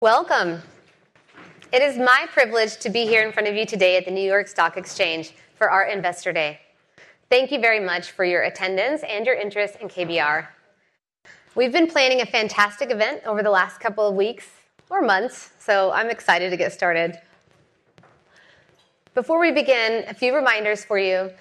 Welcome! It is my privilege to be here in front of you today at the New York Stock Exchange for our Investor Day. Thank you very much for your attendance and your interest in KBR. We've been planning a fantastic event over the last couple of weeks or months, so I'm excited to get started. Before we begin, a few reminders for you.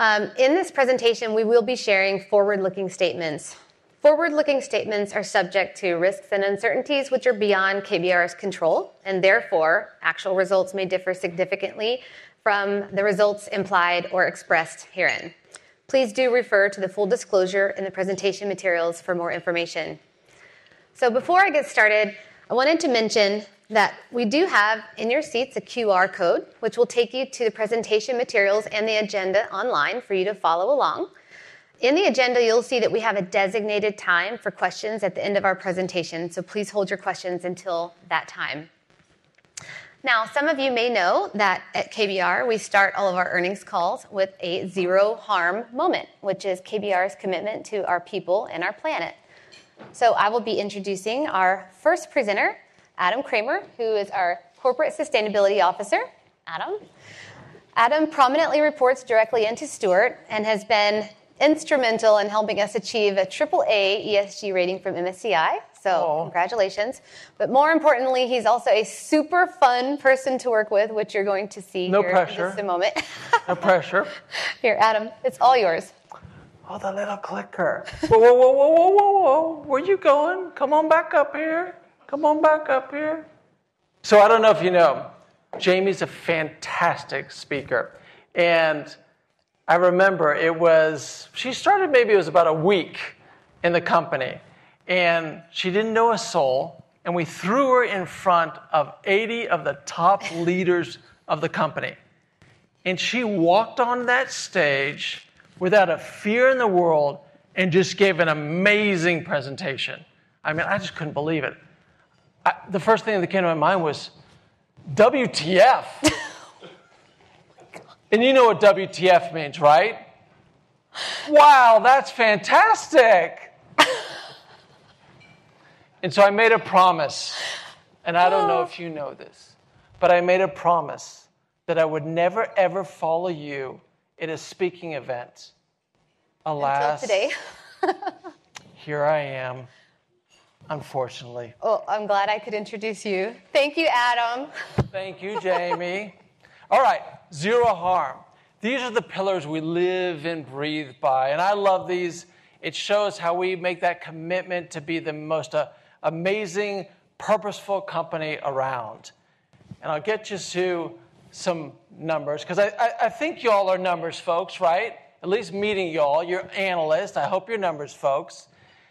In this presentation, we will be sharing forward-looking statements. Forward-looking statements are subject to risks and uncertainties which are beyond KBR's control, and therefore, actual results may differ significantly from the results implied or expressed herein. Please do refer to the full disclosure in the presentation materials for more information. Before I get started, I wanted to mention that we do have, in your seats, a QR code, which will take you to the presentation materials and the agenda online for you to follow along. In the agenda, you'll see that we have a designated time for questions at the end of our presentation, so please hold your questions until that time. Now, some of you may know that at KBR, we start all of our earnings calls with a Zero Harm moment, which is KBR's commitment to our people and our planet. So I will be introducing our first presenter, Adam Kramer, who is our Corporate Sustainability Officer. Adam. Adam prominently reports directly into Stuart and has been instrumental in helping us achieve a Triple-A ESG rating from MSCI. Aw. Congratulations. More importantly, he's also a super fun person to work with, which you're going to see here- No pressure. in just a moment. No pressure. Here, Adam, it's all yours. Oh, the little clicker. Whoa, whoa, whoa, whoa, whoa, whoa, whoa! Where you going? Come on back up here. Come on back up here. So I don't know if you know, Jamie's a fantastic speaker, and I remember it was... She started, maybe it was about a week in the company, and she didn't know a soul, and we threw her in front of 80 of the top leaders of the company. And she walked on that stage without a fear in the world and just gave an amazing presentation. I mean, I just couldn't believe it. The first thing that came to my mind was, "WTF?" And you know what WTF means, right? "Wow, that's fantastic!" And so I made a promise, and I don't know- Oh. If you know this, but I made a promise that I would never, ever follow you in a speaking event. Alas- Until today. Here I am, unfortunately. Well, I'm glad I could introduce you. Thank you, Adam. Thank you, Jamie. All right, Zero Harm. These are the pillars we live and breathe by, and I love these. It shows how we make that commitment to be the most amazing, purposeful company around. And I'll get you to some numbers, 'cause I think y'all are numbers folks, right? At least meeting y'all. You're analysts, I hope you're numbers folks.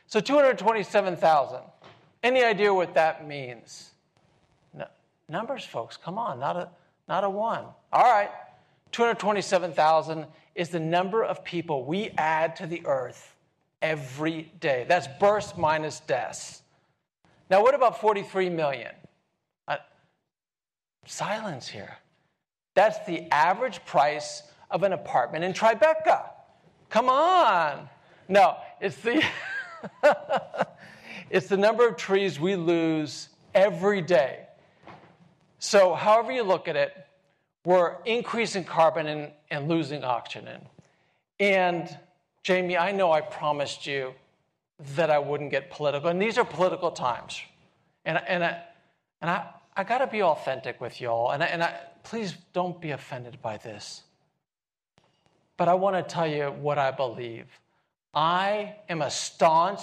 So 227,000, any idea what that means? Numbers, folks, come on. Not a one. All right, 227,000 is the number of people we add to the Earth every day. That's births minus deaths. Now, what about 43 million? Silence here. That's the average price of an apartment in Tribeca. Come on! No, it's the number of trees we lose every day. So however you look at it, we're increasing carbon and losing oxygen. And Jamie, I know I promised you that I wouldn't get political, and these are political times, and I gotta be authentic with y'all... Please don't be offended by this, but I wanna tell you what I believe. I am a staunch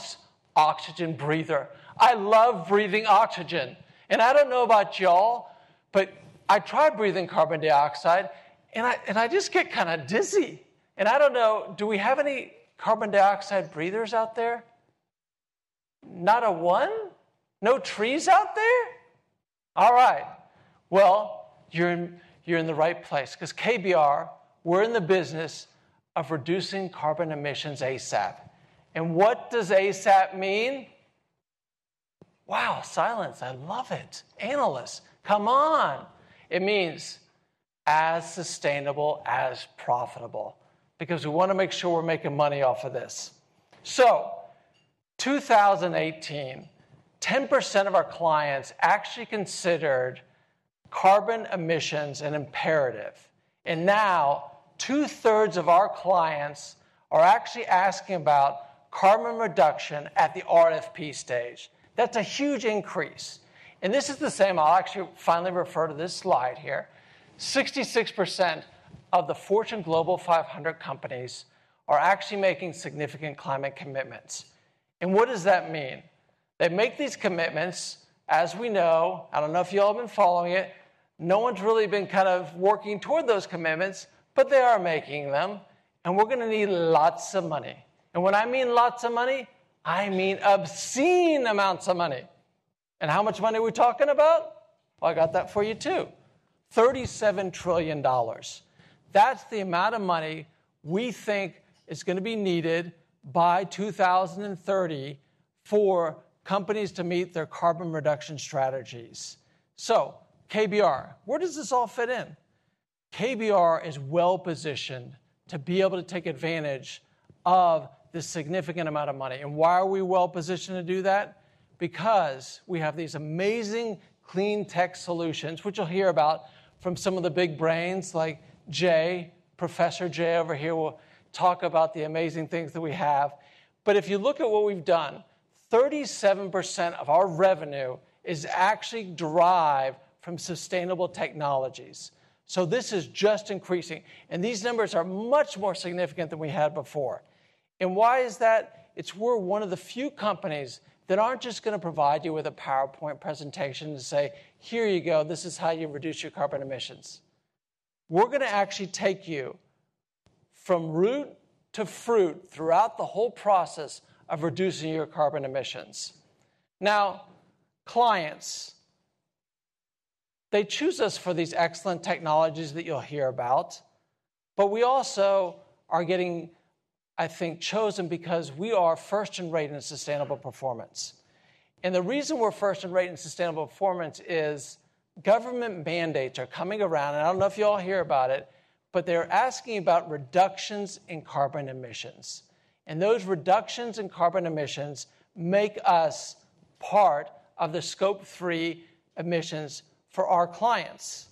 oxygen breather. I love breathing oxygen, and I don't know about y'all, but I tried breathing carbon dioxide, and I just get kinda dizzy. And I don't know, do we have any carbon dioxide breathers out there? Not a one? No trees out there? All right. Well, you're in the right place 'cause KBR, we're in the business of reducing carbon emissions ASAP. And what does ASAP mean? Wow, silence. I love it. Analysts, come on. It means as sustainable as profitable because we wanna make sure we're making money off of this. So 2018, 10% of our clients actually considered carbon emissions an imperative, and now two-thirds of our clients are actually asking about carbon reduction at the RFP stage. That's a huge increase, and this is the same... I'll actually finally refer to this slide here. 66% of the Fortune Global 500 companies are actually making significant climate commitments. And what does that mean? They make these commitments, as we know... I don't know if y'all have been following it. No one's really been kind of working toward those commitments, but they are making them, and we're gonna need lots of money. And when I mean lots of money, I mean obscene amounts of money. And how much money are we talking about? Well, I got that for you, too, $37 trillion. That's the amount of money we think is gonna be needed by 2030 for companies to meet their carbon reduction strategies. So, KBR, where does this all fit in?... KBR is well-positioned to be able to take advantage of this significant amount of money. And why are we well-positioned to do that? Because we have these amazing clean tech solutions, which you'll hear about from some of the big brains, like Jay. Professor Jay over here will talk about the amazing things that we have. But if you look at what we've done, 37% of our revenue is actually derived from sustainable technologies. So this is just increasing, and these numbers are much more significant than we had before. And why is that? We're one of the few companies that aren't just gonna provide you with a PowerPoint presentation and say, "Here you go. This is how you reduce your carbon emissions." We're gonna actually take you from root to fruit throughout the whole process of reducing your carbon emissions. Now, clients, they choose us for these excellent technologies that you'll hear about, but we also are getting, I think, chosen because we are first-rate in sustainable performance. The reason we're first-rate in sustainable performance is government mandates are coming around, and I don't know if you all hear about it, but they're asking about reductions in carbon emissions. Those reductions in carbon emissions make us part of the Scope 3 emissions for our clients.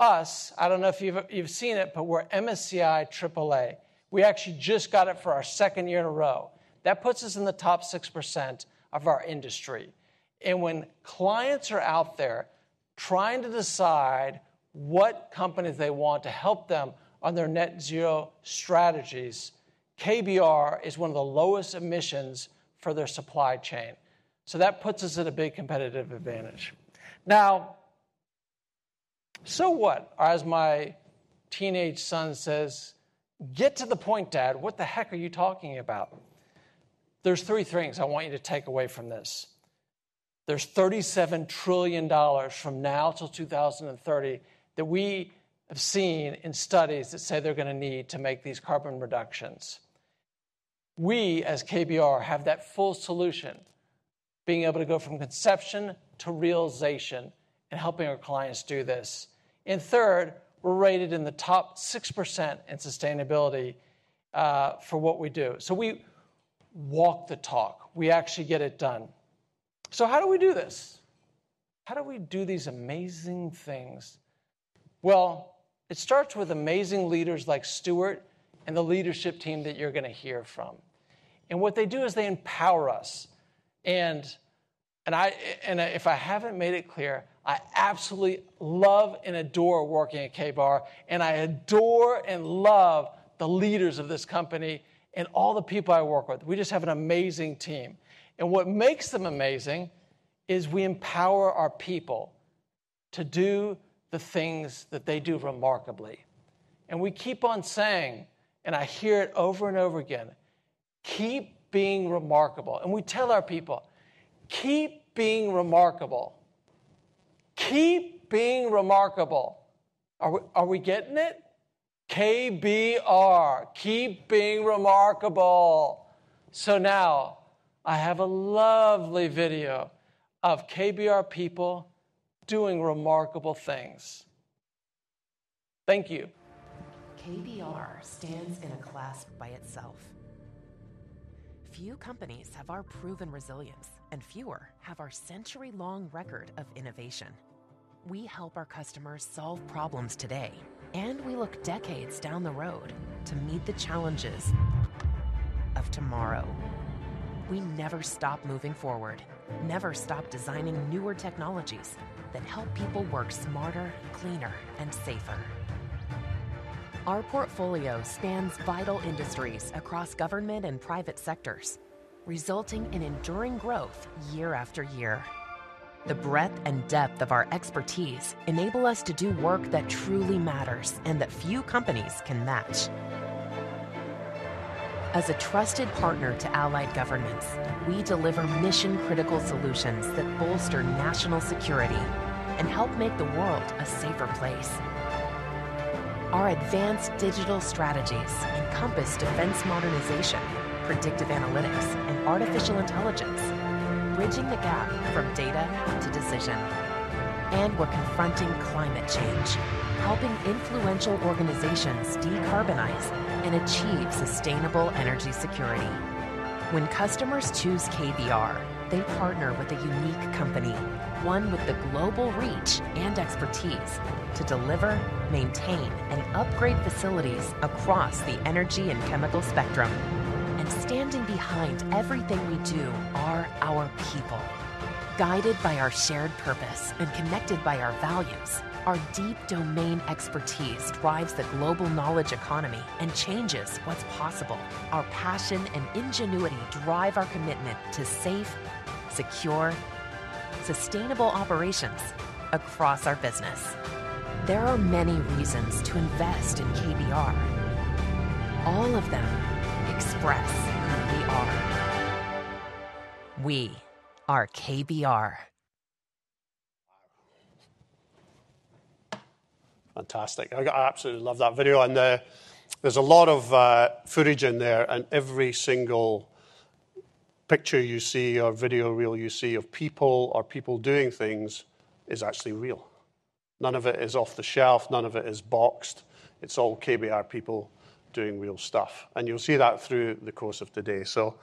Us, I don't know if you've seen it, but we're MSCI AAA. We actually just got it for our second year in a row. That puts us in the top 6% of our industry. And when clients are out there trying to decide what companies they want to help them on their Net Zero strategies, KBR is one of the lowest emissions for their supply chain. So that puts us at a big competitive advantage. Now, so what? As my teenage son says, "Get to the point, Dad. What the heck are you talking about?" There's three things I want you to take away from this. There's $37 trillion from now till 2030 that we have seen in studies that say they're gonna need to make these carbon reductions. We, as KBR, have that full solution, being able to go from conception to realization in helping our clients do this. And third, we're rated in the top 6% in sustainability for what we do. So we walk the talk. We actually get it done. So how do we do this? How do we do these amazing things? Well, it starts with amazing leaders like Stuart and the leadership team that you're gonna hear from. And what they do is they empower us. And, and I, and if I haven't made it clear, I absolutely love and adore working at KBR, and I adore and love the leaders of this company and all the people I work with. We just have an amazing team, and what makes them amazing is we empower our people to do the things that they do remarkably. And we keep on saying, and I hear it over and over again, "Keep being remarkable." And we tell our people, "Keep being remarkable. Keep being remarkable!" Are we, are we getting it? KBR, keep being remarkable. So now I have a lovely video of KBR people doing remarkable things. Thank you. KBR stands in a class by itself. Few companies have our proven resilience, and fewer have our century-long record of innovation. We help our customers solve problems today, and we look decades down the road to meet the challenges of tomorrow. We never stop moving forward, never stop designing newer technologies that help people work smarter, cleaner and safer. Our portfolio spans vital industries across government and private sectors, resulting in enduring growth year after year. The breadth and depth of our expertise enable us to do work that truly matters and that few companies can match. As a trusted partner to allied governments, we deliver mission-critical solutions that bolster national security and help make the world a safer place. Our advanced digital strategies encompass defense modernization, predictive analytics, and artificial intelligence, bridging the gap from data to decision. We're confronting climate change, helping influential organizations decarbonize and achieve sustainable energy security. When customers choose KBR, they partner with a unique company, one with the global reach and expertise to deliver, maintain, and upgrade facilities across the energy and chemical spectrum. Standing behind everything we do are our people. Guided by our shared purpose and connected by our values, our deep domain expertise drives the global knowledge economy and changes what's possible. Our passion and ingenuity drive our commitment to safe, secure, sustainable operations across our business. There are many reasons to invest in KBR. All of them express who we are. We are KBR. Fantastic! I absolutely love that video, and there's a lot of footage in there, and every single picture you see or video reel you see of people or people doing things is actually real. None of it is off the shelf, none of it is boxed. It's all KBR people doing real stuff, and you'll see that through the course of the day. So,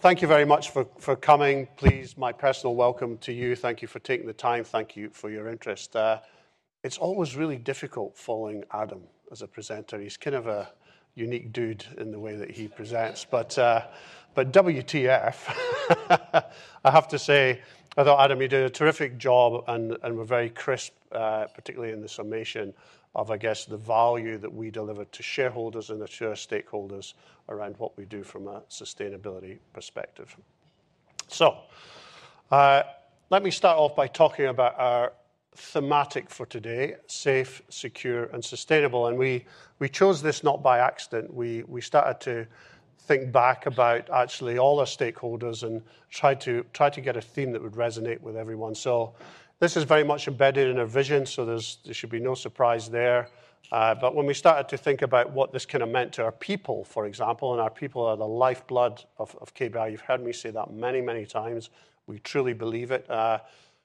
thank you very much for coming. Please, my personal welcome to you. Thank you for taking the time. Thank you for your interest. It's always really difficult following Adam as a presenter. He's kind of a unique dude in the way that he presents, but but WTF? I have to say, I thought Adam, you did a terrific job, and were very crisp, particularly in the summation of, I guess, the value that we deliver to shareholders and to shareholders stakeholders around what we do from a sustainability perspective. So, let me start off by talking about our thematic for today: safe, secure, and sustainable. We chose this not by accident. We started to think back about actually all our stakeholders and try to get a theme that would resonate with everyone. So this is very much embedded in our vision, so there's no surprise there. But when we started to think about what this kinda meant to our people, for example, and our people are the lifeblood of KBR, you've heard me say that many, many times. We truly believe it.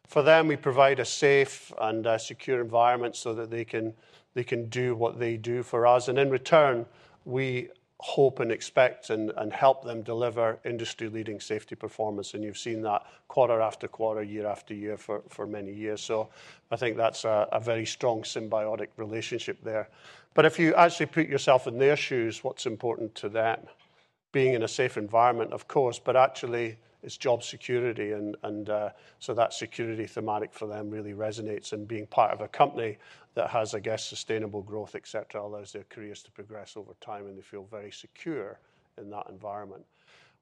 For them, we provide a safe and a secure environment so that they can do what they do for us, and in return, we hope and expect and help them deliver industry-leading safety performance, and you've seen that quarter after quarter, year after year for many years. So I think that's a very strong symbiotic relationship there. But if you actually put yourself in their shoes, what's important to them? Being in a safe environment, of course, but actually it's job security and so that security thematic for them really resonates, and being part of a company that has, I guess, sustainable growth, et cetera, allows their careers to progress over time, and they feel very secure in that environment.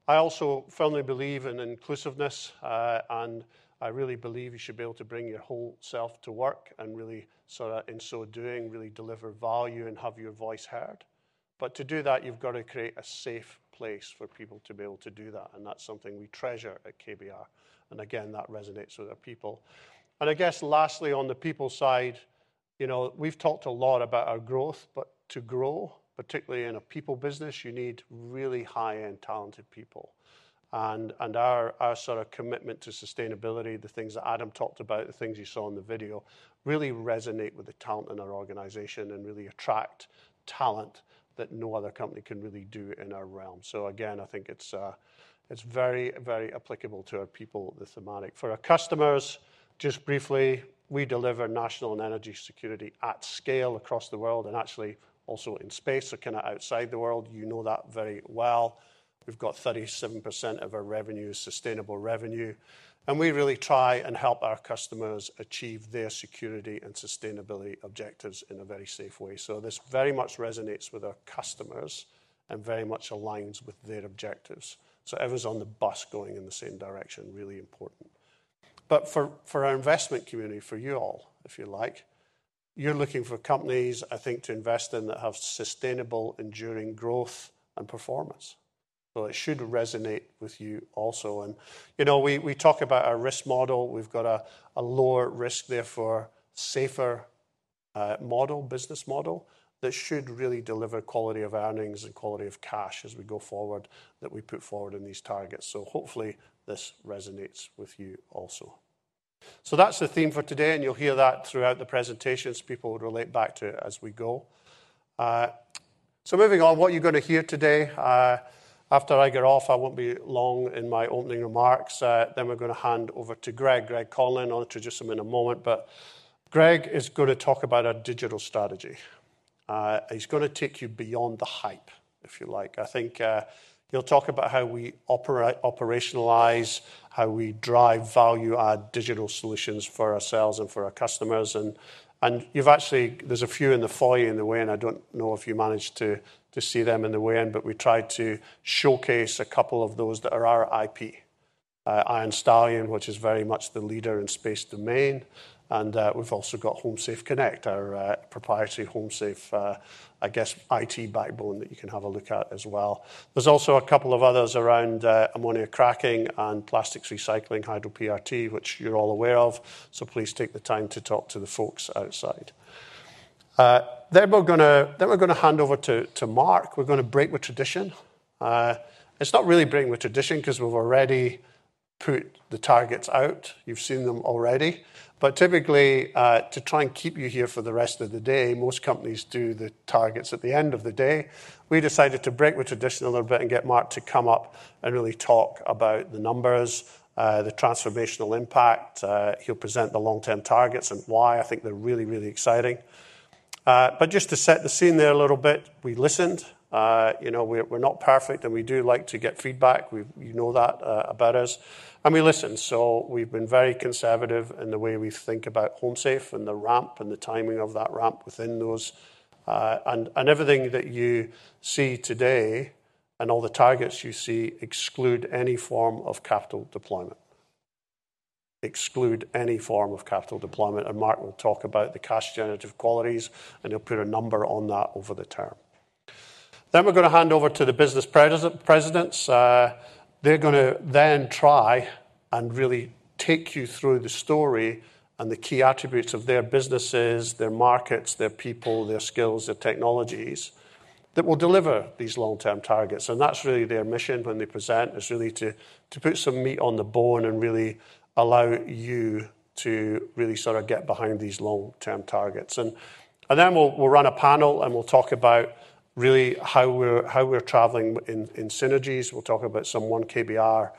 I also firmly believe in inclusiveness, and I really believe you should be able to bring your whole self to work, and really, so, in so doing, really deliver value and have your voice heard. But to do that, you've got to create a safe place for people to be able to do that, and that's something we treasure at KBR, and again, that resonates with our people. And I guess lastly, on the people side, you know, we've talked a lot about our growth, but to grow, particularly in a people business, you need really high-end talented people. And our sort of commitment to sustainability, the things that Adam talked about, the things you saw in the video, really resonate with the talent in our organization and really attract talent that no other company can really do in our realm. So again, I think it's very, very applicable to our people, the thematic. For our customers, just briefly, we deliver national and energy security at scale across the world and actually also in space or kinda outside the world. You know that very well. We've got 37% of our revenue, sustainable revenue, and we really try and help our customers achieve their security and sustainability objectives in a very safe way. So this very much resonates with our customers and very much aligns with their objectives. So everyone's on the bus going in the same direction, really important. But for our investment community, for you all, if you like, you're looking for companies, I think, to invest in that have sustainable, enduring growth and performance. So it should resonate with you also. And, you know, we talk about our risk model. We've got a lower risk, therefore, safer model, business model, that should really deliver quality of earnings and quality of cash as we go forward, that we put forward in these targets. So hopefully, this resonates with you also. So that's the theme for today, and you'll hear that throughout the presentations. People will relate back to it as we go. So moving on, what you're gonna hear today, after I get off, I won't be long in my opening remarks, then we're gonna hand over to Greg, Greg Conlon, I'll introduce him in a moment, but Greg is gonna talk about our digital strategy. He's gonna take you beyond the hype, if you like. I think, he'll talk about how we operationalize, how we drive value, add digital solutions for ourselves and for our customers. You've actually—there's a few in the foyer on the way in, and I don't know if you managed to see them on the way in, but we tried to showcase a couple of those that are our IP. Iron Stallion, which is very much the leader in space domain, and we've also got HomeSafe Connect, our proprietary HomeSafe, I guess, IT backbone that you can have a look at as well. There's also a couple of others around, ammonia cracking and plastics recycling, Hydro-PRT, which you're all aware of, so please take the time to talk to the folks outside. Then we're gonna hand over to Mark. We're gonna break with tradition. It's not really breaking with tradition 'cause we've already put the targets out. You've seen them already. But typically, to try and keep you here for the rest of the day, most companies do the targets at the end of the day. We decided to break with tradition a little bit and get Mark to come up and really talk about the numbers, the transformational impact. He'll present the long-term targets and why I think they're really, really exciting. But just to set the scene there a little bit: we listened. You know, we're not perfect, and we do like to get feedback. You know that about us, and we listen. So we've been very conservative in the way we think about HomeSafe and the ramp and the timing of that ramp within those... And everything that you see today, and all the targets you see, exclude any form of capital deployment. Exclude any form of capital deployment, and Mark will talk about the cash generative qualities, and he'll put a number on that over the term. Then we're gonna hand over to the business president, presidents. They're gonna then try and really take you through the story and the key attributes of their businesses, their markets, their people, their skills, their technologies, that will deliver these long-term targets. And that's really their mission when they present, is really to, to put some meat on the bone and really allow you to really sort of get behind these long-term targets. And, and then we'll, we'll run a panel, and we'll talk about really how we're, how we're traveling in, in synergies. We'll talk about some KBR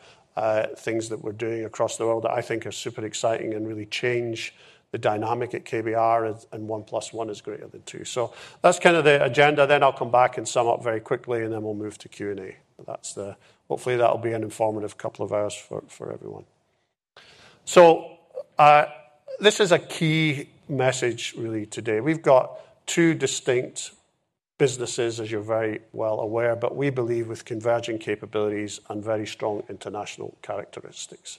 things that we're doing across the world that I think are super exciting and really change the dynamic at KBR, and one plus one is greater than two. So that's kind of the agenda. Then I'll come back and sum up very quickly, and then we'll move to Q&A. But that's, hopefully, that'll be an informative couple of hours for everyone. So this is a key message really today. We've got two distinct businesses, as you're very well aware, but we believe with converging capabilities and very strong international characteristics.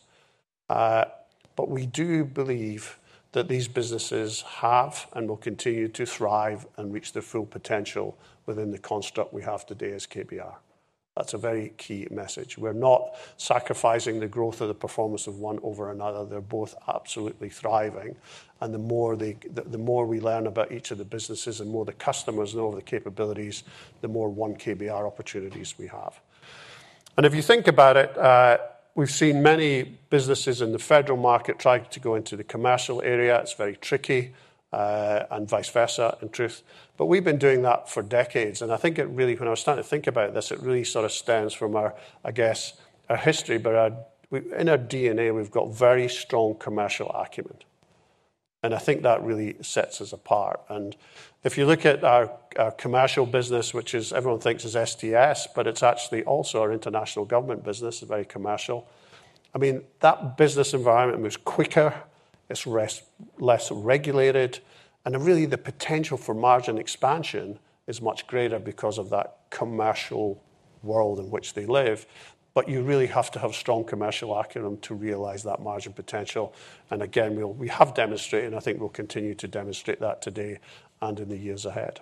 But we do believe that these businesses have and will continue to thrive and reach their full potential within the construct we have today as KBR. That's a very key message. We're not sacrificing the growth or the performance of one over another. They're both absolutely thriving, and the more we learn about each of the businesses and more the customers know the capabilities, the more One KBR opportunities we have. And if you think about it, we've seen many businesses in the federal market trying to go into the commercial area. It's very tricky, and vice versa, in truth, but we've been doing that for decades, and I think it really when I was starting to think about this, it really sort of stems from our, I guess, our history, but in our DNA, we've got very strong commercial acumen, and I think that really sets us apart. And if you look at our commercial business, which is everyone thinks is STS, but it's actually also our international government business, is very commercial. I mean, that business environment moves quicker, it's less regulated, and really, the potential for margin expansion is much greater because of that commercial world in which they live, but you really have to have strong commercial acumen to realize that margin potential. And again, we have demonstrated, and I think we'll continue to demonstrate that today and in the years ahead.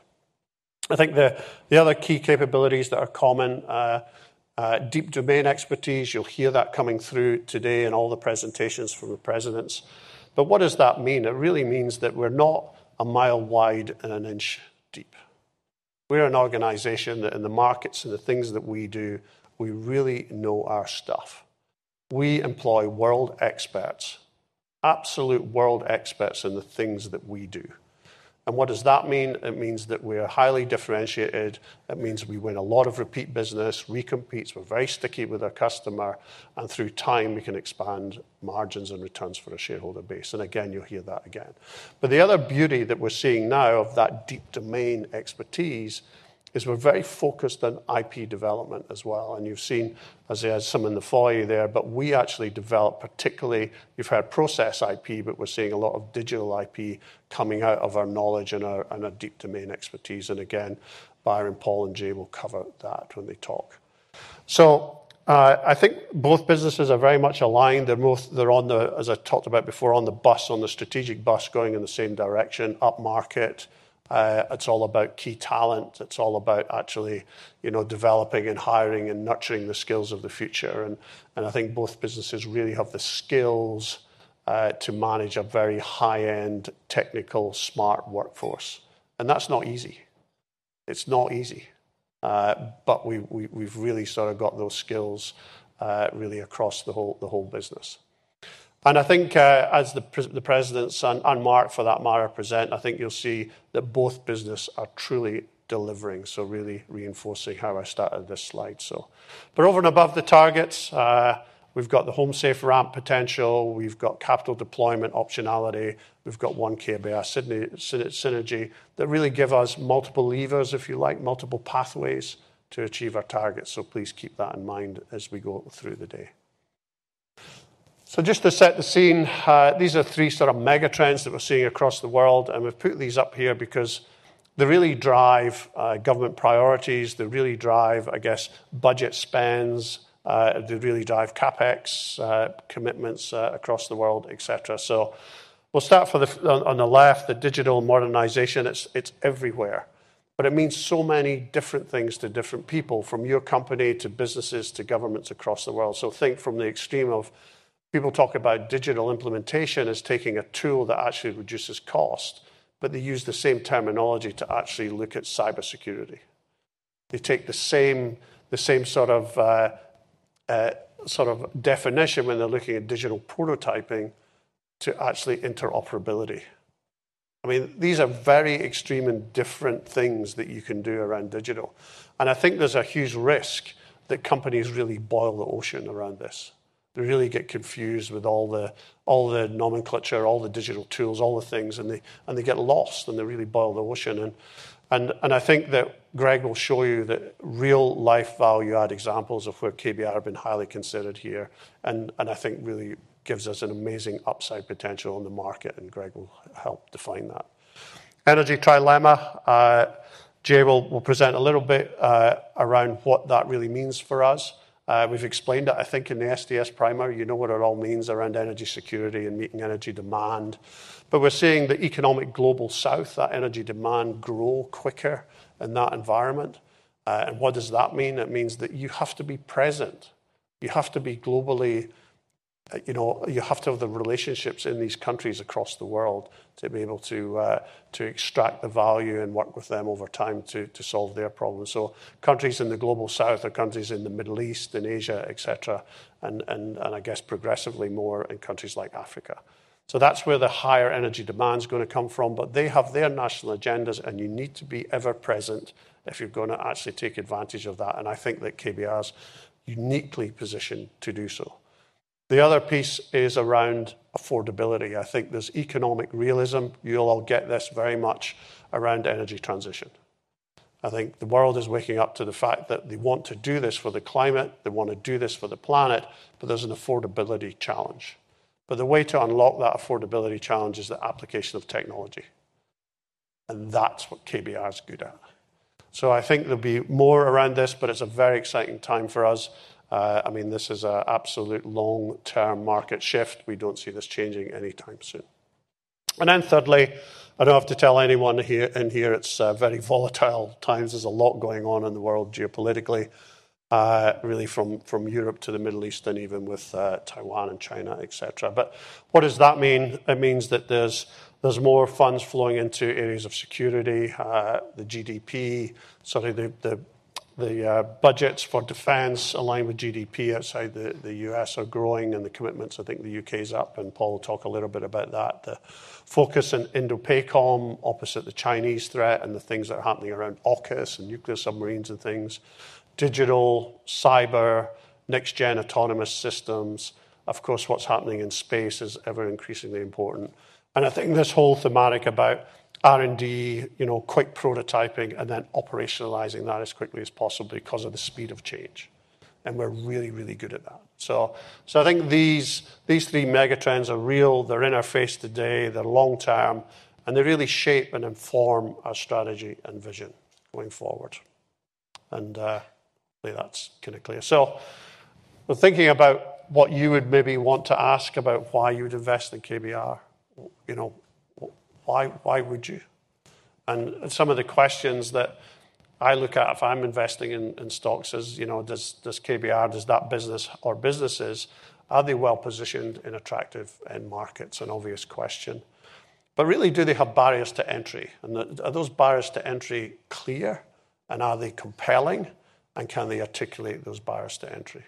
I think the other key capabilities that are common, deep domain expertise, you'll hear that coming through today in all the presentations from the presidents. But what does that mean? It really means that we're not a mile wide and an inch deep. We're an organization that in the markets and the things that we do, we really know our stuff. We employ world experts, absolute world experts in the things that we do. And what does that mean? It means that we are highly differentiated. It means we win a lot of repeat business, re-competes. We're very sticky with our customer, and through time, we can expand margins and returns for our shareholder base, and again, you'll hear that again. But the other beauty that we're seeing now of that deep domain expertise is we're very focused on IP development as well, and you've seen, as there are some in the foyer there, but we actually develop, particularly you've heard process IP, but we're seeing a lot of digital IP coming out of our knowledge and our deep domain expertise. And again, Byron, Paul, and Jay will cover that when they talk. So, I think both businesses are very much aligned. They're both on the, as I talked about before, on the bus, on the strategic bus, going in the same direction, upmarket. It's all about key talent. It's all about actually, you know, developing and hiring and nurturing the skills of the future, and I think both businesses really have the skills to manage a very high-end, technical, smart workforce. And that's not easy. It's not easy. But we, we've really sort of got those skills really across the whole business. And I think, as the presidents and Mark, for that matter, present, I think you'll see that both business are truly delivering, so really reinforcing how I started this slide, so. But over and above the targets, we've got the HomeSafe ramp potential, we've got capital deployment optionality, we've got one KBR synergy that really give us multiple levers, if you like, multiple pathways to achieve our targets. So please keep that in mind as we go through the day. So just to set the scene, these are three sort of mega trends that we're seeing across the world, and we've put these up here because they really drive government priorities, they really drive, I guess, budget spends, they really drive CapEx commitments across the world, et cetera. So we'll start on the left, the digital modernization. It's everywhere, but it means so many different things to different people, from your company, to businesses, to governments across the world. So think from the extreme of people talk about digital implementation as taking a tool that actually reduces cost, but they use the same terminology to actually look at cybersecurity. They take the same sort of definition when they're looking at digital prototyping to actually interoperability. I mean, these are very extreme and different things that you can do around digital, and I think there's a huge risk that companies really boil the ocean around this. They really get confused with all the nomenclature, all the digital tools, all the things, and they get lost, and they really boil the ocean. And I think that Greg will show you that real-life value-add examples of where KBR have been highly considered here and I think really gives us an amazing upside potential on the market, and Greg will help define that. Energy trilemma, Jay will present a little bit around what that really means for us. We've explained it, I think, in the STS primer. You know what it all means around energy security and meeting energy demand. But we're seeing the economic Global South, that energy demand grow quicker in that environment. And what does that mean? It means that you have to be present. You have to be globally... you know, you have to have the relationships in these countries across the world to be able to, to extract the value and work with them over time to, to solve their problems. So countries in the Global South or countries in the Middle East and Asia, et cetera, and I guess progressively more in countries like Africa. So that's where the higher energy demand is gonna come from, but they have their national agendas, and you need to be ever present if you're gonna actually take advantage of that, and I think that KBR is uniquely positioned to do so. The other piece is around affordability. I think there's economic realism. You'll all get this very much around energy transition. I think the world is waking up to the fact that they want to do this for the climate, they want to do this for the planet, but there's an affordability challenge. But the way to unlock that affordability challenge is the application of technology, and that's what KBR is good at. So I think there'll be more around this, but it's a very exciting time for us. I mean, this is a absolute long-term market shift. We don't see this changing anytime soon. And then thirdly, I don't have to tell anyone here, in here, it's very volatile times. There's a lot going on in the world geopolitically, really from Europe to the Middle East and even with Taiwan and China, et cetera. But what does that mean? It means that there's more funds flowing into areas of security, the GDP. Sorry, the budgets for defense aligned with GDP outside the U.S. are growing, and the commitments, I think the U.K. is up, and Paul will talk a little bit about that. The focus in INDOPACOM, opposite the Chinese threat, and the things that are happening around AUKUS and nuclear submarines and things, digital, cyber, next-gen autonomous systems. Of course, what's happening in space is ever increasingly important. And I think this whole thematic about R&D, you know, quick prototyping and then operationalizing that as quickly as possible because of the speed of change, and we're really, really good at that. So, so I think these, these three mega trends are real, they're in our face today, they're long-term, and they really shape and inform our strategy and vision going forward. And, hopefully, that's kinda clear. So when thinking about what you would maybe want to ask about why you would invest in KBR, you know, why, why would you? And some of the questions that I look at if I'm investing in, in stocks is, you know, does, does KBR, does that business or businesses, are they well-positioned and attractive in markets? An obvious question. But really, do they have barriers to entry? Are those barriers to entry clear, and are they compelling, and can they articulate those barriers to entry?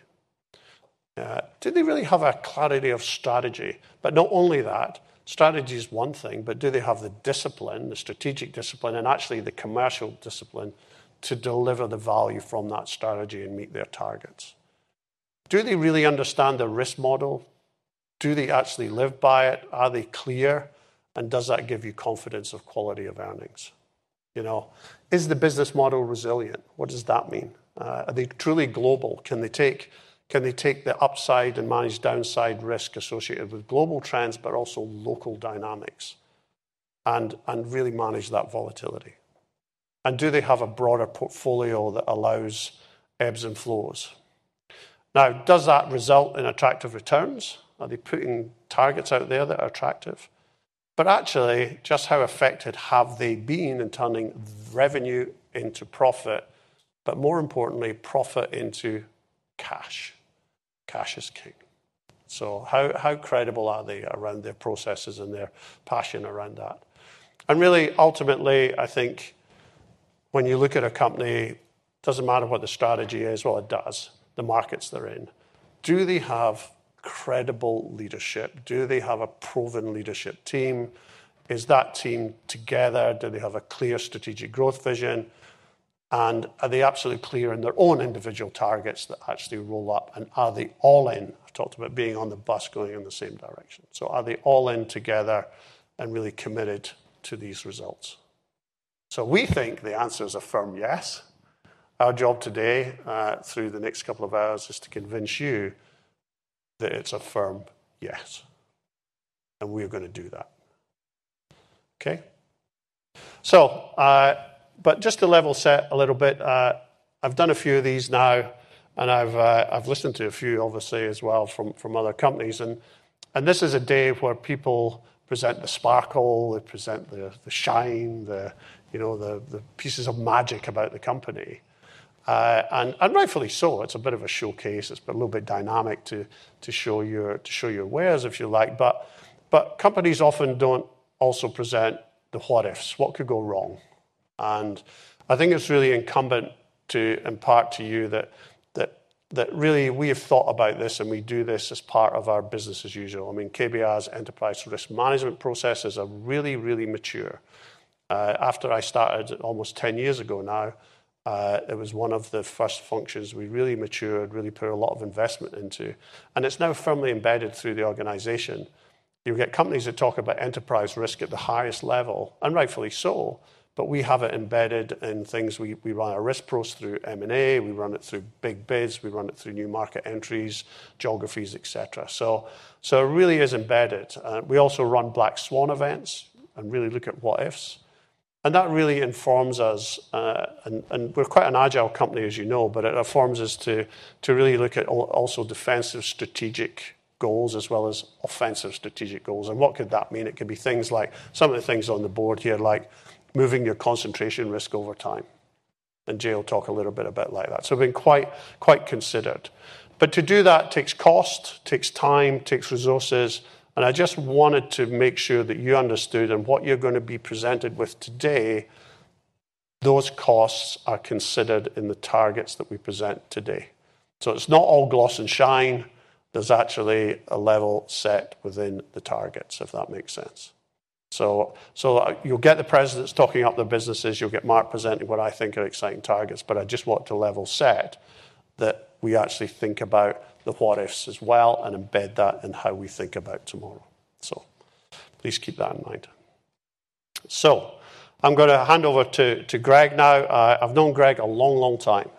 Do they really have a clarity of strategy? But not only that, strategy is one thing, but do they have the discipline, the strategic discipline, and actually the commercial discipline to deliver the value from that strategy and meet their targets? Do they really understand the risk model? Do they actually live by it? Are they clear, and does that give you confidence of quality of earnings? You know, is the business model resilient? What does that mean? Are they truly global? Can they take the upside and manage downside risk associated with global trends, but also local dynamics, and, and really manage that volatility? And do they have a broader portfolio that allows ebbs and flows? Now, does that result in attractive returns? Are they putting targets out there that are attractive? But actually, just how effective have they been in turning revenue into profit, but more importantly, profit into cash? Cash is king. So how, how credible are they around their processes and their passion around that? And really, ultimately, I think when you look at a company, doesn't matter what the strategy is, well, it does, the markets they're in. Do they have credible leadership? Do they have a proven leadership team? Is that team together? Do they have a clear strategic growth vision? And are they absolutely clear in their own individual targets that actually roll up, and are they all in? I've talked about being on the bus, going in the same direction. So are they all in together and really committed to these results? So we think the answer is a firm yes. Our job today, through the next couple of hours, is to convince you that it's a firm yes, and we're gonna do that. Okay? So, but just to level set a little bit, I've done a few of these now, and I've listened to a few, obviously, as well from other companies. And this is a day where people present the sparkle, they present the shine, you know, the pieces of magic about the company. And rightfully so, it's a bit of a showcase. It's a little bit dynamic to show your wares, if you like. But companies often don't also present the what-ifs, what could go wrong? I think it's really incumbent to impart to you that really we have thought about this, and we do this as part of our business as usual. I mean, KBR's enterprise risk management processes are really, really mature. After I started almost ten years ago now, it was one of the first functions we really matured, really put a lot of investment into, and it's now firmly embedded through the organization. You'll get companies that talk about enterprise risk at the highest level, and rightfully so, but we have it embedded in things. We run our risk process through M&A, we run it through big bids, we run it through new market entries, geographies, et cetera. So it really is embedded. We also run black swan events and really look at what-ifs, and that really informs us. and we're quite an agile company, as you know, but it informs us to really look at also defensive strategic goals as well as offensive strategic goals. And what could that mean? It could be things like some of the things on the board here, like moving your concentration risk over time.... and Jay will talk a little bit about like that. So we've been quite considered. But to do that takes cost, takes time, takes resources, and I just wanted to make sure that you understood, and what you're gonna be presented with today, those costs are considered in the targets that we present today. So it's not all gloss and shine. There's actually a level set within the targets, if that makes sense. So you'll get the presidents talking up their businesses. You'll get Mark presenting what I think are exciting targets, but I just want to level set that we actually think about the what-ifs as well and embed that in how we think about tomorrow. So please keep that in mind. So I'm gonna hand over to Greg now. I've known Greg a long, long time.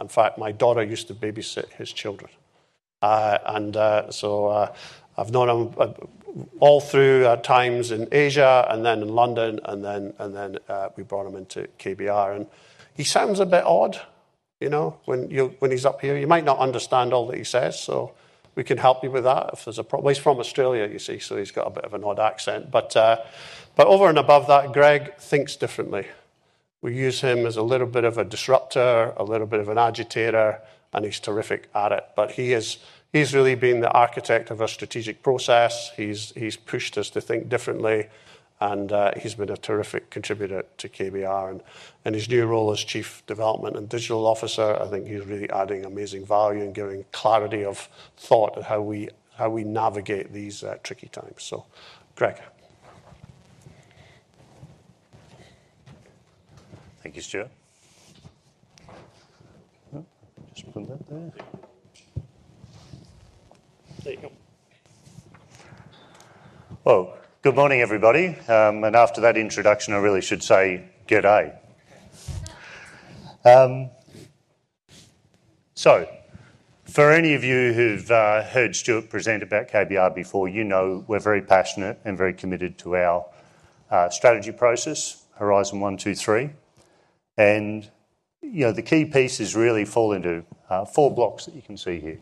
In fact, my daughter used to babysit his children. And so, I've known him all through times in Asia and then in London, and then we brought him into KBR. And he sounds a bit odd, you know, when he's up here. You might not understand all that he says, so we can help you with that if there's a problem. Well, he's from Australia, you see, so he's got a bit of an odd accent. But, but over and above that, Greg thinks differently. We use him as a little bit of a disruptor, a little bit of an agitator, and he's terrific at it. But he is, he's really been the architect of our strategic process. He's, he's pushed us to think differently, and, he's been a terrific contributor to KBR. And, and his new role as Chief Development and Digital Officer, I think he's really adding amazing value and giving clarity of thought of how we, how we navigate these, tricky times. So, Greg. Thank you, Stuart. Just put that there. Well, good morning, everybody. And after that introduction, I really should say, good day. So for any of you who've heard Stuart present about KBR before, you know we're very passionate and very committed to our strategy process, Horizon one, two, three. You know, the key pieces really fall into four blocks that you can see here.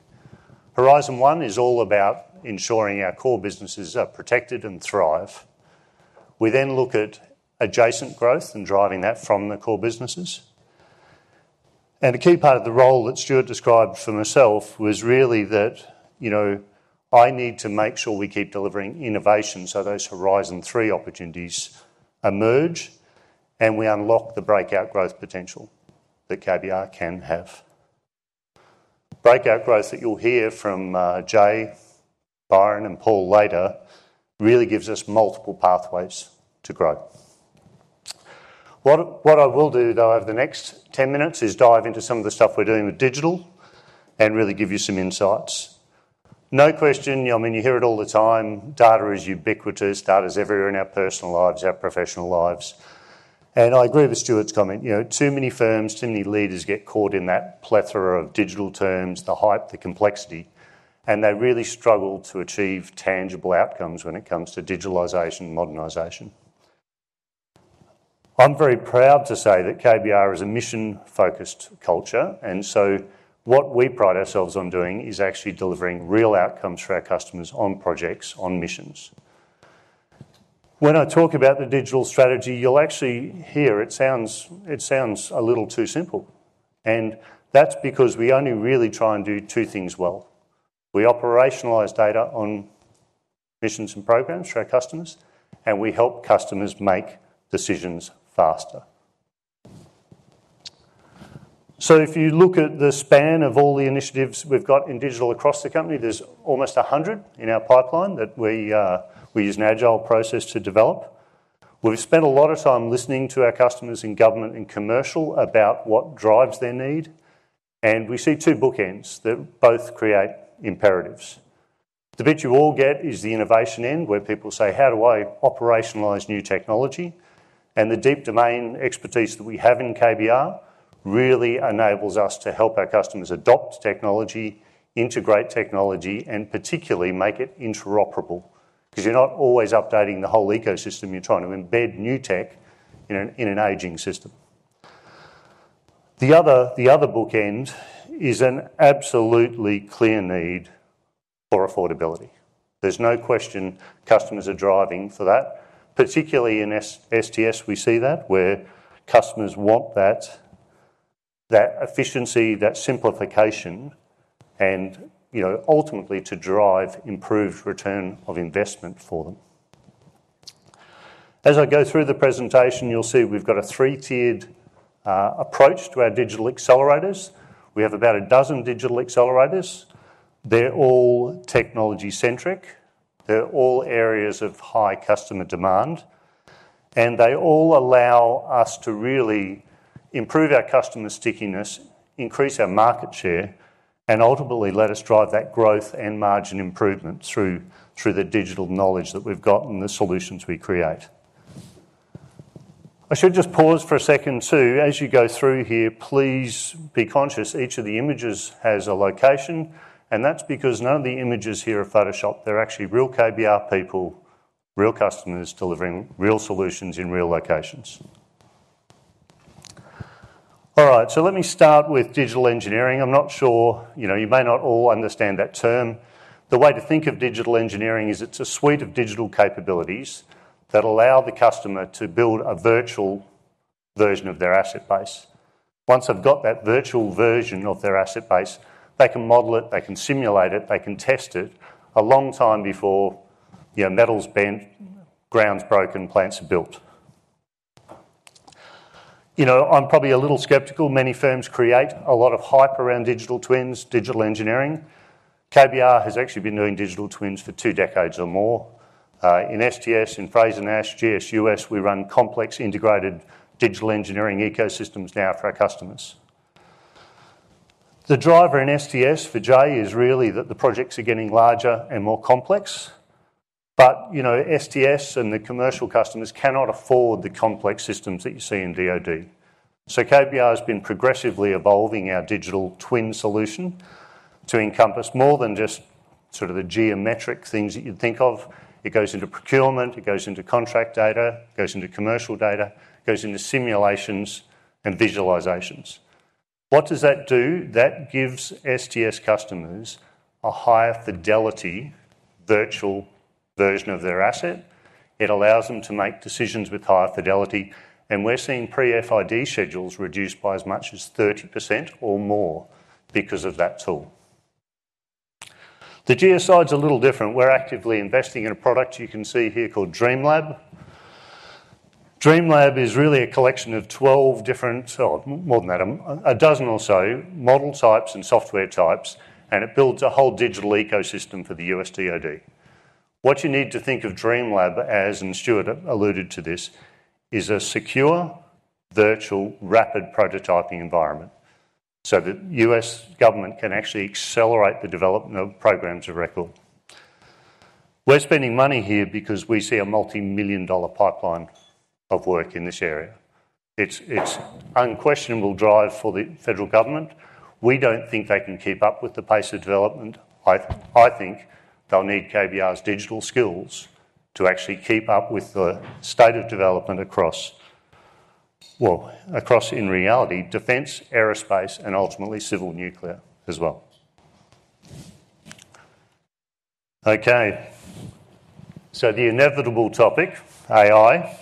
Horizon one is all about ensuring our core businesses are protected and thrive. We then look at adjacent growth and driving that from the core businesses. And a key part of the role that Stuart described for myself was really that, you know, I need to make sure we keep delivering innovation so those Horizon three opportunities emerge, and we unlock the breakout growth potential that KBR can have. Breakout growth that you'll hear from Jay, Byron, and Paul later really gives us multiple pathways to grow. What I will do, though, over the next 10 minutes is dive into some of the stuff we're doing with digital and really give you some insights. No question, you know, I mean, you hear it all the time, data is ubiquitous. Data is everywhere in our personal lives, our professional lives. I agree with Stuart's comment, you know, too many firms, too many leaders get caught in that plethora of digital terms, the hype, the complexity, and they really struggle to achieve tangible outcomes when it comes to digitalization and modernization. I'm very proud to say that KBR is a mission-focused culture, and so what we pride ourselves on doing is actually delivering real outcomes for our customers on projects, on missions. When I talk about the digital strategy, you'll actually hear it sounds, it sounds a little too simple, and that's because we only really try and do two things well: We operationalize data on missions and programs for our customers, and we help customers make decisions faster. So if you look at the span of all the initiatives we've got in digital across the company, there's almost 100 in our pipeline that we, we use an agile process to develop. We've spent a lot of time listening to our customers in government and commercial about what drives their need, and we see two bookends that both create imperatives. The bit you all get is the innovation end, where people say: How do I operationalize new technology? The deep domain expertise that we have in KBR really enables us to help our customers adopt technology, integrate technology, and particularly make it interoperable. 'Cause you're not always updating the whole ecosystem. You're trying to embed new tech in an aging system. The other bookend is an absolutely clear need for affordability. There's no question customers are driving for that, particularly in STS, we see that, where customers want that efficiency, that simplification, and, you know, ultimately to drive improved return on investment for them. As I go through the presentation, you'll see we've got a three-tiered approach to our digital accelerators. We have about a dozen digital accelerators. They're all technology-centric, they're all areas of high customer demand, and they all allow us to really improve our customer stickiness, increase our market share, and ultimately let us drive that growth and margin improvement through the digital knowledge that we've got and the solutions we create. I should just pause for a second, too. As you go through here, please be conscious, each of the images has a location, and that's because none of the images here are Photoshopped. They're actually real KBR people, real customers delivering real solutions in real locations. All right, so let me start with digital engineering. I'm not sure, you know, you may not all understand that term. The way to think of digital engineering is it's a suite of digital capabilities that allow the customer to build a virtual version of their asset base. Once they've got that virtual version of their asset base, they can model it, they can simulate it, they can test it a long time before, you know, metal's bent, ground's broken, plants are built. You know, I'm probably a little skeptical. Many firms create a lot of hype around digital twins, digital engineering. KBR has actually been doing digital twins for two decades or more. In STS, in Frazer-Nash, GSUS, we run complex integrated digital engineering ecosystems now for our customers. The driver in STS for Jay is really that the projects are getting larger and more complex. But, you know, STS and the commercial customers cannot afford the complex systems that you see in DoD. So KBR has been progressively evolving our digital twin solution to encompass more than just sort of the geometric things that you'd think of. It goes into procurement, it goes into contract data, it goes into commercial data, it goes into simulations and visualizations. What does that do? That gives STS customers a higher-fidelity virtual version of their asset. It allows them to make decisions with higher fidelity, and we're seeing pre-FID schedules reduced by as much as 30% or more because of that tool. The geo side's a little different. We're actively investing in a product you can see here called DreamLab. DreamLab is really a collection of 12 different, or more than that, a dozen or so model types and software types, and it builds a whole digital ecosystem for the U.S. DoD. What you need to think of DreamLab as, and Stuart alluded to this, is a secure, virtual, rapid prototyping environment, so the U.S. government can actually accelerate the development of programs of record. We're spending money here because we see a multimillion-dollar pipeline of work in this area. It's unquestionable drive for the federal government. We don't think they can keep up with the pace of development. I think they'll need KBR's digital skills to actually keep up with the state of development across, well, across, in reality, defense, aerospace, and ultimately, civil nuclear as well. Okay, so the inevitable topic, AI.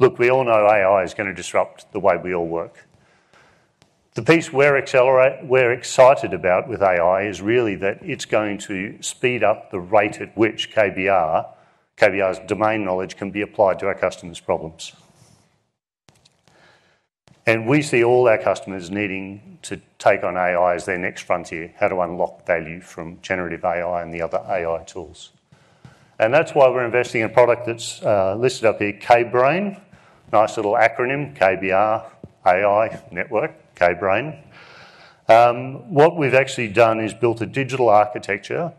Look, we all know AI is gonna disrupt the way we all work. The piece we're excited about with AI is really that it's going to speed up the rate at which KBR's domain knowledge can be applied to our customers' problems. And we see all our customers needing to take on AI as their next frontier, how to unlock value from generative AI and the other AI tools. That's why we're investing in a product that's listed up here, KBRain. Nice little acronym, KBR AI Network, KBRain. What we've actually done is built a digital architecture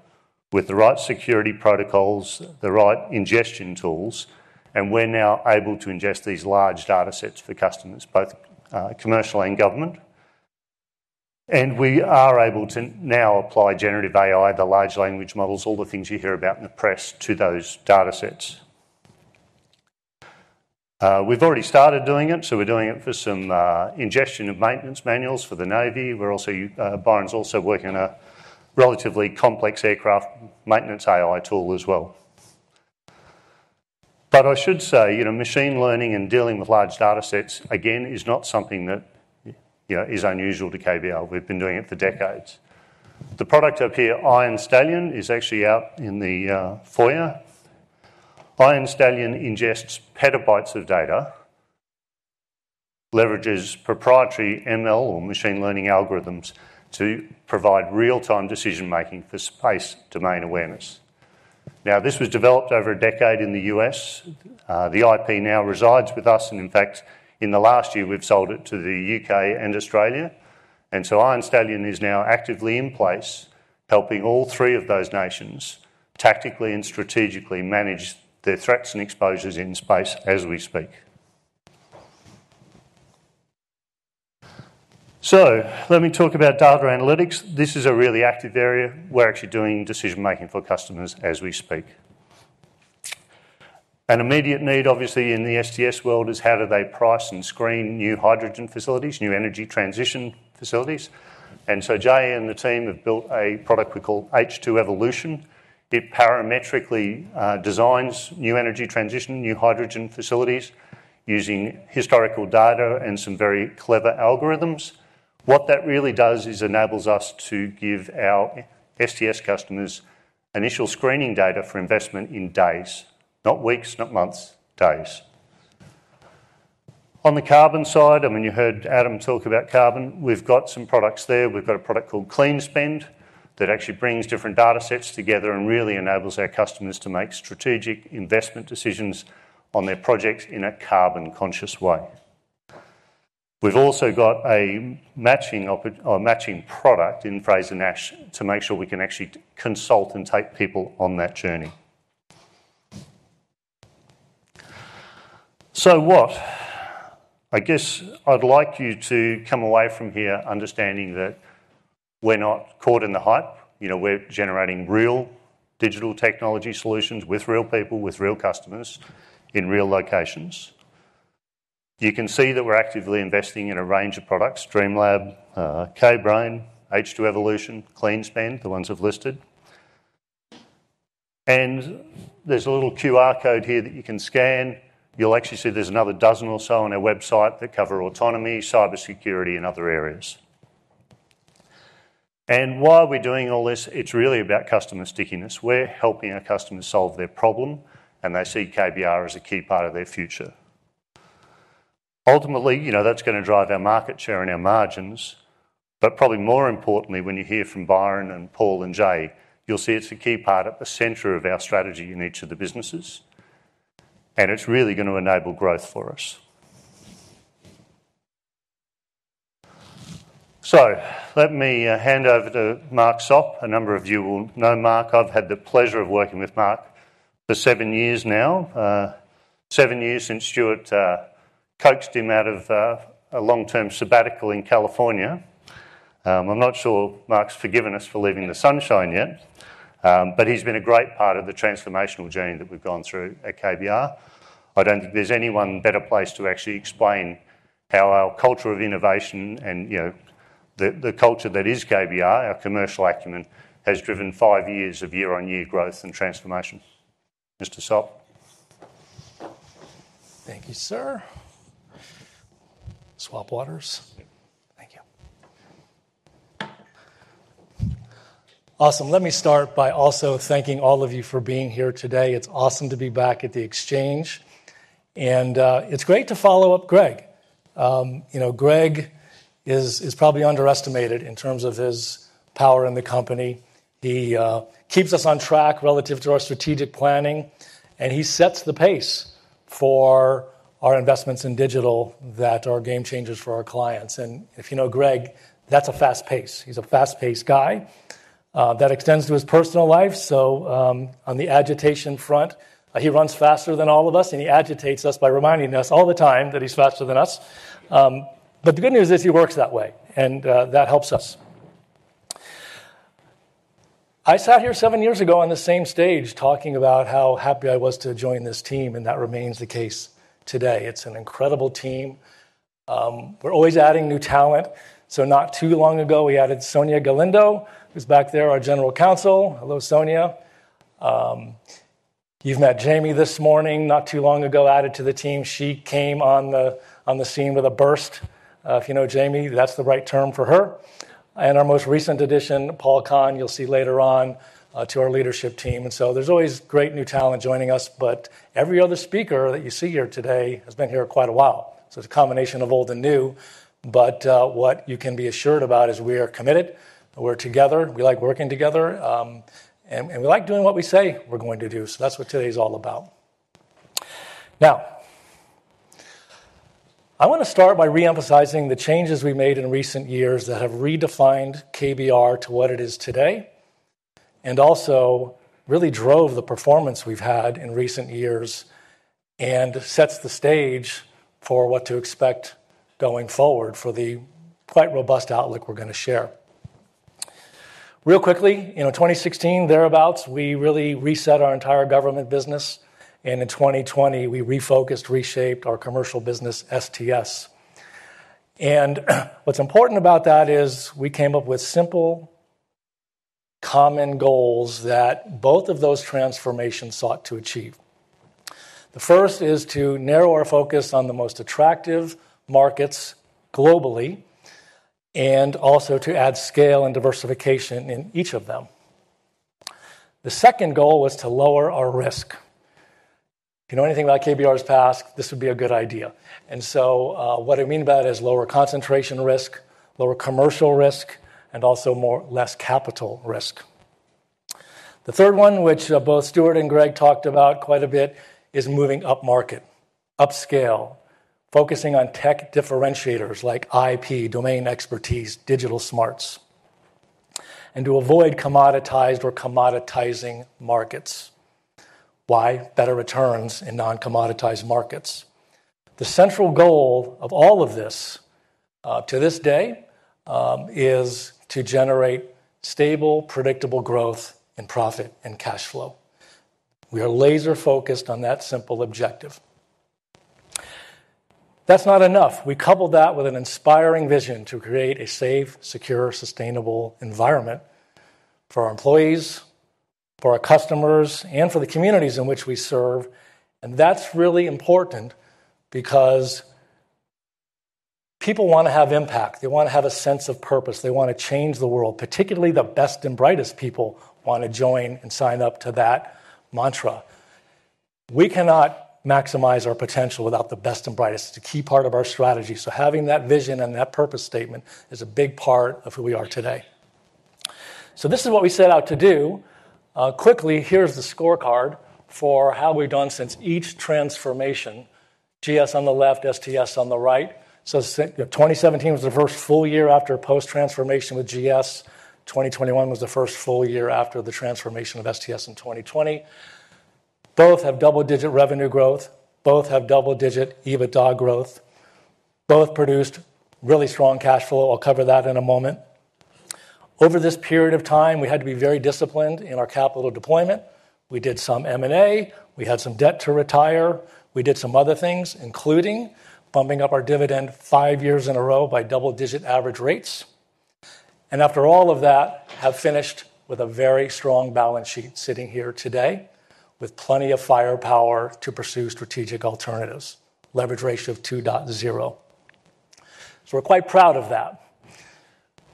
with the right security protocols, the right ingestion tools, and we're now able to ingest these large data sets for customers, both commercial and government. And we are able to now apply generative AI, the large language models, all the things you hear about in the press, to those data sets. We've already started doing it, so we're doing it for some ingestion of maintenance manuals for the Navy. We're also Byron's also working on a relatively complex aircraft maintenance AI tool as well. But I should say, you know, machine learning and dealing with large data sets, again, is not something that, you know, is unusual to KBR. We've been doing it for decades. The product up here, Iron Stallion, is actually out in the foyer. Iron Stallion ingests petabytes of data, leverages proprietary ML or machine learning algorithms to provide real-time decision-making for space domain awareness. Now, this was developed over a decade in the U.S. The IP now resides with us, and in fact, in the last year, we've sold it to the U.K. and Australia. And so Iron Stallion is now actively in place, helping all three of those nations tactically and strategically manage their threats and exposures in space as we speak. So let me talk about data analytics. This is a really active area. We're actually doing decision-making for customers as we speak. An immediate need, obviously, in the STS world is how do they price and screen new hydrogen facilities, new energy transition facilities? And so Jay and the team have built a product we call H2 Evolution. It parametrically designs new energy transition, new hydrogen facilities, using historical data and some very clever algorithms. What that really does is enables us to give our STS customers initial screening data for investment in days, not weeks, not months, days. On the carbon side, I mean, you heard Adam talk about carbon. We've got some products there. We've got a product called CleanSPEND that actually brings different data sets together and really enables our customers to make strategic investment decisions on their projects in a carbon-conscious way. We've also got a matching product in Frazer-Nash to make sure we can actually consult and take people on that journey. So what? I guess I'd like you to come away from here understanding that we're not caught in the hype. You know, we're generating real digital technology solutions with real people, with real customers, in real locations. You can see that we're actively investing in a range of products: DreamLab, KBRain, H2 Evolution, CleanSPEND, the ones I've listed. And there's a little QR code here that you can scan. You'll actually see there's another dozen or so on our website that cover autonomy, cybersecurity, and other areas. And why are we doing all this? It's really about customer stickiness. We're helping our customers solve their problem, and they see KBR as a key part of their future. Ultimately, you know, that's gonna drive our market share and our margins. But probably more importantly, when you hear from Byron and Paul and Jay, you'll see it's a key part at the center of our strategy in each of the businesses, and it's really gonna enable growth for us. So let me hand over to Mark Sopp. A number of you will know Mark. I've had the pleasure of working with Mark for seven years now. Seven years since Stuart coaxed him out of a long-term sabbatical in California. I'm not sure Mark's forgiven us for leaving the sunshine yet, but he's been a great part of the transformational journey that we've gone through at KBR. I don't think there's anyone better placed to actually explain how our culture of innovation and, you know, the culture that is KBR, our commercial acumen, has driven five years of year-on-year growth and transformation. Mr. Sopp. Thank you, sir. Swap waters? Yeah. Thank you. Awesome. Let me start by also thanking all of you for being here today. It's awesome to be back at the Exchange, and it's great to follow up Greg. You know, Greg is probably underestimated in terms of his power in the company. He keeps us on track relative to our strategic planning, and he sets the pace for our investments in digital that are game changers for our clients. If you know Greg, that's a fast pace. He's a fast-paced guy. That extends to his personal life, so on the agitation front, he runs faster than all of us, and he agitates us by reminding us all the time that he's faster than us. The good news is he works that way, and that helps us. I sat here seven years ago on the same stage, talking about how happy I was to join this team, and that remains the case today. It's an incredible team. We're always adding new talent, so not too long ago, we added Sonia Galindo, who's back there, our General Counsel. Hello, Sonia. You've met Jamie this morning, not too long ago, added to the team. She came on the, on the scene with a burst. If you know Jamie, that's the right term for her. And our most recent addition, Paul Kahn, you'll see later on, to our leadership team. And so there's always great new talent joining us, but every other speaker that you see here today has been here quite a while. So it's a combination of old and new, but what you can be assured about is we are committed, we're together, we like working together, and we like doing what we say we're going to do. So that's what today is all about. Now, I wanna start by re-emphasizing the changes we made in recent years that have redefined KBR to what it is today, and also really drove the performance we've had in recent years, and sets the stage for what to expect going forward for the quite robust outlook we're gonna share. Real quickly, you know, 2016, thereabouts, we really reset our entire government business, and in 2020, we refocused, reshaped our commercial business, STS. What's important about that is we came up with simple, common goals that both of those transformations sought to achieve. The first is to narrow our focus on the most attractive markets globally, and also to add scale and diversification in each of them. The second goal was to lower our risk. If you know anything about KBR's past, this would be a good idea. And so, what I mean by that is lower concentration risk, lower commercial risk, and also less capital risk. The third one, which both Stuart and Greg talked about quite a bit, is moving upmarket, upscale, focusing on tech differentiators like IP, domain expertise, digital smarts, and to avoid commoditized or commoditizing markets. Why? Better returns in non-commoditized markets. The central goal of all of this, to this day, is to generate stable, predictable growth and profit and cash flow. We are laser-focused on that simple objective. That's not enough. We coupled that with an inspiring vision to create a safe, secure, sustainable environment for our employees, for our customers, and for the communities in which we serve, and that's really important because people wanna have impact. They wanna have a sense of purpose. They wanna change the world. Particularly, the best and brightest people wanna join and sign up to that mantra. We cannot maximize our potential without the best and brightest. It's a key part of our strategy, so having that vision and that purpose statement is a big part of who we are today. So this is what we set out to do. Quickly, here's the scorecard for how we've done since each transformation. GS on the left, STS on the right. So 2017 was the first full year after post-transformation with GS. 2021 was the first full year after the transformation of STS in 2020. Both have double-digit revenue growth. Both have double-digit EBITDA growth. Both produced really strong cash flow. I'll cover that in a moment. Over this period of time, we had to be very disciplined in our capital deployment. We did some M&A, we had some debt to retire, we did some other things, including bumping up our dividend five years in a row by double-digit average rates. After all of that, have finished with a very strong balance sheet, sitting here today with plenty of firepower to pursue strategic alternatives. Leverage ratio of 2.0. So we're quite proud of that.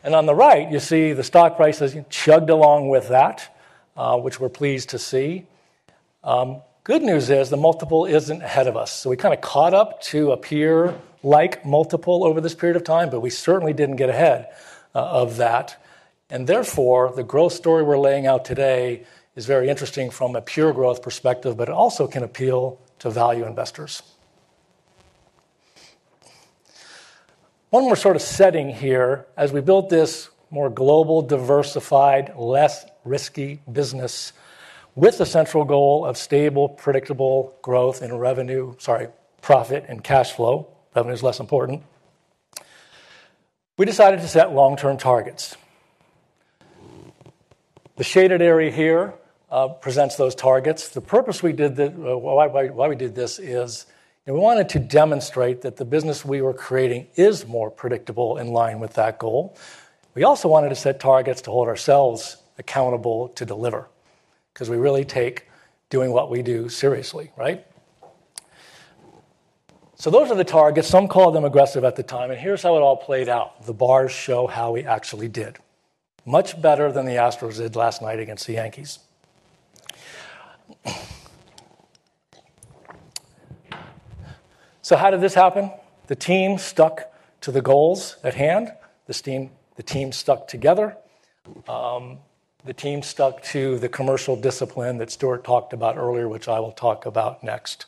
And on the right, you see the stock price has chugged along with that, which we're pleased to see. Good news is, the multiple isn't ahead of us, so we kinda caught up to a peer-like multiple over this period of time, but we certainly didn't get ahead, of that. And therefore, the growth story we're laying out today is very interesting from a pure growth perspective, but it also can appeal to value investors. One more sort of setting here, as we built this more global, diversified, less risky business with the central goal of stable, predictable growth and revenue—sorry, profit and cash flow, revenue is less important, we decided to set long-term targets. The shaded area here presents those targets. The purpose we did this, well, why, why, why we did this is, you know, we wanted to demonstrate that the business we were creating is more predictable, in line with that goal. We also wanted to set targets to hold ourselves accountable to deliver, 'cause we really take doing what we do seriously, right? So those are the targets. Some called them aggressive at the time, and here's how it all played out. The bars show how we actually did. Much better than the Astros did last night against the Yankees. So how did this happen? The team stuck to the goals at hand. This team, the team stuck together. The team stuck to the commercial discipline that Stuart talked about earlier, which I will talk about next.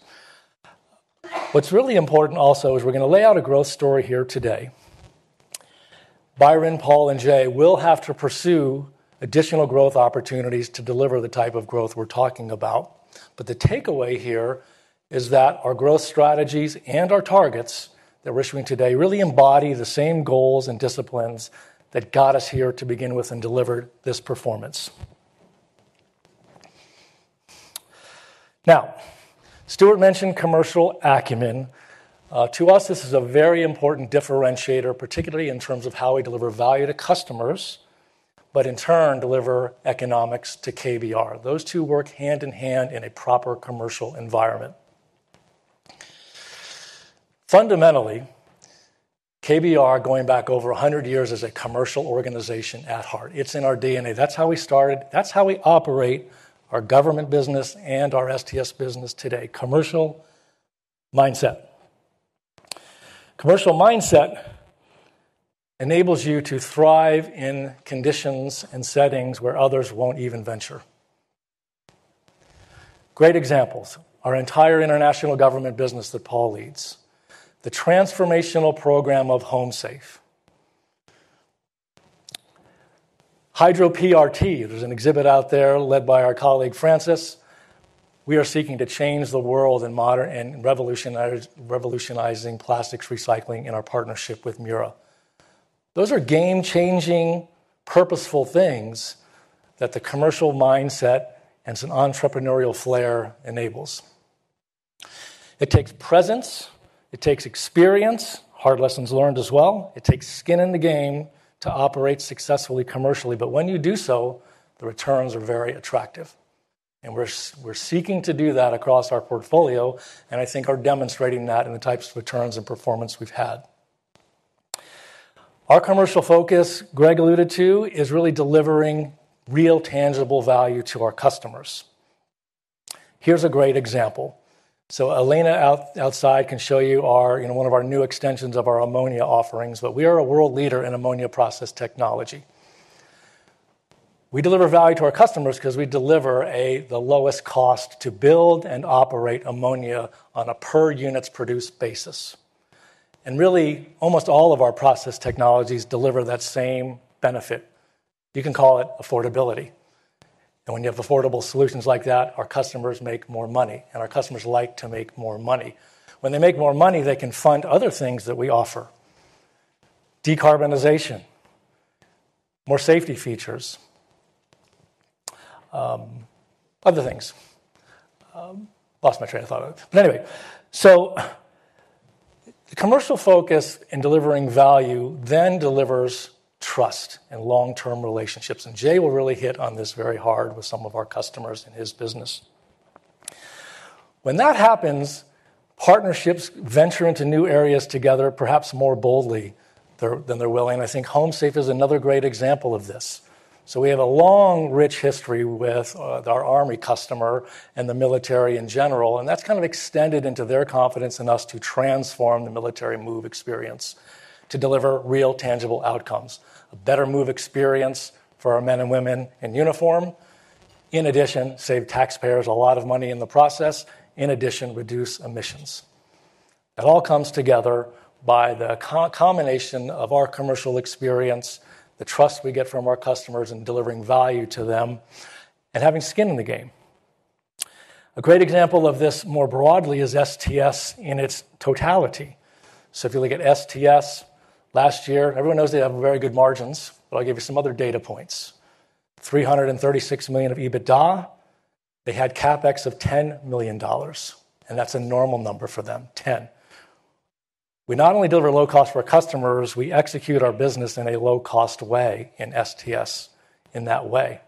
What's really important also is, we're gonna lay out a growth story here today. Byron, Paul, and Jay will have to pursue additional growth opportunities to deliver the type of growth we're talking about. But the takeaway here is that our growth strategies and our targets that we're issuing today really embody the same goals and disciplines that got us here to begin with and delivered this performance. Now, Stuart mentioned commercial acumen. To us, this is a very important differentiator, particularly in terms of how we deliver value to customers, but in turn, deliver economics to KBR. Those two work hand in hand in a proper commercial environment. Fundamentally, KBR, going back over a hundred years, is a commercial organization at heart. It's in our DNA. That's how we started, that's how we operate our government business and our STS business today, commercial mindset. Commercial mindset enables you to thrive in conditions and settings where others won't even venture. Great examples, our entire international government business that Paul leads, the transformational program of HomeSafe, Hydro-PRT. There's an exhibit out there led by our colleague, Francis. We are seeking to change the world in modern in revolutionizing plastics recycling in our partnership with Mura. Those are game-changing, purposeful things that the commercial mindset and some entrepreneurial flair enables. It takes presence, it takes experience, hard lessons learned as well. It takes skin in the game to operate successfully commercially, but when you do so, the returns are very attractive. We're seeking to do that across our portfolio, and I think are demonstrating that in the types of returns and performance we've had. Our commercial focus, Greg alluded to, is really delivering real, tangible value to our customers. Here's a great example. So Elena out, outside can show you our, you know, one of our new extensions of our ammonia offerings, but we are a world leader in ammonia process technology. We deliver value to our customers 'cause we deliver the lowest cost to build and operate ammonia on a per-units-produced basis. And really, almost all of our process technologies deliver that same benefit. You can call it affordability, and when you have affordable solutions like that, our customers make more money, and our customers like to make more money. When they make more money, they can fund other things that we offer: decarbonization, more safety features, other things. Lost my train of thought. But anyway, so the commercial focus in delivering value then delivers trust and long-term relationships, and Jay will really hit on this very hard with some of our customers in his business. When that happens, partnerships venture into new areas together, perhaps more boldly than they're willing. I think Home Safe is another great example of this. So we have a long, rich history with our Army customer and the military in general, and that's kind of extended into their confidence in us to transform the military move experience, to deliver real, tangible outcomes, a better move experience for our men and women in uniform. In addition, save taxpayers a lot of money in the process. In addition, reduce emissions. It all comes together by the combination of our commercial experience, the trust we get from our customers in delivering value to them, and having skin in the game. A great example of this more broadly is STS in its totality. So if you look at STS last year, everyone knows they have very good margins, but I'll give you some other data points. $336 million of EBITDA. They had CapEx of $10 million, and that's a normal number for them, 10. We not only deliver low cost for our customers, we execute our business in a low-cost way in STS in that way.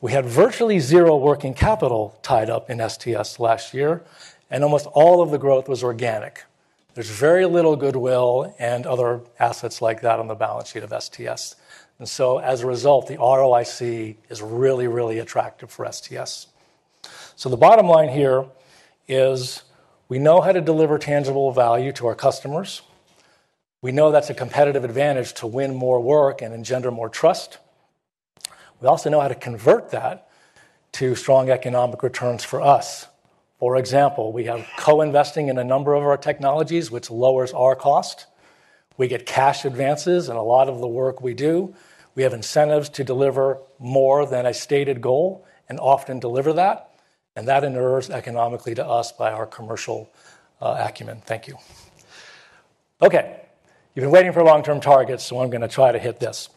We had virtually 0 working capital tied up in STS last year, and almost all of the growth was organic. There's very little goodwill and other assets like that on the balance sheet of STS, and so as a result, the ROIC is really, really attractive for STS. So the bottom line here is we know how to deliver tangible value to our customers. We know that's a competitive advantage to win more work and engender more trust. We also know how to convert that to strong economic returns for us. For example, we have co-investing in a number of our technologies, which lowers our cost. We get cash advances in a lot of the work we do. We have incentives to deliver more than a stated goal and often deliver that, and that inures economically to us by our commercial acumen. Thank you. Okay, you've been waiting for long-term targets, so I'm going to try to hit this.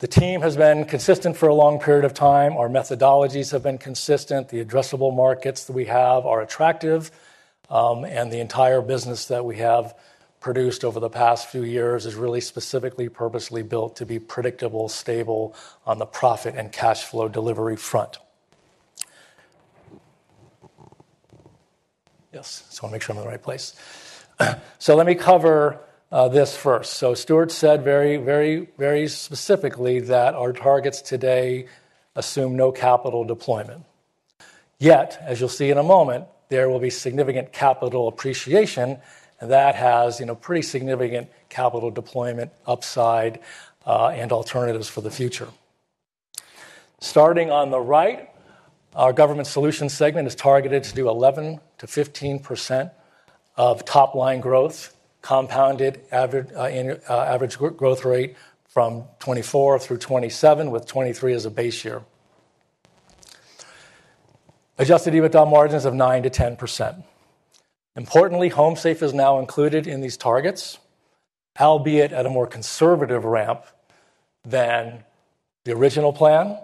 The team has been consistent for a long period of time. Our methodologies have been consistent. The addressable markets that we have are attractive, and the entire business that we have produced over the past few years is really specifically, purposely built to be predictable, stable on the profit and cash flow delivery front. Yes, just want to make sure I'm in the right place. So let me cover this first. So Stuart said very, very, very specifically that our targets today assume no capital deployment. Yet, as you'll see in a moment, there will be significant capital appreciation, and that has, you know, pretty significant capital deployment upside, and alternatives for the future. Starting on the right, our Government Solutions segment is targeted to do 11%-15% of top-line growth, compounded average growth rate from 2024 through 2027, with 2023 as a base year. Adjusted EBITDA margins of 9%-10%. Importantly, HomeSafe is now included in these targets, albeit at a more conservative ramp than the original plan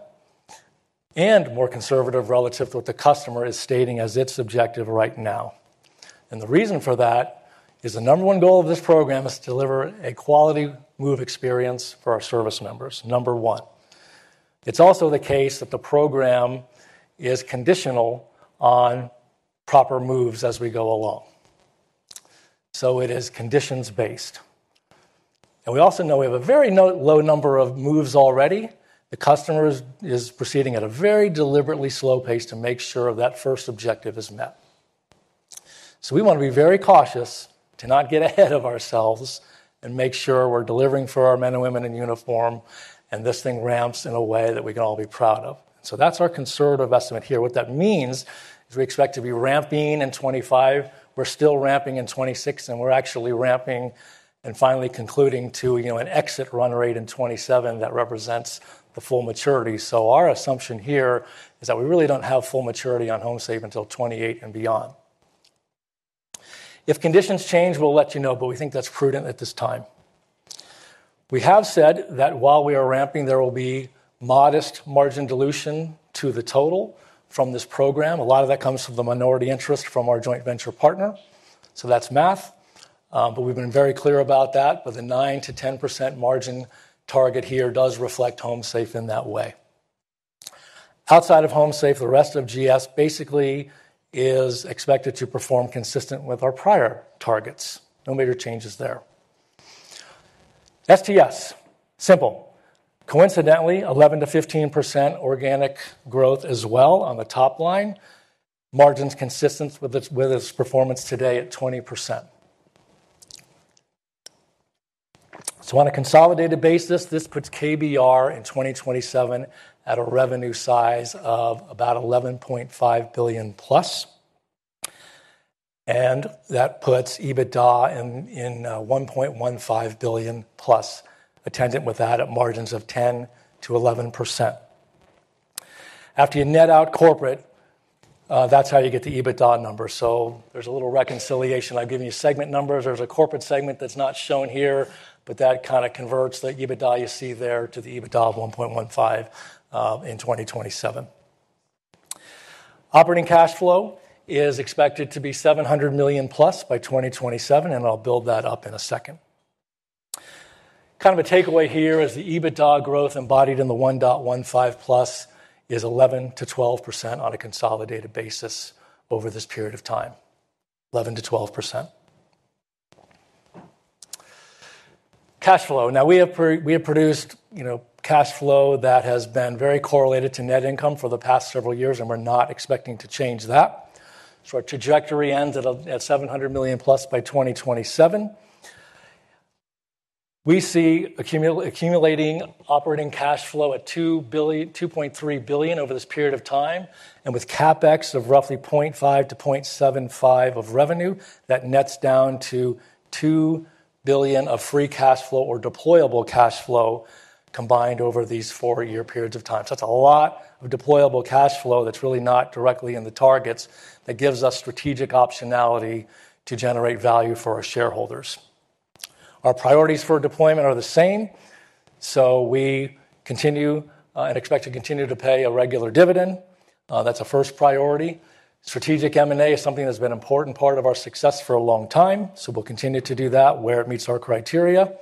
and more conservative relative to what the customer is stating as its objective right now. And the reason for that is the number one goal of this program is to deliver a quality move experience for our service members, number one. It's also the case that the program is conditional on proper moves as we go along, so it is conditions-based. And we also know we have a very low number of moves already. The customer is proceeding at a very deliberately slow pace to make sure that first objective is met. So we want to be very cautious to not get ahead of ourselves and make sure we're delivering for our men and women in uniform, and this thing ramps in a way that we can all be proud of. So that's our conservative estimate here. What that means is we expect to be ramping in 2025. We're still ramping in 2026, and we're actually ramping and finally concluding to, you know, an exit run rate in 2027 that represents the full maturity. So our assumption here is that we really don't have full maturity on HomeSafe until 2028 and beyond. If conditions change, we'll let you know, but we think that's prudent at this time. We have said that while we are ramping, there will be modest margin dilution to the total from this program. A lot of that comes from the minority interest from our joint venture partner. So that's math, but we've been very clear about that. But the 9%-10% margin target here does reflect HomeSafe in that way. Outside of HomeSafe, the rest of GS basically is expected to perform consistent with our prior targets. No major changes there. STS, simple. Coincidentally, 11%-15% organic growth as well on the top line. Margins consistent with its performance today at 20%. So on a consolidated basis, this puts KBR in 2027 at a revenue size of about $11.5 billion+, and that puts EBITDA in $1.15 billion+, attendant with that at margins of 10%-11%. After you net out corporate, that's how you get the EBITDA number, so there's a little reconciliation. I've given you segment numbers. There's a corporate segment that's not shown here, but that kinda converts the EBITDA you see there to the EBITDA of $1.15, in 2027. Operating cash flow is expected to be $700 million+ by 2027, and I'll build that up in a second. Kind of a takeaway here is the EBITDA growth embodied in the 1.15+ is 11%-12% on a consolidated basis over this period of time, 11%-12%. Cash flow. Now, we have produced, you know, cash flow that has been very correlated to net income for the past several years, and we're not expecting to change that. So our trajectory ends at a, at $700 million+ by 2027. We see accumulating operating cash flow at $2 billion-$2.3 billion over this period of time, and with CapEx of roughly 0.5-0.75 of revenue, that nets down to $2 billion of free cash flow or deployable cash flow combined over these four-year periods of time. So that's a lot of deployable cash flow that's really not directly in the targets, that gives us strategic optionality to generate value for our shareholders. Our priorities for deployment are the same, so we continue and expect to continue to pay a regular dividend. That's a first priority. Strategic M&A is something that's been an important part of our success for a long time, so we'll continue to do that where it meets our criteria.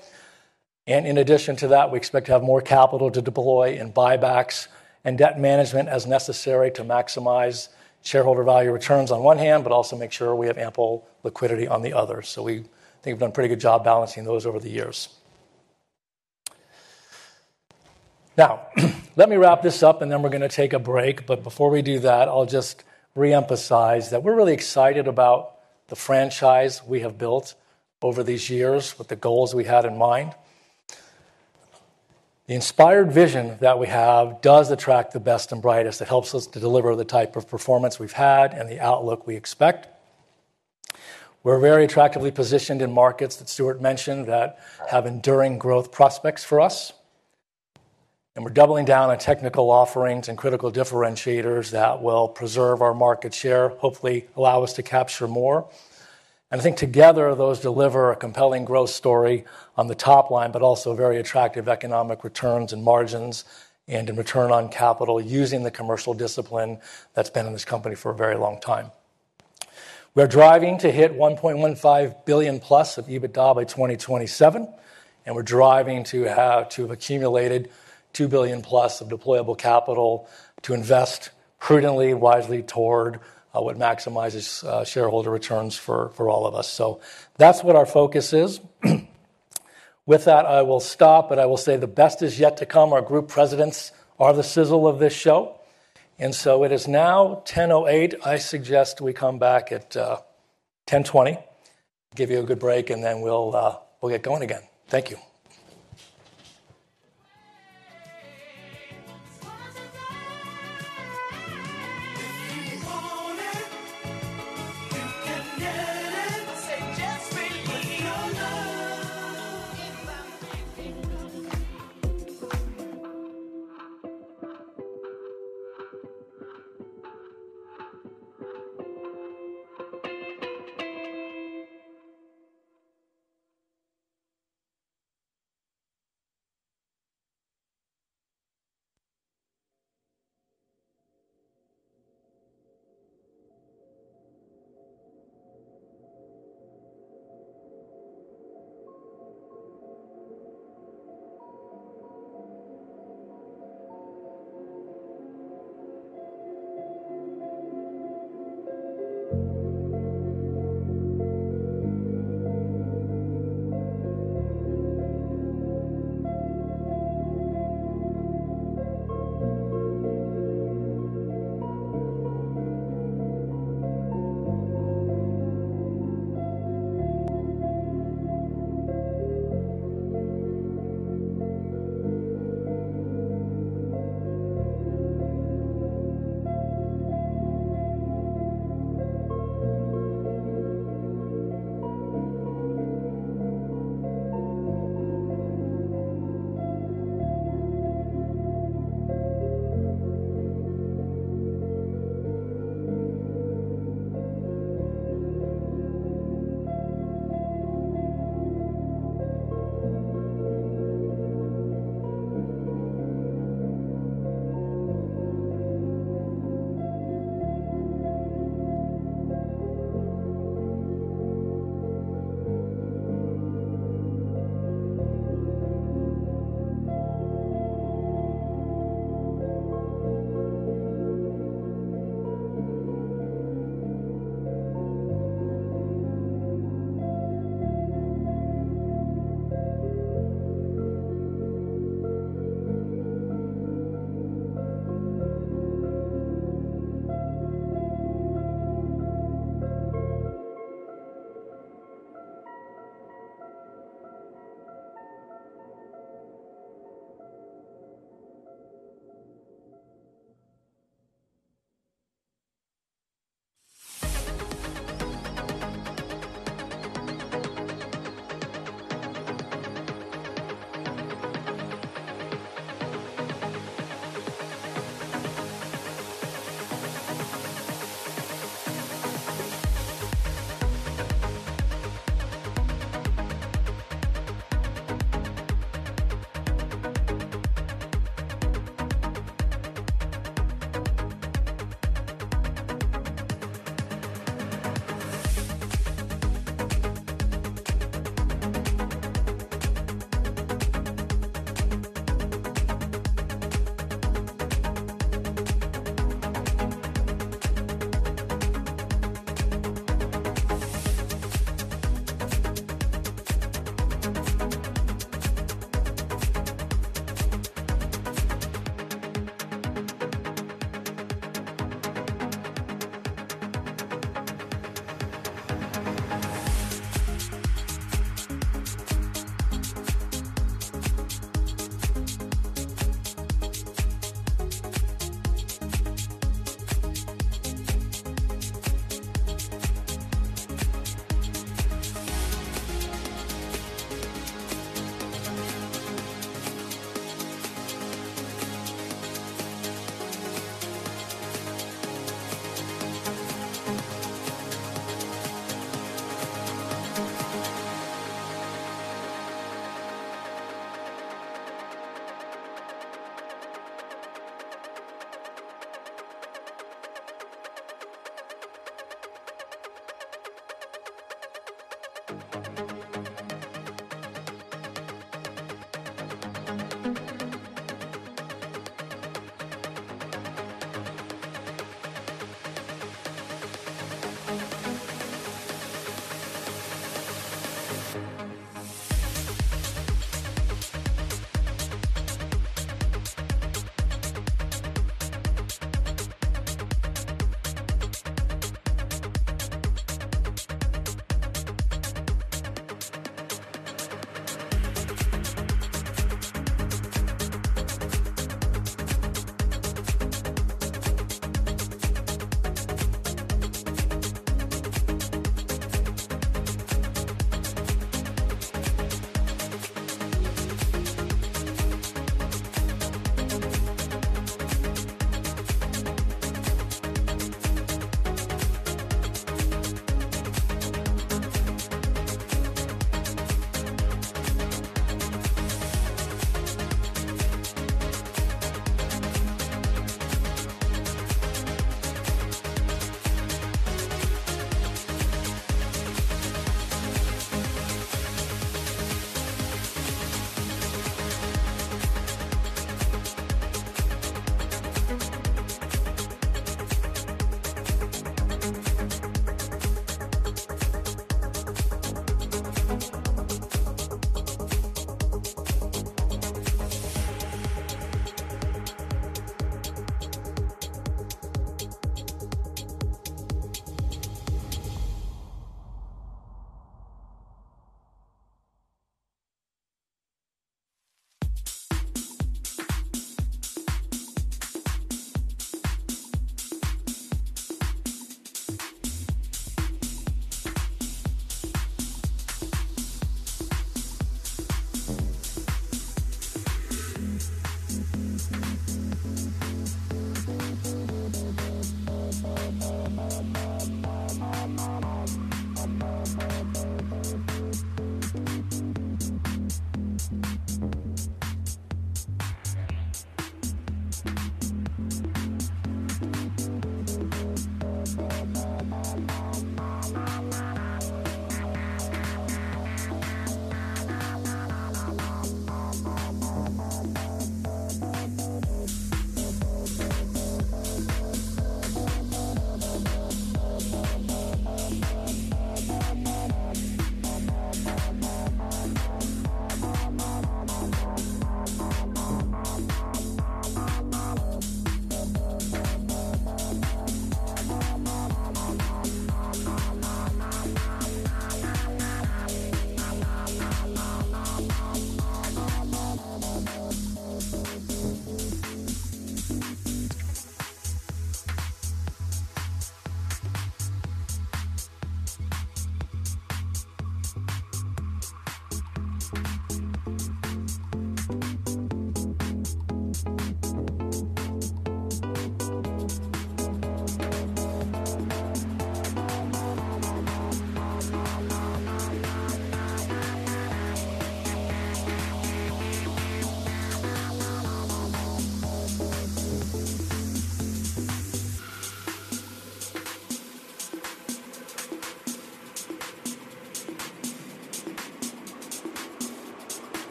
And in addition to that, we expect to have more capital to deploy in buybacks and debt management as necessary to maximize shareholder value returns on one hand, but also make sure we have ample liquidity on the other. So we think we've done a pretty good job balancing those over the years. Now, let me wrap this up, and then we're going to take a break, but before we do that, I'll just re-emphasize that we're really excited about the franchise we have built over these years with the goals we had in mind. The inspired vision that we have does attract the best and brightest. It helps us to deliver the type of performance we've had and the outlook we expect. We're very attractively positioned in markets that Stuart mentioned that have enduring growth prospects for us, and we're doubling down on technical offerings and critical differentiators that will preserve our market share, hopefully allow us to capture more. And I think together, those deliver a compelling growth story on the top line, but also very attractive economic returns and margins, and in return on capital, using the commercial discipline that's been in this company for a very long time. We're driving to hit $1.15 billion+ of EBITDA by 2027, and we're driving to have to have accumulated $2 billion+ of deployable capital to invest prudently, wisely toward what maximizes shareholder returns for all of us. So that's what our focus is. With that, I will stop, but I will say the best is yet to come. Our group presidents are the sizzle of this show, and so it is now 10:08. I suggest we come back at 10:20, give you a good break, and then we'll get going again. Thank you.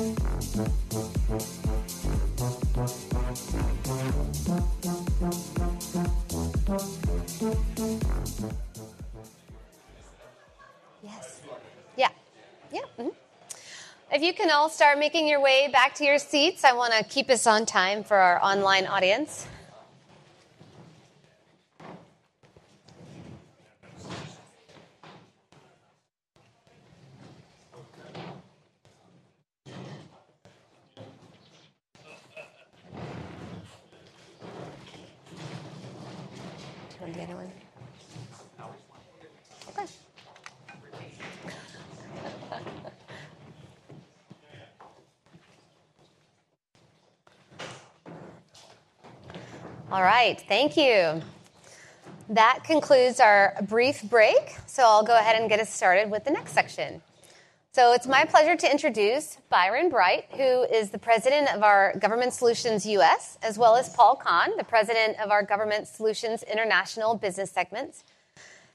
If you want it, you can get it. Say, just believe in your love. If I think you...... Yes. Yeah. Yeah, mm-hmm. If you can all start making your way back to your seats, I wanna keep us on time for our online audience. Do we get anyone? Okay. All right, thank you. That concludes our brief break, so I'll go ahead and get us started with the next section. So it's my pleasure to introduce Byron Bright, who is the President of our Government Solutions U.S., as well as Paul Kahn, the President of our Government Solutions International Business segments.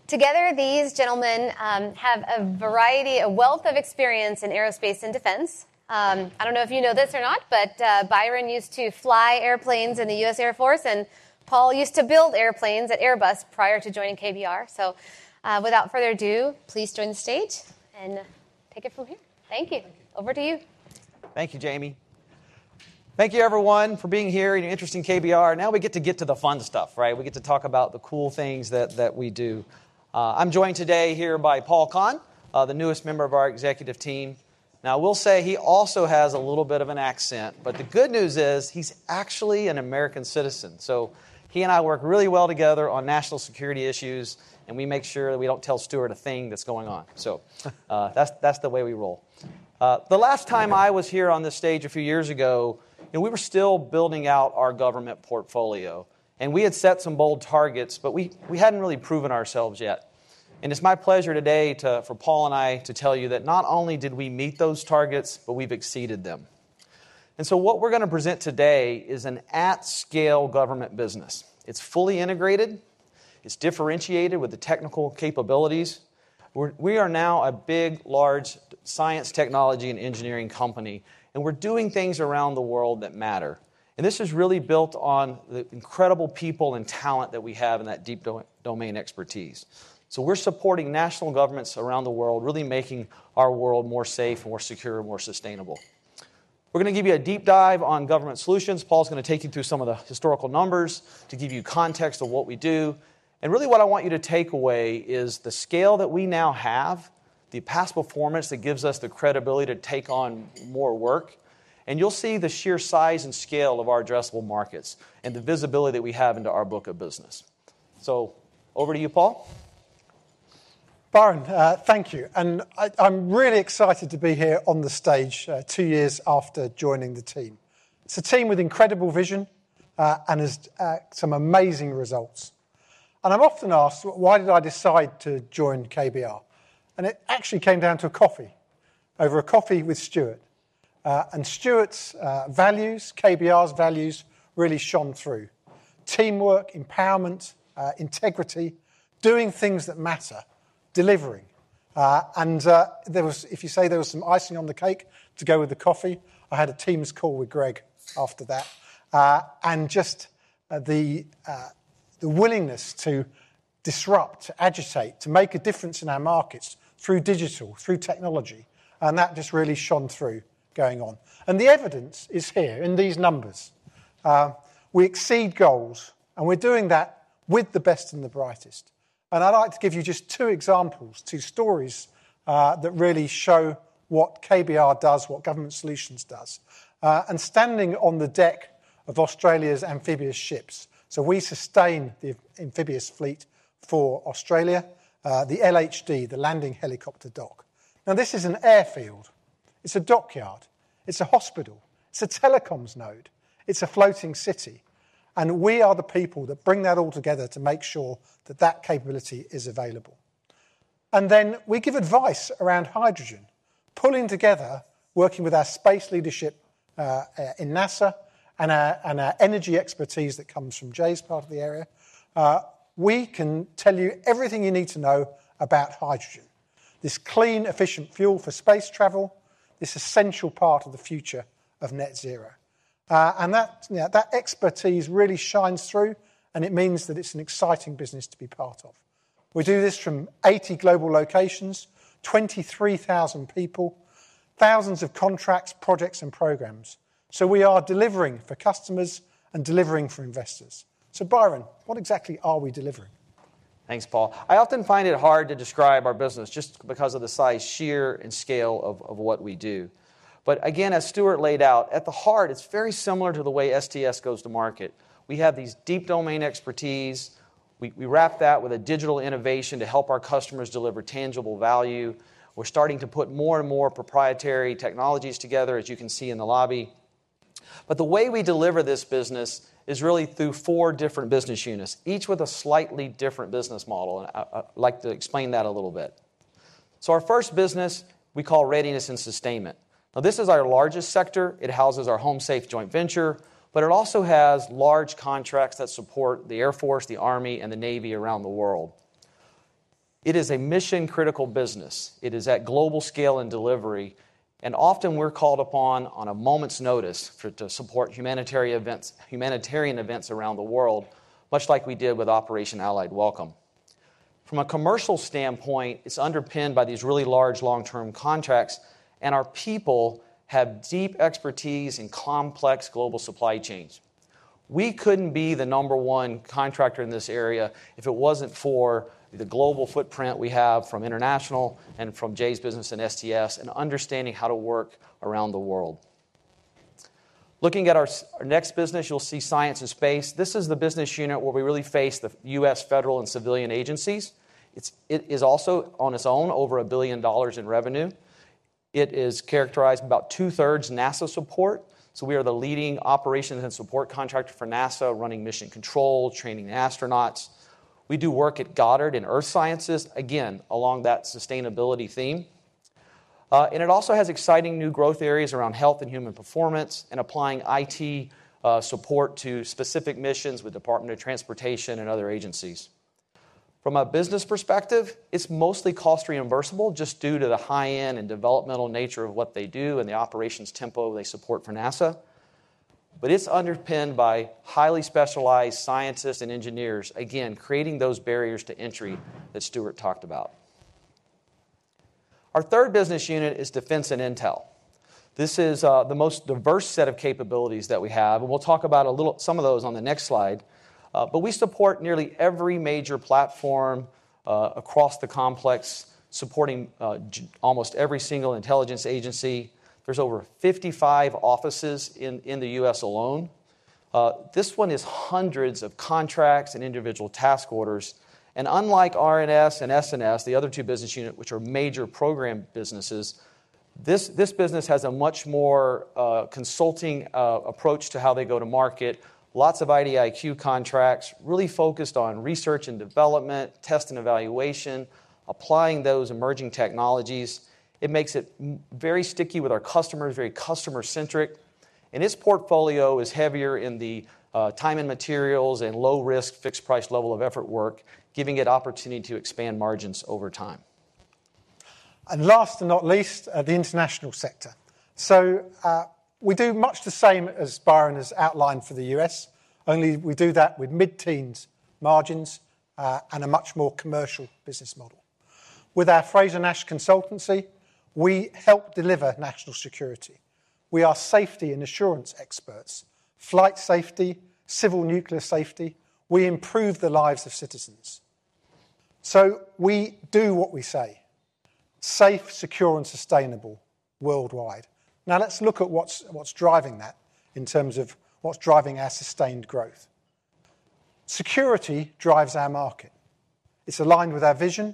Together, these gentlemen have a variety, a wealth of experience in aerospace and defense. I don't know if you know this or not, but Byron used to fly airplanes in the U.S. Air Force, and Paul used to build airplanes at Airbus prior to joining KBR. So, without further ado, please join the stage and take it from here. Thank you. Over to you. Thank you, Jamie. Thank you, everyone, for being here and your interest in KBR. Now we get to get to the fun stuff, right? We get to talk about the cool things that we do. I'm joined today here by Paul Kahn, the newest member of our executive team. Now, I will say he also has a little bit of an accent, but the good news is, he's actually an American citizen. So he and I work really well together on national security issues, and we make sure that we don't tell Stuart a thing that's going on. So, that's the way we roll. The last time I was here on this stage a few years ago, and we were still building out our government portfolio, and we had set some bold targets, but we hadn't really proven ourselves yet. It's my pleasure today to, for Paul and I, to tell you that not only did we meet those targets, but we've exceeded them. So what we're gonna present today is an at-scale government business. It's fully integrated, it's differentiated with the technical capabilities. We are now a big, large science, technology, and engineering company, and we're doing things around the world that matter. This is really built on the incredible people and talent that we have and that deep domain expertise. So we're supporting national governments around the world, really making our world more safe, more secure, and more sustainable. We're gonna give you a deep dive on government solutions. Paul's gonna take you through some of the historical numbers to give you context of what we do. And really, what I want you to take away is the scale that we now have, the past performance that gives us the credibility to take on more work, and you'll see the sheer size and scale of our addressable markets and the visibility that we have into our book of business. So over to you, Paul. Byron, thank you. And I, I'm really excited to be here on the stage, two years after joining the team. It's a team with incredible vision, and has some amazing results. And I'm often asked, why did I decide to join KBR? And it actually came down to a coffee, over a coffee with Stuart. And Stuart's values, KBR's values, really shone through. Teamwork, empowerment, integrity, doing things that matter, delivering. And there was—if you say there was some icing on the cake to go with the coffee, I had a Teams call with Greg after that. And just the willingness to disrupt, to agitate, to make a difference in our markets through digital, through technology, and that just really shone through going on. And the evidence is here in these numbers. We exceed goals, and we're doing that with the best and the brightest. I'd like to give you just two examples, two stories, that really show what KBR does, what Government Solutions does. Standing on the deck of Australia's amphibious ships. So we sustain the amphibious fleet for Australia, the LHD, the landing helicopter dock. Now, this is an airfield, it's a dockyard, it's a hospital, it's a telecoms node, it's a floating city, and we are the people that bring that all together to make sure that that capability is available. And then we give advice around hydrogen, pulling together, working with our space leadership in NASA, and our energy expertise that comes from Jay's part of the area. We can tell you everything you need to know about hydrogen. This clean, efficient fuel for space travel, this essential part of the future of Net Zero. And that, yeah, that expertise really shines through, and it means that it's an exciting business to be part of. We do this from 80 global locations, 23,000 people, thousands of contracts, projects, and programs. So we are delivering for customers and delivering for investors. So, Byron, what exactly are we delivering? Thanks, Paul. I often find it hard to describe our business just because of the size, sheer, and scale of, of what we do. But again, as Stuart laid out, at the heart, it's very similar to the way STS goes to market. We have these deep domain expertise. We wrap that with a digital innovation to help our customers deliver tangible value. We're starting to put more and more proprietary technologies together, as you can see in the lobby. But the way we deliver this business is really through four different business units, each with a slightly different business model, and I'd like to explain that a little bit. So our first business we call Readiness and Sustainment. Now, this is our largest sector. It houses our HomeSafe joint venture, but it also has large contracts that support the Air Force, the Army, and the Navy around the world. It is a mission-critical business. It is at global scale and delivery, and often we're called upon on a moment's notice to support humanitarian events, humanitarian events around the world, much like we did with Operation Allied Welcome. From a commercial standpoint, it's underpinned by these really large, long-term contracts, and our people have deep expertise in complex global supply chains. We couldn't be the number one contractor in this area if it wasn't for the global footprint we have from international and from Jay's business and STS, and understanding how to work around the world. Looking at our next business, you'll see Science and Space. This is the business unit where we really face the U.S. federal and civilian agencies. It is also on its own, over $1 billion in revenue. It is characterized by about two-thirds NASA support, so we are the leading operations and support contractor for NASA, running mission control, training astronauts. We do work at Goddard in earth sciences, again, along that sustainability theme. And it also has exciting new growth areas around health and human performance, and applying IT support to specific missions with Department of Transportation and other agencies. From a business perspective, it's mostly cost reimbursable, just due to the high-end and developmental nature of what they do and the operations tempo they support for NASA. But it's underpinned by highly specialized scientists and engineers, again, creating those barriers to entry that Stuart talked about. Our third business unit is Defense and Intel. This is the most diverse set of capabilities that we have, and we'll talk about a little some of those on the next slide. But we support nearly every major platform across the complex, supporting almost every single intelligence agency. There's over 55 offices in the U.S. alone. This one is hundreds of contracts and individual task orders, and unlike RNS and SNS, the other two business unit, which are major program businesses, this business has a much more consulting approach to how they go to market. Lots of IDIQ contracts, really focused on research and development, test and evaluation, applying those emerging technologies. It makes it very sticky with our customers, very customer-centric, and its portfolio is heavier in the time and materials and low-risk, fixed-price level of effort work, giving it opportunity to expand margins over time. Last but not least, the international sector. So, we do much the same as Byron has outlined for the U.S., only we do that with mid-teens margins, and a much more commercial business model. With our Frazer-Nash Consultancy, we help deliver national security. We are safety and assurance experts, flight safety, civil nuclear safety. We improve the lives of citizens. So we do what we say: safe, secure, and sustainable worldwide. Now, let's look at what's driving that in terms of what's driving our sustained growth. Security drives our market. It's aligned with our vision.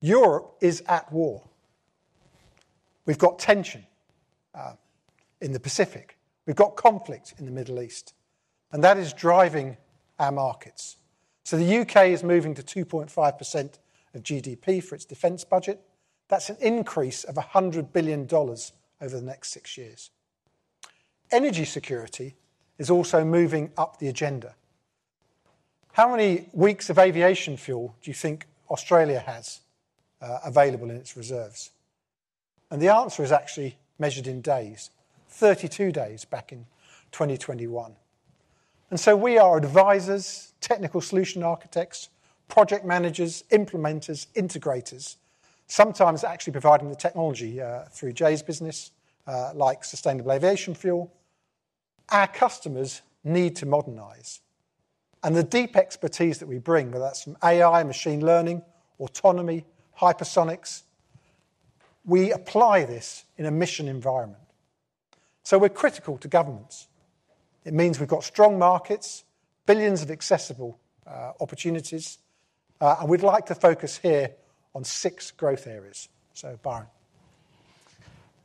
Europe is at war. We've got tension in the Pacific. We've got conflict in the Middle East, and that is driving our markets. So the U.K. is moving to 2.5% of GDP for its defense budget. That's an increase of $100 billion over the next six years. Energy security is also moving up the agenda. How many weeks of aviation fuel do you think Australia has, available in its reserves? And the answer is actually measured in days, 32 days back in 2021. And so we are advisors, technical solution architects, project managers, implementers, integrators, sometimes actually providing the technology, through Jay's business, like sustainable aviation fuel. Our customers need to modernize, and the deep expertise that we bring, whether that's from AI, machine learning, autonomy, hypersonics, we apply this in a mission environment. So we're critical to governments. It means we've got strong markets, billions of accessible, opportunities, and we'd like to focus here on six growth areas. So, Byron.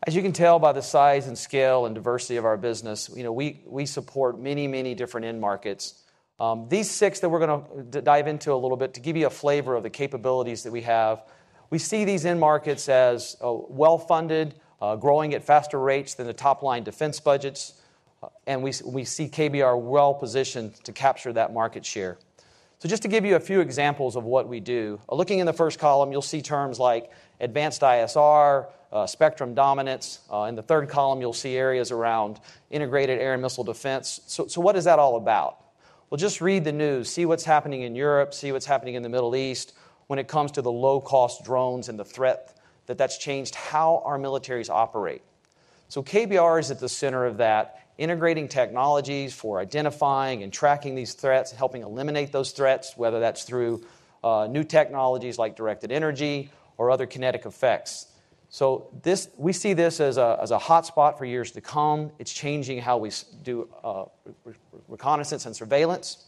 As you can tell by the size and scale and diversity of our business, you know, we support many, many different end markets. These six that we're gonna dive into a little bit to give you a flavor of the capabilities that we have. We see these end markets as well-funded, growing at faster rates than the top-line defense budgets, and we see KBR well-positioned to capture that market share. So just to give you a few examples of what we do, looking in the first column, you'll see terms like advanced ISR, spectrum dominance. In the third column, you'll see areas around integrated air and missile defense. So what is that all about? Well, just read the news, see what's happening in Europe, see what's happening in the Middle East when it comes to the low-cost drones and the threat, that that's changed how our militaries operate. So KBR is at the center of that, integrating technologies for identifying and tracking these threats, helping eliminate those threats, whether that's through new technologies like directed energy or other kinetic effects. So this we see this as a hotspot for years to come. It's changing how we do reconnaissance and surveillance.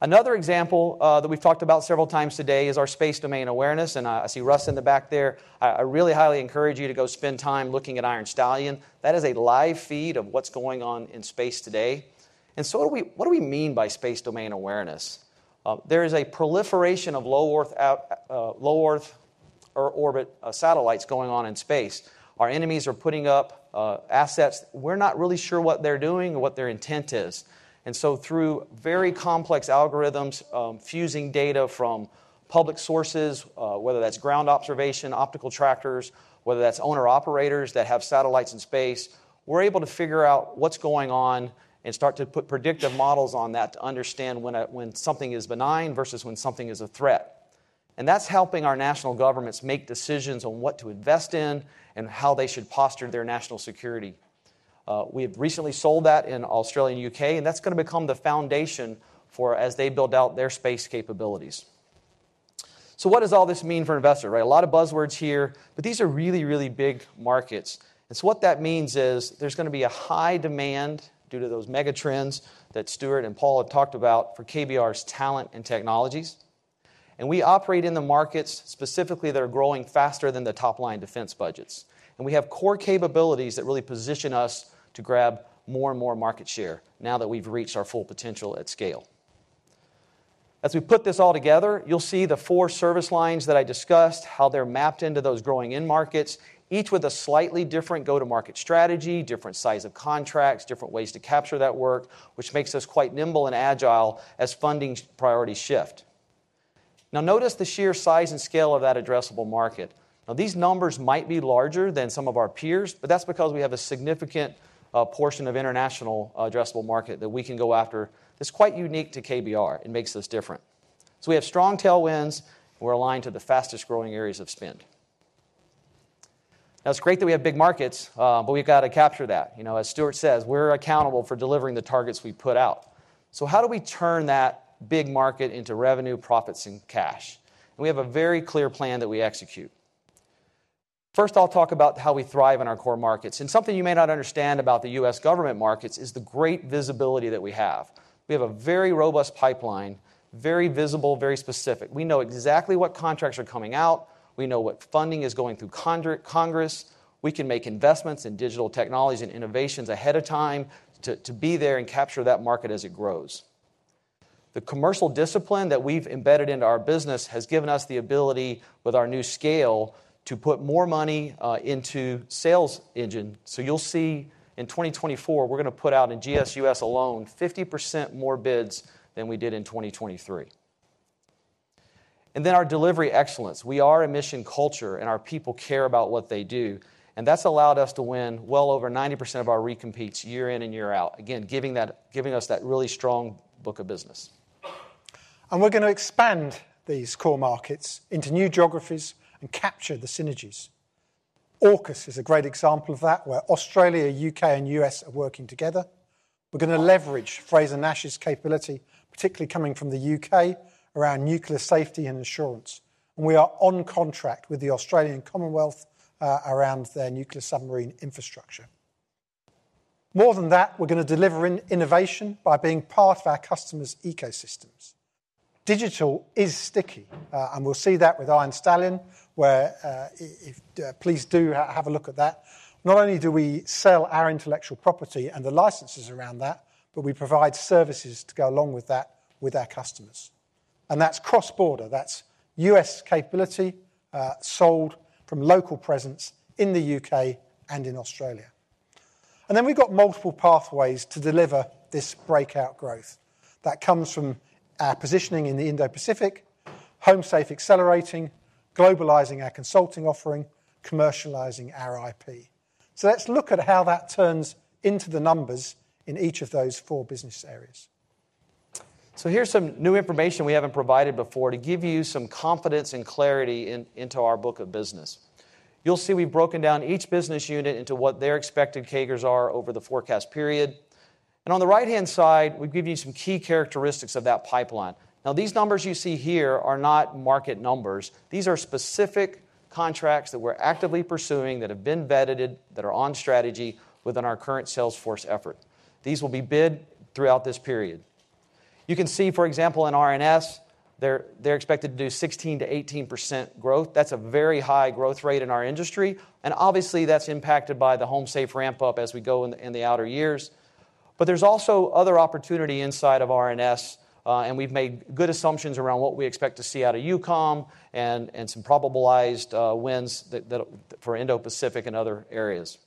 Another example that we've talked about several times today is our space domain awareness, and I see Russ in the back there. I really highly encourage you to go spend time looking at Iron Stallion. That is a live feed of what's going on in space today. And so what do we mean by space domain awareness? There is a proliferation of low-earth orbit satellites going on in space. Our enemies are putting up assets. We're not really sure what they're doing or what their intent is. And so through very complex algorithms, fusing data from public sources, whether that's ground observation, optical tractors, whether that's owner-operators that have satellites in space, we're able to figure out what's going on and start to put predictive models on that to understand when something is benign versus when something is a threat. And that's helping our national governments make decisions on what to invest in and how they should posture their national security. We have recently sold that in Australia and U.K., and that's gonna become the foundation for as they build out their space capabilities. So what does all this mean for an investor, right? A lot of buzzwords here, but these are really, really big markets. And so what that means is there's gonna be a high demand due to those mega trends that Stuart and Paul have talked about for KBR's talent and technologies. And we operate in the markets specifically that are growing faster than the top-line defense budgets. And we have core capabilities that really position us to grab more and more market share now that we've reached our full potential at scale. As we put this all together, you'll see the four service lines that I discussed, how they're mapped into those growing end markets, each with a slightly different go-to-market strategy, different size of contracts, different ways to capture that work, which makes us quite nimble and agile as funding priority shift. Now, notice the sheer size and scale of that addressable market. Now, these numbers might be larger than some of our peers, but that's because we have a significant portion of international addressable market that we can go after, that's quite unique to KBR and makes us different. So we have strong tailwinds, we're aligned to the fastest-growing areas of spend. Now, it's great that we have big markets, but we've got to capture that. You know, as Stuart says, we're accountable for delivering the targets we put out. So how do we turn that big market into revenue, profits, and cash? We have a very clear plan that we execute. First, I'll talk about how we thrive in our core markets, and something you may not understand about the U.S. government markets is the great visibility that we have. We have a very robust pipeline, very visible, very specific. We know exactly what contracts are coming out, we know what funding is going through Congress. We can make investments in digital technologies and innovations ahead of time to be there and capture that market as it grows. The commercial discipline that we've embedded into our business has given us the ability, with our new scale, to put more money into sales engine. So you'll see in 2024, we're gonna put out in GSUS alone, 50% more bids than we did in 2023. And then our delivery excellence. We are a mission culture, and our people care about what they do, and that's allowed us to win well over 90% of our recompetes year in and year out, again, giving us that really strong book of business. And we're gonna expand these core markets into new geographies and capture the synergies. AUKUS is a great example of that, where Australia, U.K., and U.S. are working together. We're gonna leverage Frazer-Nash's capability, particularly coming from the U.K., around nuclear safety and assurance, and we are on contract with the Australian Commonwealth around their nuclear submarine infrastructure. More than that, we're gonna deliver innovation by being part of our customers' ecosystems. Digital is sticky, and we'll see that with Iron Stallion, where if please do have a look at that. Not only do we sell our intellectual property and the licenses around that, but we provide services to go along with that, with our customers, and that's cross-border. That's U.S. capability sold from local presence in the U.K. and in Australia. Then we've got multiple pathways to deliver this breakout growth that comes from our positioning in the Indo-Pacific, HomeSafe accelerating, globalizing our consulting offering, commercializing our IP. Let's look at how that turns into the numbers in each of those four business areas. So here's some new information we haven't provided before to give you some confidence and clarity into our book of business. You'll see we've broken down each business unit into what their expected CAGRs are over the forecast period, and on the right-hand side, we've given you some key characteristics of that pipeline. Now, these numbers you see here are not market numbers. These are specific contracts that we're actively pursuing, that have been vetted, that are on strategy within our current sales force effort. These will be bid throughout this period. You can see, for example, in R&S, they're expected to do 16%-18% growth. That's a very high growth rate in our industry, and obviously, that's impacted by the Home Safe ramp-up as we go in the outer years. But there's also other opportunity inside of R&S, and we've made good assumptions around what we expect to see out of EUCOM and some probabilized wins that for Indo-Pacific and other areas.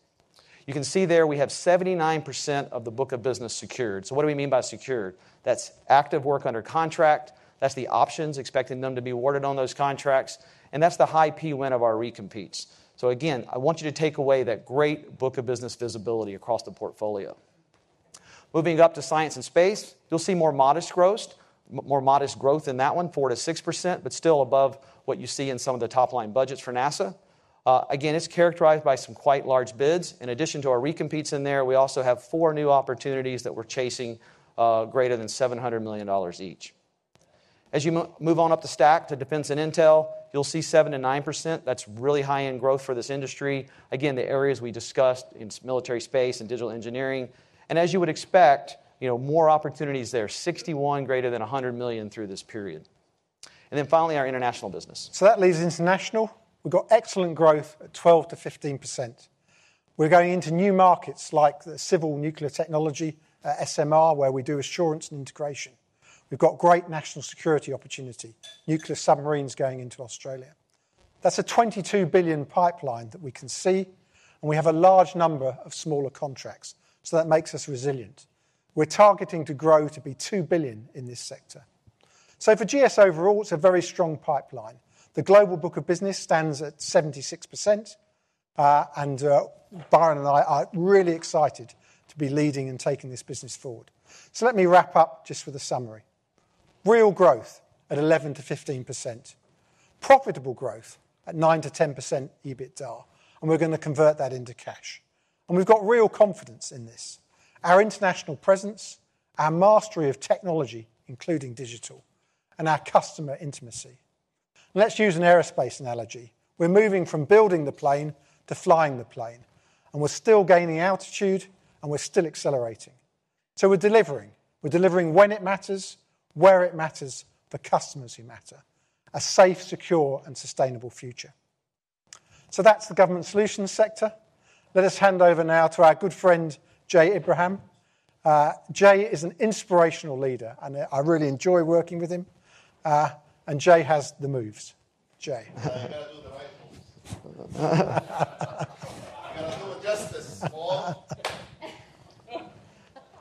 You can see there, we have 79% of the book of business secured. So what do we mean by secured? That's active work under contract. That's the options, expecting them to be awarded on those contracts, and that's the high P win of our recompetes. So again, I want you to take away that great book of business visibility across the portfolio. Moving up to science and space, you'll see more modest growth in that one, 4%-6%, but still above what you see in some of the top-line budgets for NASA. Again, it's characterized by some quite large bids. In addition to our recompetes in there, we also have four new opportunities that we're chasing, greater than $700 million each. As you move on up the stack to Defense and Intel, you'll see 7%-9%. That's really high-end growth for this industry. Again, the areas we discussed in military space and digital engineering, and as you would expect, you know, more opportunities there, 61 greater than $100 million through this period. And then finally, our international business. So that leaves international. We've got excellent growth at 12%-15%. We're going into new markets like the civil nuclear technology, SMR, where we do assurance and integration. We've got great national security opportunity, nuclear submarines going into Australia. That's a $22 billion pipeline that we can see, and we have a large number of smaller contracts, so that makes us resilient. We're targeting to grow to be $2 billion in this sector. So for GS overall, it's a very strong pipeline. The global book of business stands at 76%, and Byron and I are really excited to be leading and taking this business forward. So let me wrap up just with a summary. Real growth at 11%-15%. Profitable growth at 9%-10% EBITDA, and we're gonna convert that into cash, and we've got real confidence in this. Our international presence, our mastery of technology, including digital, and our customer intimacy. Let's use an aerospace analogy. We're moving from building the plane to flying the plane, and we're still gaining altitude, and we're still accelerating. So we're delivering. We're delivering when it matters, where it matters, for customers who matter. A safe, secure, and sustainable future. So that's the government solutions sector. Let us hand over now to our good friend, Jay Ibrahim. Jay is an inspirational leader, and I really enjoy working with him. And Jay has the moves. Jay.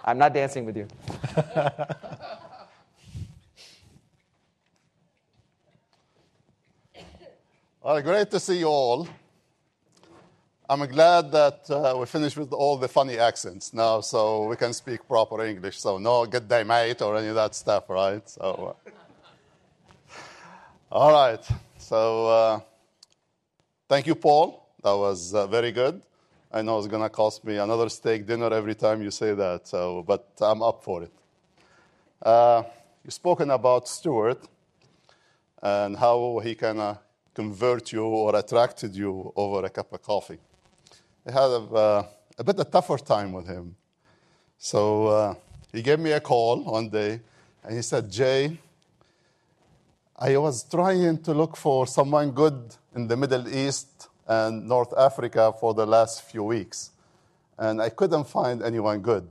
I'm not dancing with you. Well, great to see you all. I'm glad that we're finished with all the funny accents now, so we can speak proper English, so no good day, mate, or any of that stuff, right? All right. So, thank you, Paul. That was very good. I know it's gonna cost me another steak dinner every time you say that, so, but I'm up for it. You've spoken about Stuart and how he kinda convert you or attracted you over a cup of coffee. I had a bit of tougher time with him. So, he gave me a call one day, and he said, "Jay, I was trying to look for someone good in the Middle East and North Africa for the last few weeks, and I couldn't find anyone good.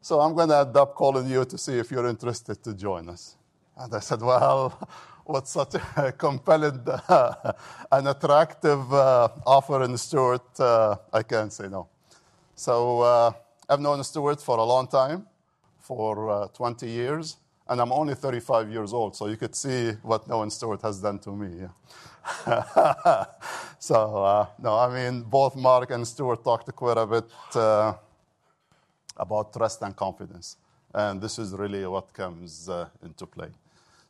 So I'm gonna end up calling you to see if you're interested to join us." And I said, "Well, with such a compelling, an attractive, offer in Stuart, I can't say no." So, I've known Stuart for a long time, for, 20 years, and I'm only 35 years old, so you could see what knowing Stuart has done to me, yeah. So, no, I mean, both Mark and Stuart talked quite a bit, about trust and confidence, and this is really what comes, into play.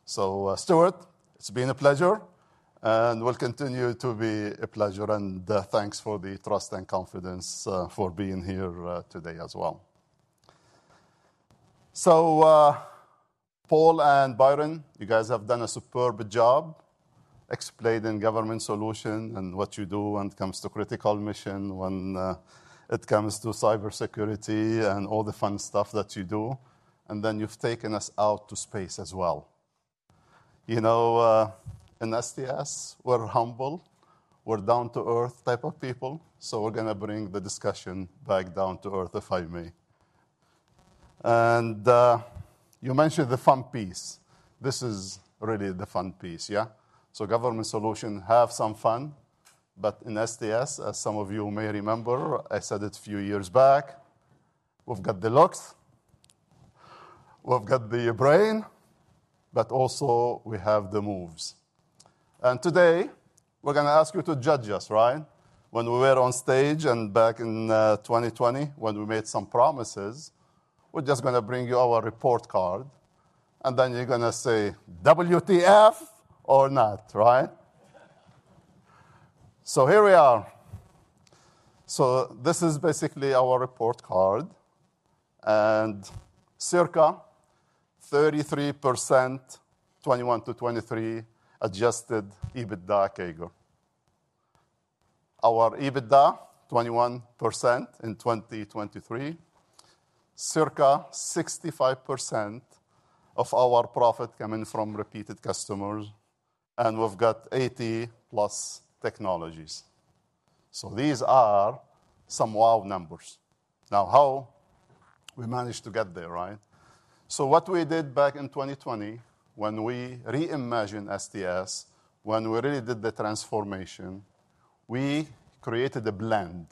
So, Stuart, it's been a pleasure, and will continue to be a pleasure, and, thanks for the trust and confidence, for being here, today as well. So, Paul and Byron, you guys have done a superb job explaining Government Solutions and what you do when it comes to critical mission, when it comes to cybersecurity and all the fun stuff that you do, and then you've taken us out to space as well. You know, in STS, we're humble, we're down-to-earth type of people, so we're gonna bring the discussion back down to earth, if I may. And you mentioned the fun piece. This is really the fun piece, yeah? So Government Solutions, have some fun, but in STS, as some of you may remember, I said it a few years back, we've got the looks, we've got the brain, but also, we have the moves. And today, we're gonna ask you to judge us, right? When we were on stage and back in 2020, when we made some promises, we're just gonna bring you our report card, and then you're gonna say, "WTF!" or not, right? So here we are. So this is basically our report card, and circa 33%, 2021-2023, adjusted EBITDA CAGR. Our EBITDA, 21% in 2023. Circa 65% of our profit coming from repeated customers, and we've got 80+ technologies. So these are some wow numbers. Now, how we managed to get there, right? So what we did back in 2020, when we reimagined STS, when we really did the transformation, we created a blend,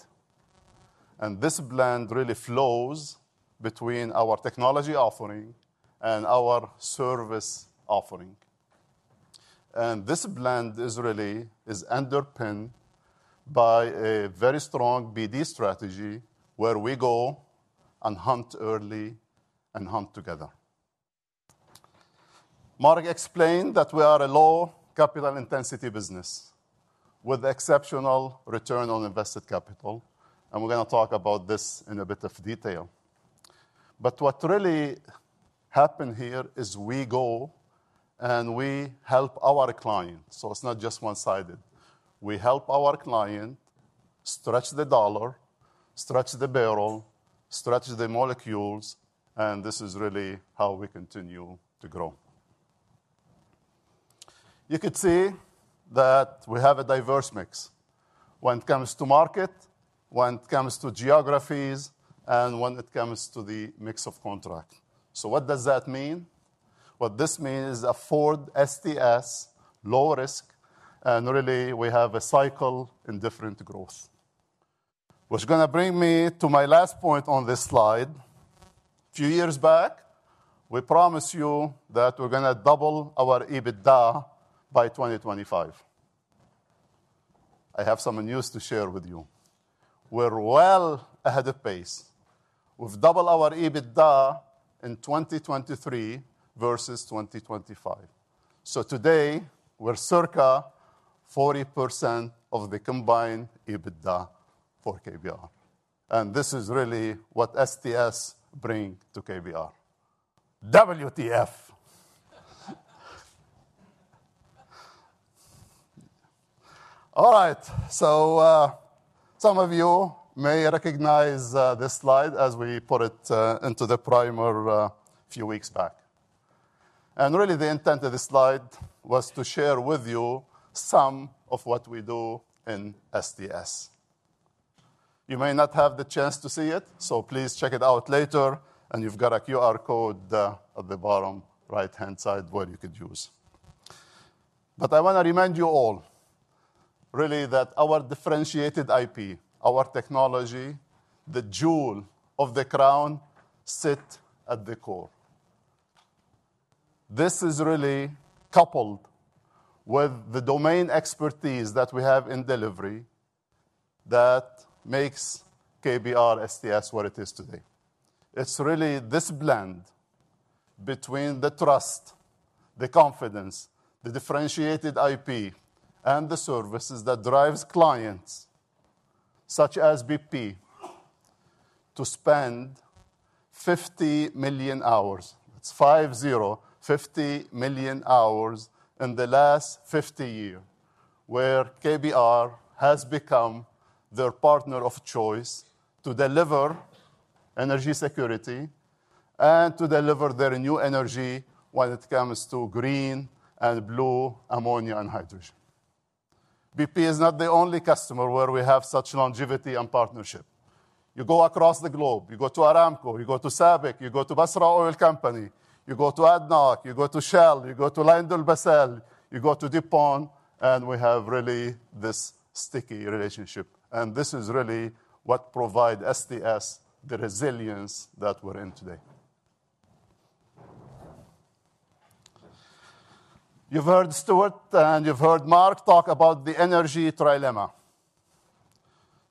and this blend really flows between our technology offering and our service offering. And this blend is really, is underpinned by a very strong BD strategy, where we go and hunt early and hunt together. Mark explained that we are a low capital intensity business with exceptional return on invested capital, and we're gonna talk about this in a bit of detail. But what really happened here is we go, and we help our clients, so it's not just one-sided. We help our client stretch the dollar, stretch the barrel, stretch the molecules, and this is really how we continue to grow. You could see that we have a diverse mix when it comes to market, when it comes to geographies, and when it comes to the mix of contract. So what does that mean? What this means is affords STS low risk, and really, we have a cycle in different growth, which is gonna bring me to my last point on this slide. A few years back, we promised you that we're gonna double our EBITDA by 2025. I have some news to share with you. We're well ahead of pace. We've doubled our EBITDA in 2023 versus 2025. So today, we're circa 40% of the combined EBITDA for KBR, and this is really what STS bring to KBR. WTF! All right, so, some of you may recognize this slide as we put it into the primer a few weeks back. Really, the intent of this slide was to share with you some of what we do in STS. You may not have the chance to see it, so please check it out later, and you've got a QR code at the bottom right-hand side where you could use. But I wanna remind you all, really, that our differentiated IP, our technology, the jewel of the crown, sit at the core. This is really coupled with the domain expertise that we have in delivery that makes KBR STS what it is today. It's really this blend between the trust, the confidence, the differentiated IP, and the services that drives clients, such as BP, to spend 50 million hours, that's 50, 50 million hours, in the last 50 years, where KBR has become their partner of choice to deliver energy security and to deliver their new energy when it comes to green and blue ammonia and hydrogen. BP is not the only customer where we have such longevity and partnership. You go across the globe, you go to Aramco, you go to SABIC, you go to Basra Oil Company, you go to ADNOC, you go to Shell, you go to LyondellBasell, you go to DuPont, and we have really this sticky relationship. This is really what provide STS the resilience that we're in today. You've heard Stuart, and you've heard Mark talk about the energy trilemma.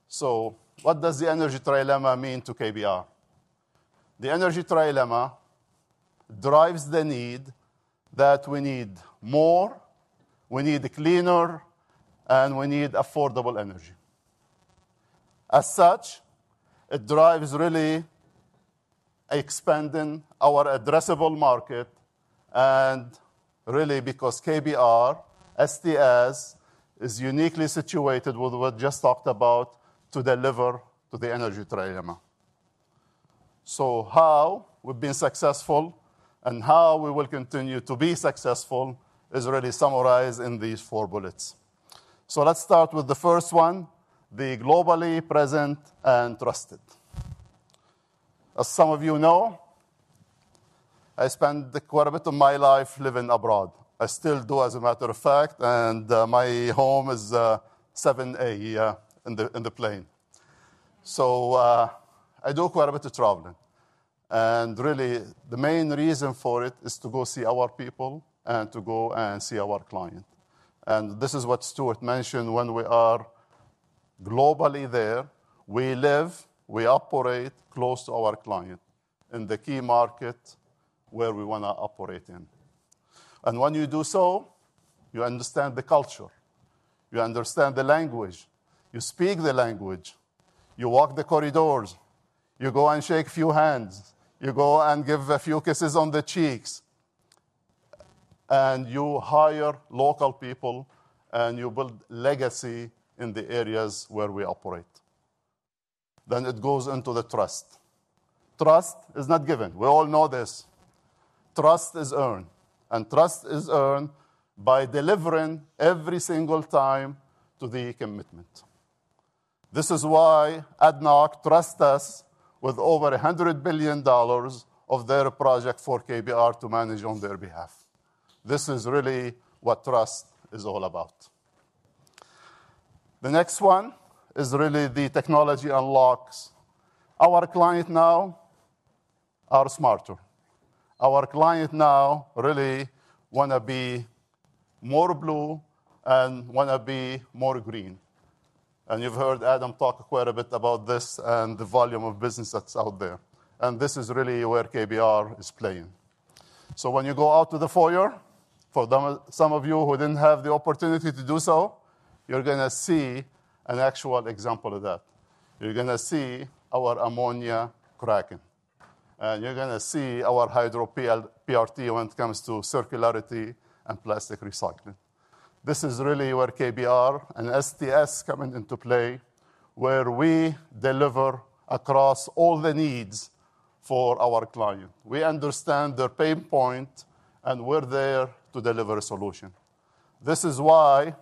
So what does the energy trilemma mean to KBR? The energy trilemma drives the need that we need more, we need cleaner, and we need affordable energy. As such, it drives really expanding our addressable market and really because KBR STS is uniquely situated with what just talked about to deliver to the energy trilemma. So how we've been successful and how we will continue to be successful is really summarized in these four bullets. So let's start with the first one, being globally present and trusted. As some of you know, I spent quite a bit of my life living abroad. I still do, as a matter of fact, and my home is 7A in the plane. I do quite a bit of traveling, and really the main reason for it is to go see our people and to go and see our client. This is what Stuart mentioned, when we are globally there, we live, we operate close to our client in the key market where we want to operate in. When you do so, you understand the culture, you understand the language, you speak the language, you walk the corridors, you go and shake a few hands, you go and give a few kisses on the cheeks, and you hire local people, and you build legacy in the areas where we operate. It goes into the trust. Trust is not given. We all know this. Trust is earned, and trust is earned by delivering every single time to the commitment. This is why ADNOC trusts us with over $100 billion of their project for KBR to manage on their behalf. This is really what trust is all about. The next one is really the technology unlocks. Our client now are smarter. Our client now really want to be more blue and want to be more green. And you've heard Adam talk quite a bit about this and the volume of business that's out there, and this is really where KBR is playing. So when you go out to the foyer, for them, some of you who didn't have the opportunity to do so, you're gonna see an actual example of that. You're gonna see our ammonia cracking, and you're gonna see our Hydro-PRT when it comes to circularity and plastic recycling. This is really where KBR and STS come into play, where we deliver across all the needs for our client. We understand their pain point, and we're there to deliver a solution. This is why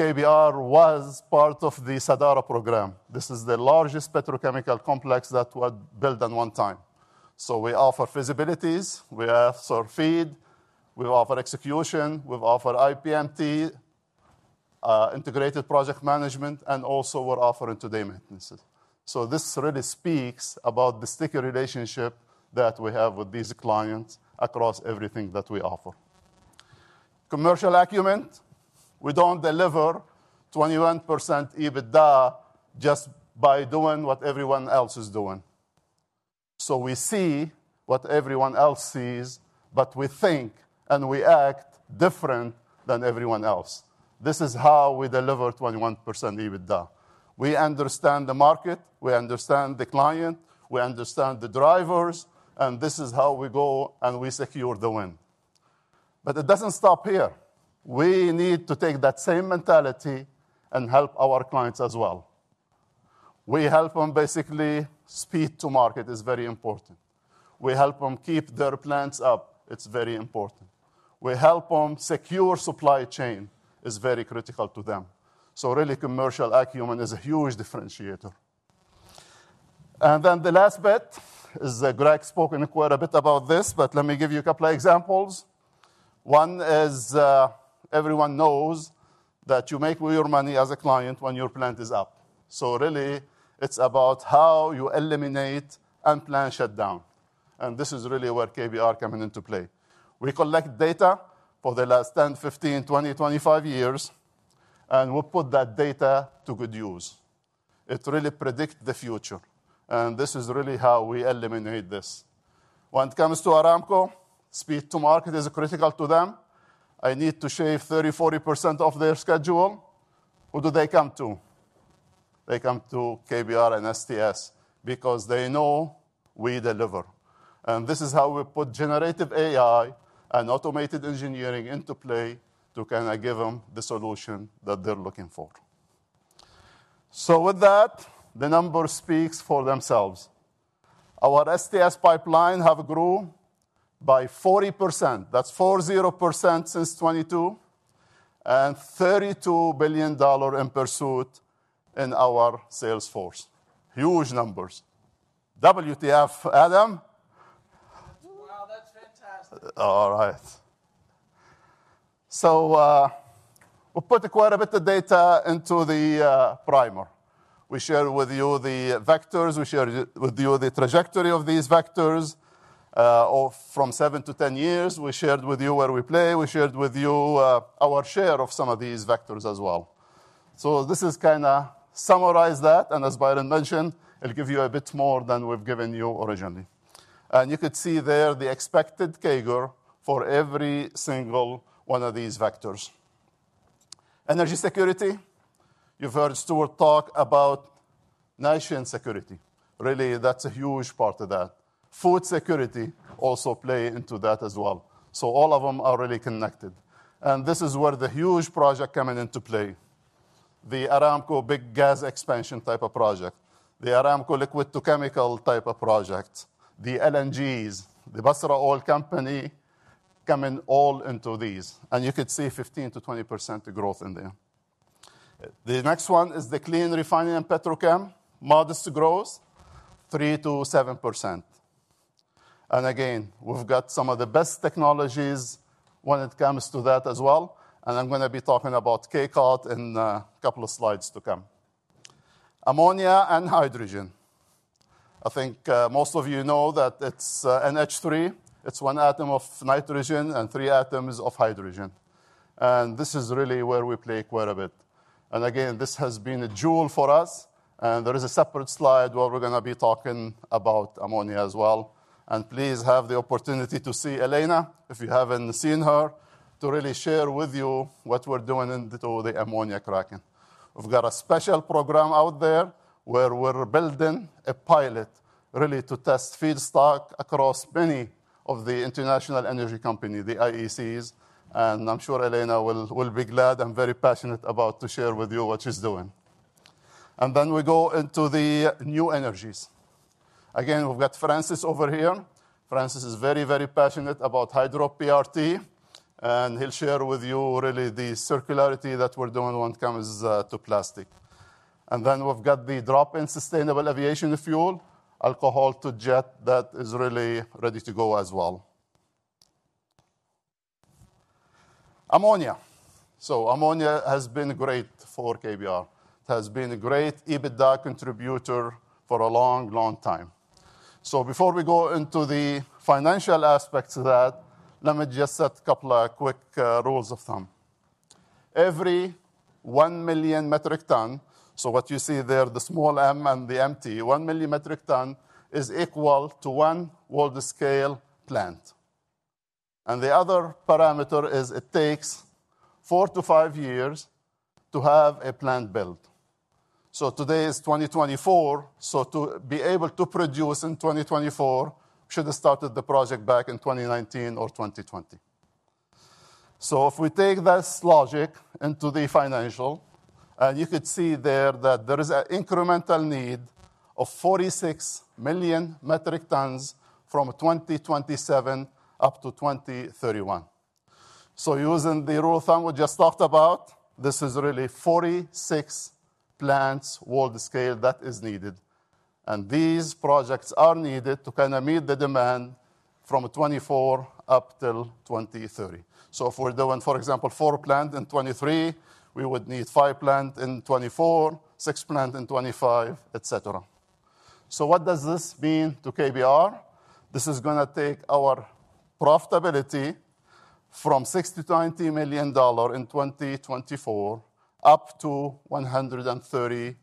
KBR was part of the Sadara program. This is the largest petrochemical complex that was built in one time. So we offer visibilities, we offer feed, we offer execution, we offer IPMT, integrated project management, and also we're offering today, maintenance. So this really speaks about the sticky relationship that we have with these clients across everything that we offer. Commercial acumen, we don't deliver 21% EBITDA just by doing what everyone else is doing. So we see what everyone else sees, but we think and we act different than everyone else. This is how we deliver 21% EBITDA. We understand the market, we understand the client, we understand the drivers, and this is how we go, and we secure the win. But it doesn't stop here. We need to take that same mentality and help our clients as well. We help them. Basically, speed to market is very important. We help them keep their plants up. It's very important. We help them secure supply chain, is very critical to them. So really, commercial acumen is a huge differentiator. And then the last bit is, Greg spoken quite a bit about this, but let me give you a couple of examples. One is, everyone knows that you make all your money as a client when your plant is up. So really, it's about how you eliminate unplanned shutdown, and this is really where KBR coming into play. We collect data for the last 10, 15, 20, 25 years, and we put that data to good use. It really predict the future, and this is really how we eliminate this. When it comes to Aramco, speed to market is critical to them. I need to shave 30%-40% of their schedule. Who do they come to? They come to KBR and STS because they know we deliver, and this is how we put generative AI and automated engineering into play to kind of give them the solution that they're looking for. So with that, the numbers speaks for themselves. Our STS pipeline have grew by 40%. That's 40% since 2022, and $32 billion in pursuit in our sales force. Huge numbers. WTF, Adam? All right. We put quite a bit of data into the primer. We shared with you the vectors. We shared with you the trajectory of these vectors of from seven-10 years. We shared with you where we play. We shared with you our share of some of these vectors as well. So this is kind of summarize that, and as Byron mentioned, it'll give you a bit more than we've given you originally... and you could see there the expected CAGR for every single one of these vectors. Energy security, you've heard Stuart talk about national security. Really, that's a huge part of that. Food security also play into that as well. So all of them are really connected, and this is where the huge project coming into play. The Aramco big gas expansion type of project, the Aramco liquid to chemical type of project, the LNGs, the Basra Oil Company, coming all into these, and you could see 15%-20% growth in there. The next one is the clean refining and petrochem. Modest growth, 3%-7%. And again, we've got some of the best technologies when it comes to that as well, and I'm gonna be talking about K-COT in a couple of slides to come. Ammonia and hydrogen. I think, most of you know that it's, NH₃. It's one atom of nitrogen and three atoms of hydrogen, and this is really where we play quite a bit. And again, this has been a jewel for us, and there is a separate slide where we're gonna be talking about ammonia as well. Please have the opportunity to see Elena, if you haven't seen her, to really share with you what we're doing into the ammonia cracking. We've got a special program out there, where we're building a pilot really to test feedstock across many of the international energy company, the IECs, and I'm sure Elena will be glad and very passionate about to share with you what she's doing. Then we go into the new energies. Again, we've got Francois over here. Francois is very, very passionate about Hydro-PRT, and he'll share with you really the circularity that we're doing when it comes to plastic. And then we've got the drop-in sustainable aviation fuel, alcohol to jet, that is really ready to go as well. Ammonia. So ammonia has been great for KBR. It has been a great EBITDA contributor for a long, long time. So before we go into the financial aspects of that, let me just set a couple of quick rules of thumb. Every 1 million metric ton, so what you see there, the small m and the mt, 1 million metric ton is equal to one world scale plant. And the other parameter is it takes four-five years to have a plant built. So today is 2024, so to be able to produce in 2024, should have started the project back in 2019 or 2020. So if we take this logic into the financial, and you could see there that there is an incremental need of 46 million metric tons from 2027 up to 2031. So using the rule of thumb we just talked about, this is really 46 plants world scale that is needed, and these projects are needed to kind of meet the demand from 2024 up till 2030. So if we're doing, for example, four plants in 2023, we would needfive plants in 2024, six plants in 2025, etc. So what does this mean to KBR? This is gonna take our profitability from $60 million-$80 million in 2024, up to $130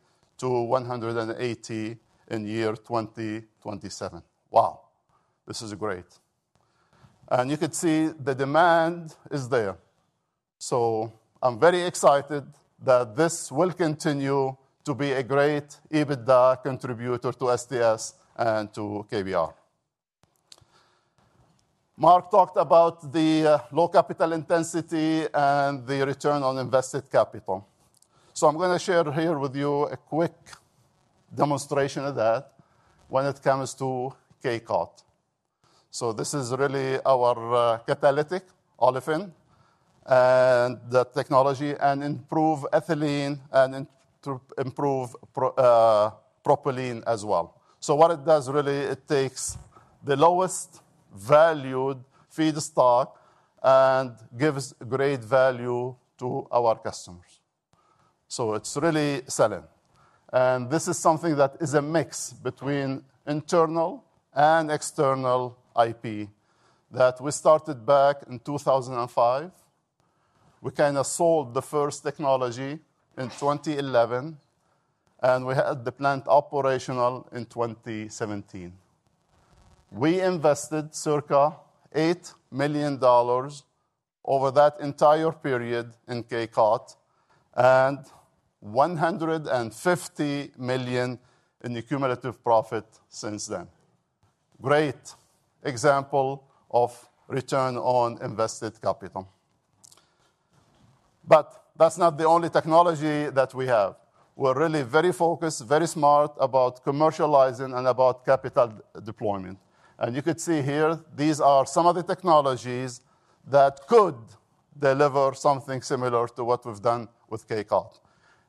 million-$180 million in year 2027. Wow, this is great. And you could see the demand is there. So I'm very excited that this will continue to be a great EBITDA contributor to STS and to KBR. Mark talked about the low capital intensity and the return on invested capital. So I'm gonna share here with you a quick demonstration of that when it comes to K-COT. This is really our catalytic olefins technology, and improves ethylene and propylene as well. What it does, really, it takes the lowest valued feedstock and gives great value to our customers. So it's really selling. And this is something that is a mix between internal and external IP that we started back in 2005. We kind of sold the first technology in 2011, and we had the plant operational in 2017. We invested circa $8 million over that entire period in K-COT and $150 million in the cumulative profit since then. Great example of return on invested capital. But that's not the only technology that we have. We're really very focused, very smart about commercializing and about capital deployment. And you could see here, these are some of the technologies that could deliver something similar to what we've done with K-COT.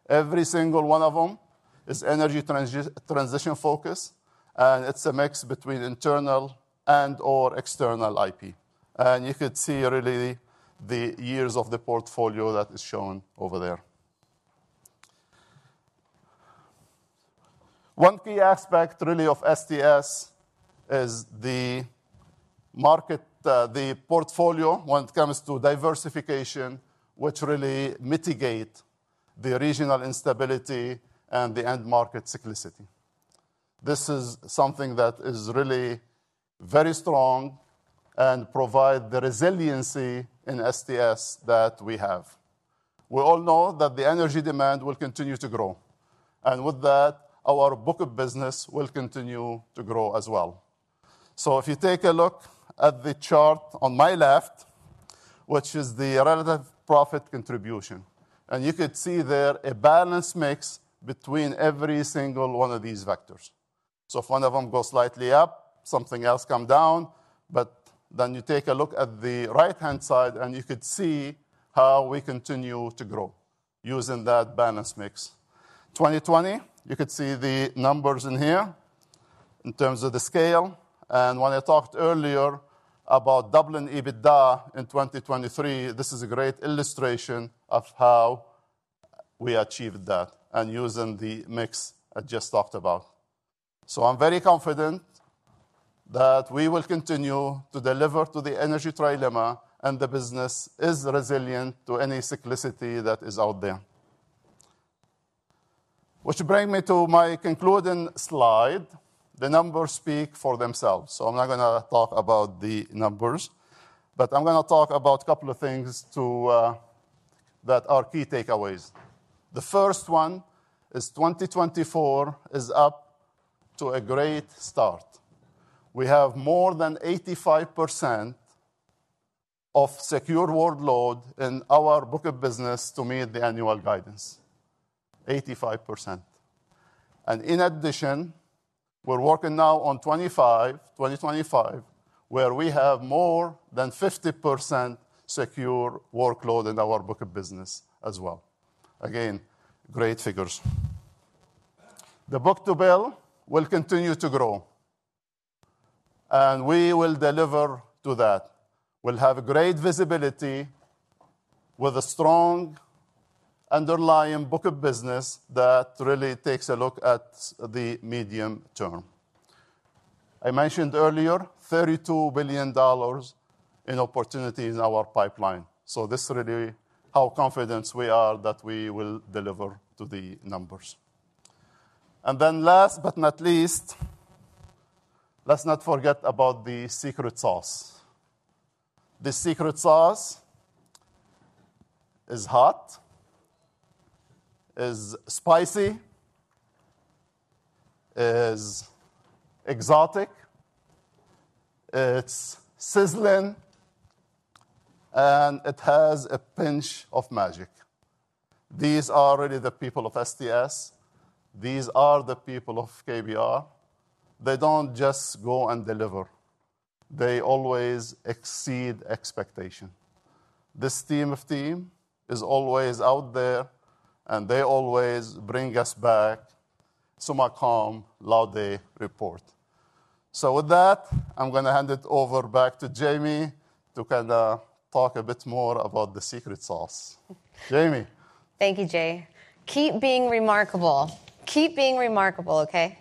Every single one of them is energy transition focused, and it's a mix between internal and/or external IP. And you could see really the years of the portfolio that is shown over there. One key aspect, really, of STS is the market, the portfolio when it comes to diversification, which really mitigate the regional instability and the end market cyclicity. This is something that is really very strong and provide the resiliency in STS that we have. We all know that the energy demand will continue to grow, and with that, our book of business will continue to grow as well. So if you take a look at the chart on my left, which is the relative profit contribution, and you could see there a balanced mix between every single one of these vectors. So if one of them goes slightly up, something else come down. But then you take a look at the right-hand side, and you could see how we continue to grow using that balanced mix. 2020, you could see the numbers in here in terms of the scale, and when I talked earlier about doubling EBITDA in 2023, this is a great illustration of how we achieved that and using the mix I just talked about. So I'm very confident that we will continue to deliver to the energy trilemma, and the business is resilient to any cyclicity that is out there. Which bring me to my concluding slide. The numbers speak for themselves, so I'm not gonna talk about the numbers, but I'm gonna talk about a couple of things to that are key takeaways. The first one is 2024 is up to a great start. We have more than 85% of secure workload in our book of business to meet the annual guidance. 85%. And in addition, we're working now on 2025, where we have more than 50% secure workload in our book of business as well. Again, great figures. The book-to-bill will continue to grow, and we will deliver to that. We'll have great visibility with a strong underlying book of business that really takes a look at the medium term. I mentioned earlier, $32 billion in opportunity in our pipeline, so this really how confident we are that we will deliver to the numbers. And then last but not least, let's not forget about the secret sauce. The secret sauce is hot, is spicy, is exotic, it's sizzling, and it has a pinch of magic. These are really the people of STS. These are the people of KBR. They don't just go and deliver; they always exceed expectation. This team of team is always out there, and they always bring us back summa cum laude report. So with that, I'm gonna hand it over back to Jamie to kinda talk a bit more about the secret sauce. Jamie? Thank you, Jay. Keep being remarkable. Keep being remarkable, okay?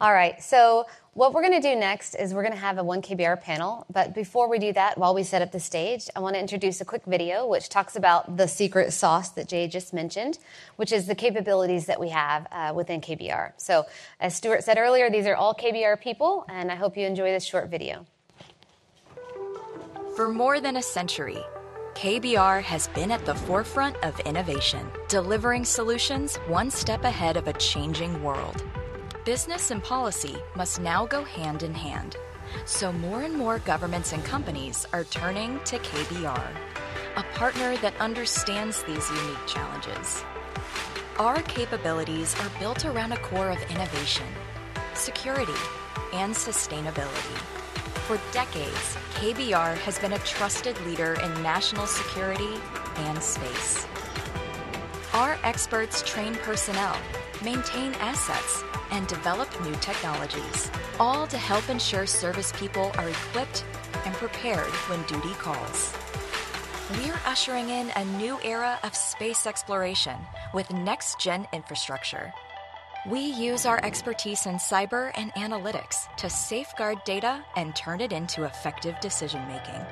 All right, so what we're gonna do next is we're gonna have our KBR panel. But before we do that, while we set up the stage, I wanna introduce a quick video, which talks about the secret sauce that Jay just mentioned, which is the capabilities that we have within KBR. So, as Stuart said earlier, these are all KBR people, and I hope you enjoy this short video. For more than a century, KBR has been at the forefront of innovation, delivering solutions one step ahead of a changing world. Business and policy must now go hand in hand, so more and more governments and companies are turning to KBR, a partner that understands these unique challenges. Our capabilities are built around a core of innovation, security, and sustainability. For decades, KBR has been a trusted leader in national security and space. Our experts train personnel, maintain assets, and develop new technologies, all to help ensure service people are equipped and prepared when duty calls. We're ushering in a new era of space exploration with next-gen infrastructure. We use our expertise in cyber and analytics to safeguard data and turn it into effective decision-making,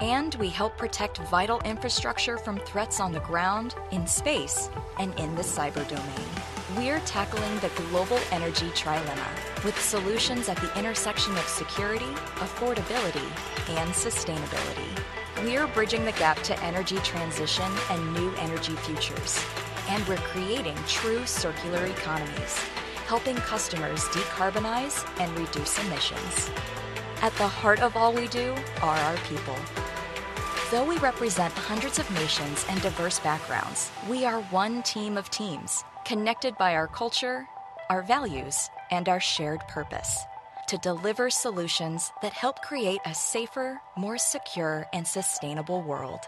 and we help protect vital infrastructure from threats on the ground, in space, and in the cyber domain. We're tackling the global energy trilemma with solutions at the intersection of security, affordability, and sustainability. We are bridging the gap to energy transition and new energy futures, and we're creating true circular economies, helping customers decarbonize and reduce emissions. At the heart of all we do are our people. Though we represent hundreds of nations and diverse backgrounds, we are one team of teams, connected by our culture, our values, and our shared purpose: to deliver solutions that help create a safer, more secure, and sustainable world.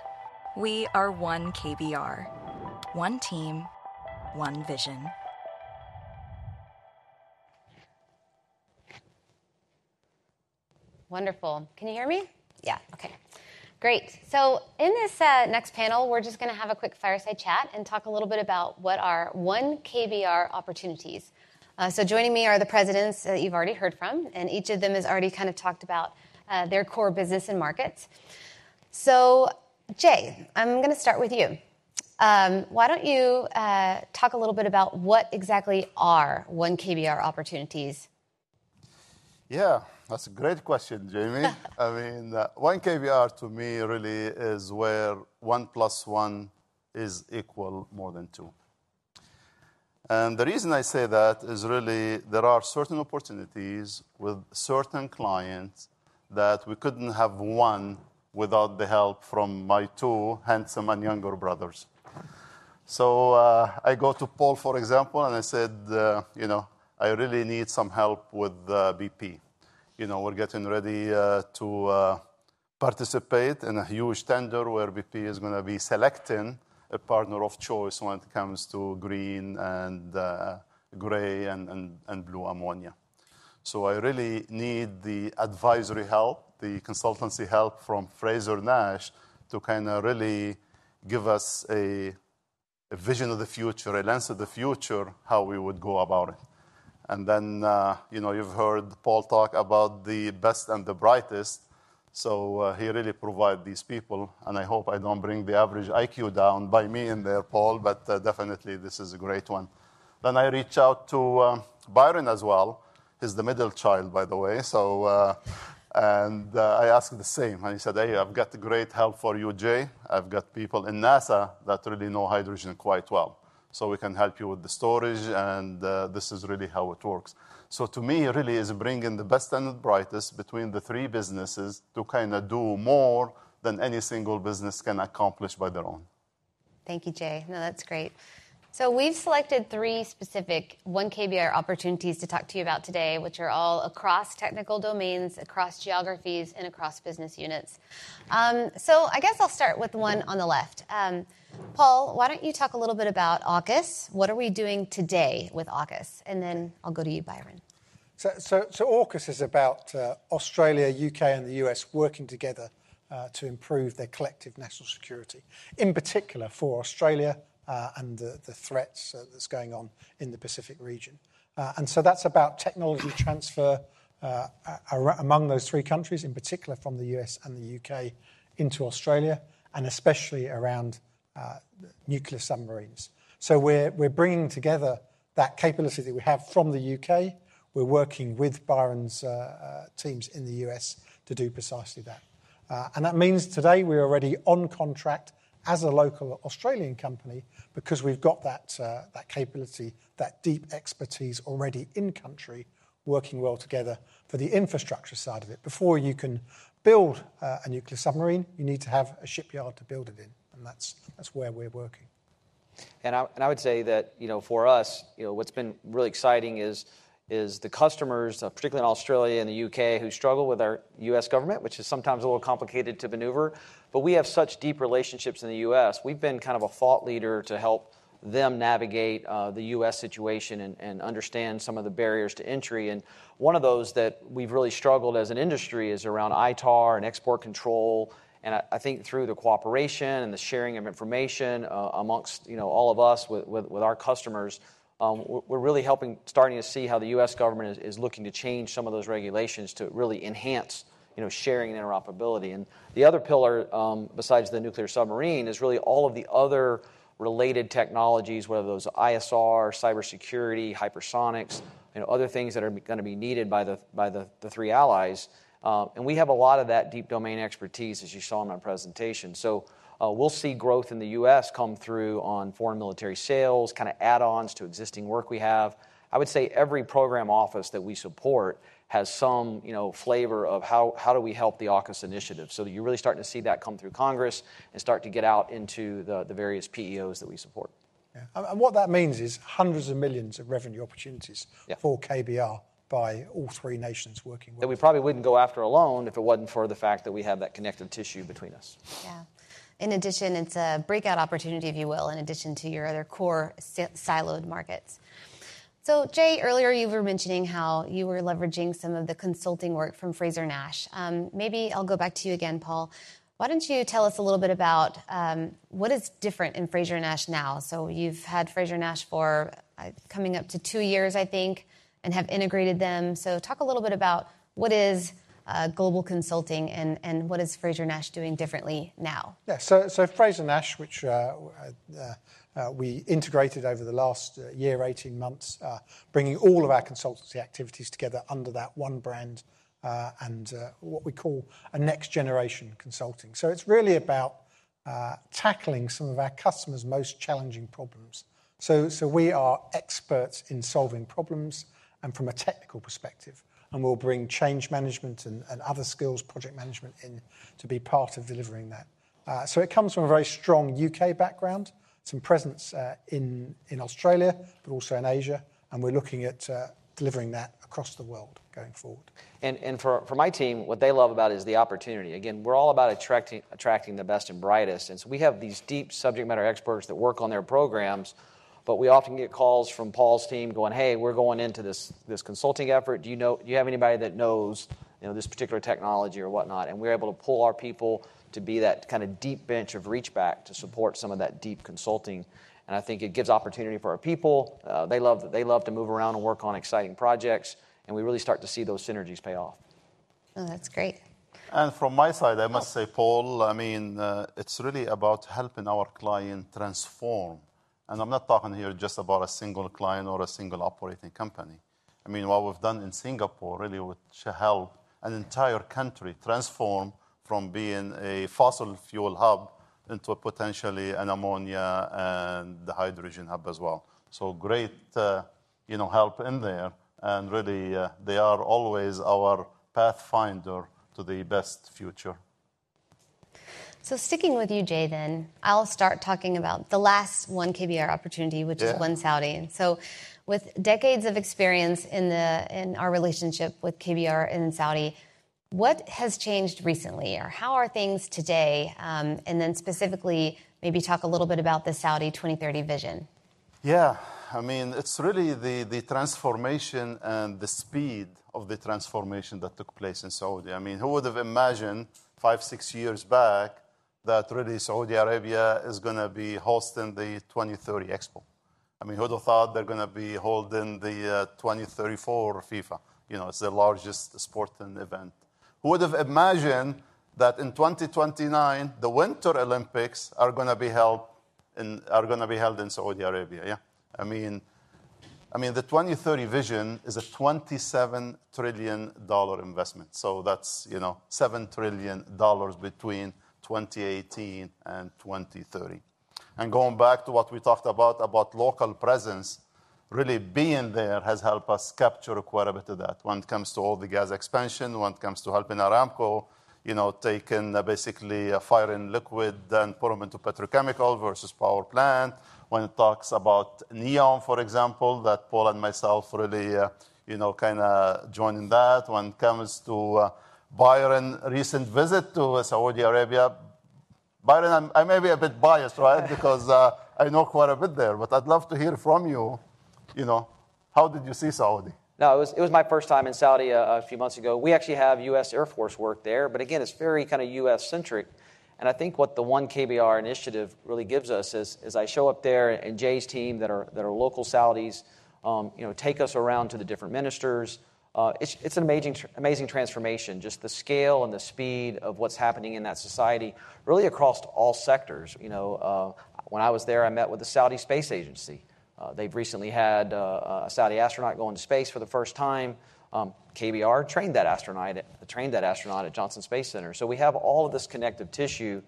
We are one KBR. One team, one vision. Wonderful. Can you hear me? Yeah, okay.... Great! So in this next panel, we're just gonna have a quick fireside chat and talk a little bit about what are one KBR opportunities. So joining me are the presidents that you've already heard from, and each of them has already kind of talked about their core business and markets. So, Jay, I'm gonna start with you. Why don't you talk a little bit about what exactly are one KBR opportunities? Yeah, that's a great question, Jamie. I mean, one KBR to me really is where one plus one is equal more than two. And the reason I say that is really there are certain opportunities with certain clients that we couldn't have won without the help from my two handsome and younger brothers. So, I go to Paul, for example, and I said, "You know, I really need some help with, BP. You know, we're getting ready, to, participate in a huge tender, where BP is gonna be selecting a partner of choice when it comes to green and, gray and blue ammonia. So I really need the advisory help, the consultancy help from Frazer-Nash to kinda really give us a vision of the future, a lens of the future, how we would go about it." And then, you know, you've heard Paul talk about the best and the brightest, so he really provide these people, and I hope I don't bring the average IQ down by me in there, Paul, but definitely, this is a great one. Then I reach out to Byron as well. He's the middle child, by the way. And I asked him the same, and he said, "Hey, I've got great help for you, Jay. I've got people in NASA that really know hydrogen quite well, so we can help you with the storage, and, this is really how it works." So to me, it really is bringing the best and the brightest between the three businesses to kind of do more than any single business can accomplish by their own. Thank you, Jay. No, that's great. So we've selected three specific one KBR opportunities to talk to you about today, which are all across technical domains, across geographies, and across business units. So I guess I'll start with the one on the left. Paul, why don't you talk a little bit about AUKUS? What are we doing today with AUKUS? And then I'll go to you, Byron. AUKUS is about Australia, U.K., and the U.S. working together to improve their collective national security, in particular for Australia, and the threats that's going on in the Pacific region. And so that's about technology transfer among those three countries, in particular from the U.S. and the U.K. into Australia, and especially around nuclear submarines. So we're bringing together that capability that we have from the U.K. We're working with Byron's teams in the U.S. to do precisely that. And that means today, we're already on contract as a local Australian company because we've got that capability, that deep expertise already in country, working well together for the infrastructure side of it. Before you can build a nuclear submarine, you need to have a shipyard to build it in, and that's where we're working. I would say that, you know, for us, you know, what's been really exciting is the customers, particularly in Australia and the U.K., who struggle with our U.S. government, which is sometimes a little complicated to maneuver, but we have such deep relationships in the U.S. We've been kind of a thought leader to help them navigate the U.S. situation and understand some of the barriers to entry, and one of those that we've really struggled as an industry is around ITAR and export control. I think through the cooperation and the sharing of information amongst, you know, all of us with our customers, we're really starting to see how the U.S. government is looking to change some of those regulations to really enhance, you know, sharing and interoperability. And the other pillar, besides the nuclear submarine, is really all of the other related technologies, whether those ISR, cybersecurity, hypersonics, you know, other things that are gonna be needed by the three allies. And we have a lot of that deep domain expertise, as you saw in my presentation. So, we'll see growth in the U.S. come through on foreign military sales, kinda add-ons to existing work we have. I would say every program office that we support has some, you know, flavor of how do we help the AUKUS initiative? So you're really starting to see that come through Congress and start to get out into the various PEOs that we support. Yeah. And what that means is hundreds of millions of revenue opportunities- Yeah... for KBR by all three nations working with us. That we probably wouldn't go after alone if it wasn't for the fact that we have that connective tissue between us. Yeah. In addition, it's a breakout opportunity, if you will, in addition to your other core siloed markets. So, Jay, earlier, you were mentioning how you were leveraging some of the consulting work from Frazer-Nash. Maybe I'll go back to you again, Paul. Why don't you tell us a little bit about what is different in Frazer-Nash now? So you've had Frazer-Nash for coming up to two years, I think, and have integrated them. So talk a little bit about what is global consulting and what is Frazer-Nash doing differently now? Yeah. So, so Frazer-Nash, which we integrated over the last year, 18 months, bringing all of our consultancy activities together under that one brand, and what we call a next generation consulting. So it's really about tackling some of our customers' most challenging problems. So we are experts in solving problems and from a technical perspective, and we'll bring change management and other skills, project management in, to be part of delivering that. So it comes from a very strong UK background, some presence in Australia, but also in Asia, and we're looking at delivering that across the world going forward. And for my team, what they love about it is the opportunity. Again, we're all about attracting the best and brightest, and so we have these deep subject matter experts that work on their programs, but we often get calls from Paul's team going: "Hey, we're going into this consulting effort. Do you know- do you have anybody that knows, you know, this particular technology or whatnot?" And we're able to pull our people to be that kind of deep bench of reach back to support some of that deep consulting, and I think it gives opportunity for our people. They love to move around and work on exciting projects, and we really start to see those synergies pay off. Oh, that's great. From my side, I must say, Paul, I mean, it's really about helping our client transform. I'm not talking here just about a single client or a single operating company. I mean, what we've done in Singapore really with Shell, an entire country transform from being a fossil fuel hub into a potentially an ammonia and the hydrogen hub as well. So great, you know, help in there, and really, they are always our pathfinder to the best future. So, sticking with you, Jay, then, I'll start talking about the last one, KBR opportunity. Yeah. which is One Saudi. And so with decades of experience in our relationship with KBR in Saudi, what has changed recently, or how are things today? And then specifically, maybe talk a little bit about the Saudi Vision 2030. Yeah. I mean, it's really the transformation and the speed of the transformation that took place in Saudi. I mean, who would have imagined five, six years back, that really Saudi Arabia is gonna be hosting the 2030 Expo? I mean, who would have thought they're gonna be holding the 2034 FIFA? You know, it's the largest sporting event. Who would have imagined that in 2029, the Winter Olympics are gonna be held in Saudi Arabia, yeah? I mean, the 2030 vision is a $27 trillion investment. So that's, you know, $7 trillion between 2018 and 2030. And going back to what we talked about, about local presence, really being there has helped us capture quite a bit of that. When it comes to all the gas expansion, when it comes to helping Aramco, you know, taking basically a firing liquid, then put them into petrochemical versus power plant. When it talks about NEOM, for example, that Paul and myself really, you know, kinda joined in that. When it comes to Byron's recent visit to Saudi Arabia. Byron, I may be a bit biased, right? because I know quite a bit there, but I'd love to hear from you, you know, how did you see Saudi? No, it was my first time in Saudi a few months ago. We actually have US Air Force work there, but again, it's very kinda US-centric. And I think what the One KBR initiative really gives us is, as I show up there, and Jay's team that are local Saudis, you know, take us around to the different ministers. It's an amazing transformation, just the scale and the speed of what's happening in that society, really across all sectors. You know, when I was there, I met with the Saudi Space Agency. They've recently had a Saudi astronaut go into space for the first time. KBR trained that astronaut at Johnson Space Center. So we have all of this connective tissue,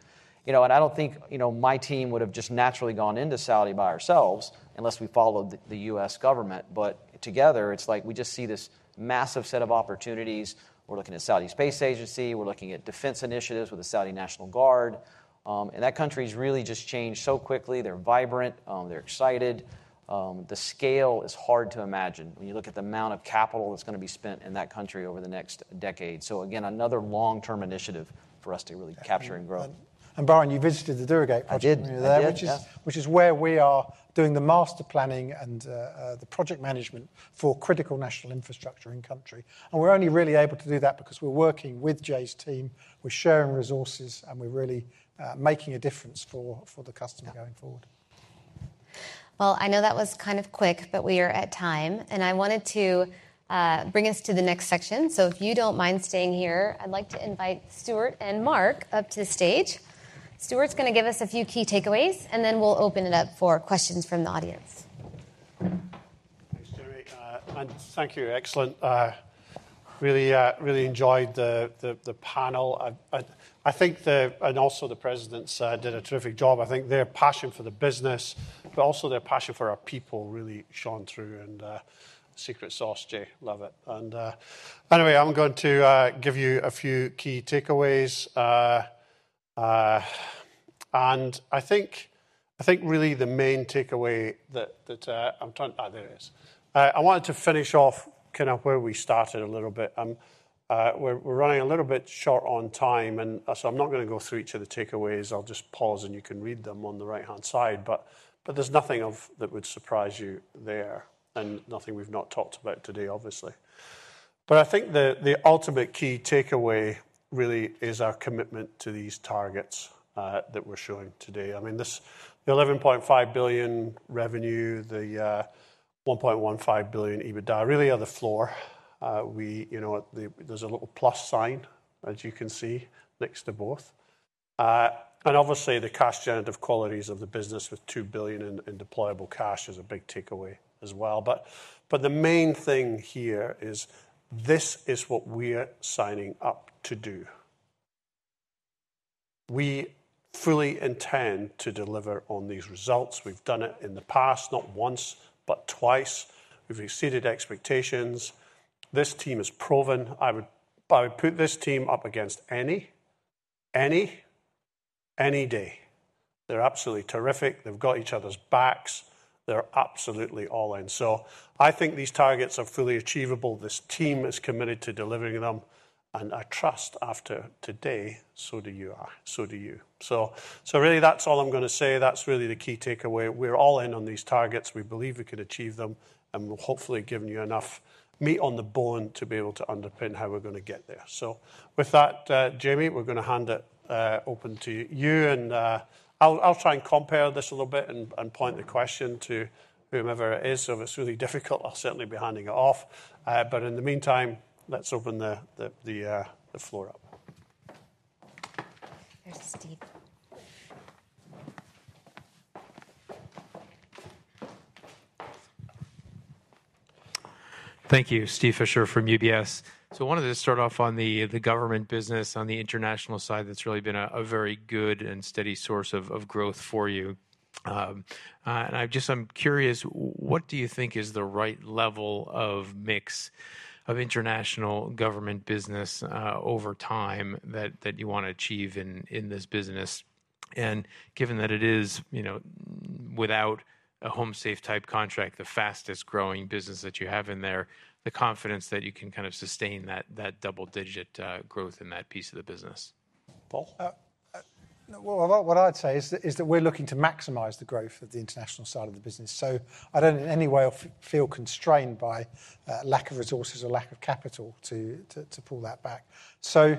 you know, and I don't think, you know, my team would have just naturally gone into Saudi by ourselves unless we followed the, the U.S. government. But together, it's like we just see this massive set of opportunities. We're looking at Saudi Space Agency, we're looking at defense initiatives with the Saudi National Guard. And that country's really just changed so quickly. They're vibrant, they're excited. The scale is hard to imagine when you look at the amount of capital that's gonna be spent in that country over the next decade. So again, another long-term initiative for us to really capture and grow. Byron, you visited the Diriyah project- I did -there. I did, yeah. Which is, which is where we are doing the master planning and the project management for critical national infrastructure in country. And we're only really able to do that because we're working with Jay's team, we're sharing resources, and we're really making a difference for the customer going forward. Well, I know that was kind of quick, but we are at time, and I wanted to bring us to the next section. So if you don't mind staying here, I'd like to invite Stuart and Mark up to the stage. Stuart's gonna give us a few key takeaways, and then we'll open it up for questions from the audience. Thanks, Jerry, and thank you. Excellent, really enjoyed the panel. I think the... and also the presidents did a terrific job. I think their passion for the business, but also their passion for our people really shone through, and, secret sauce, Jay, love it. And, anyway, I'm going to give you a few key takeaways, and I think really the main takeaway that, I'm trying-- ah, there it is. I wanted to finish off kind of where we started a little bit. We're running a little bit short on time, and, so I'm not gonna go through each of the takeaways. I'll just pause, and you can read them on the right-hand side, but there's nothing of... That would surprise you there and nothing we've not talked about today, obviously. But I think the ultimate key takeaway really is our commitment to these targets that we're showing today. I mean, this, the $11.5 billion revenue, the $1.15 billion EBITDA really are the floor. We, you know, there's a little plus sign, as you can see, next to both. And obviously, the cash generative qualities of the business with $2 billion in deployable cash is a big takeaway as well. But the main thing here is this is what we're signing up to do. We fully intend to deliver on these results. We've done it in the past, not once, but twice. We've exceeded expectations. This team is proven. I would put this team up against any day. They're absolutely terrific. They've got each other's backs. They're absolutely all in. So I think these targets are fully achievable. This team is committed to delivering them, and I trust after today, so do you, so do you. So really, that's all I'm gonna say. That's really the key takeaway. We're all in on these targets. We believe we can achieve them, and we've hopefully given you enough meat on the bone to be able to underpin how we're gonna get there. With that, Jamie, we're gonna hand it open to you, and I'll try and compare this a little bit and point the question to whomever it is. So if it's really difficult, I'll certainly be handing it off. But in the meantime, let's open the floor up. There's Steve. Thank you. Steve Fisher from UBS. So I wanted to start off on the government business on the international side. That's really been a very good and steady source of growth for you. And I'm curious, what do you think is the right level of mix of international government business over time that you want to achieve in this business? And given that it is, you know, without a HomeSafe-type contract, the fastest-growing business that you have in there, the confidence that you can kind of sustain that double-digit growth in that piece of the business. Paul? Well, what I'd say is that we're looking to maximize the growth of the international side of the business, so I don't in any way feel constrained by lack of resources or lack of capital to pull that back. So,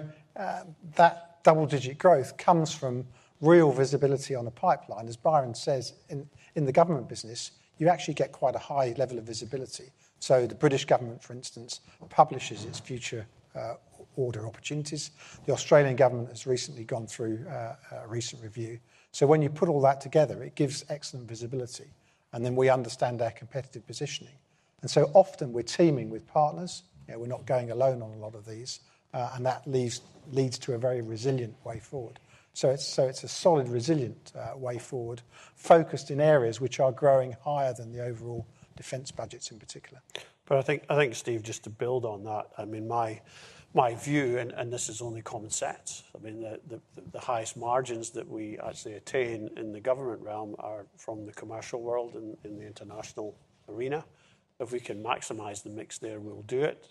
that double-digit growth comes from real visibility on the pipeline. As Byron says, in the government business, you actually get quite a high level of visibility. So the British government, for instance, publishes its future order opportunities. The Australian government has recently gone through a recent review. So when you put all that together, it gives excellent visibility, and then we understand their competitive positioning. And so often we're teaming with partners. You know, we're not going alone on a lot of these, and that leads to a very resilient way forward. So it's a solid, resilient way forward, focused in areas which are growing higher than the overall defense budgets in particular. But I think, Steve, just to build on that, I mean, my view, and this is only common sense, I mean, the highest margins that we actually attain in the government realm are from the commercial world in the international arena. If we can maximize the mix there, we'll do it.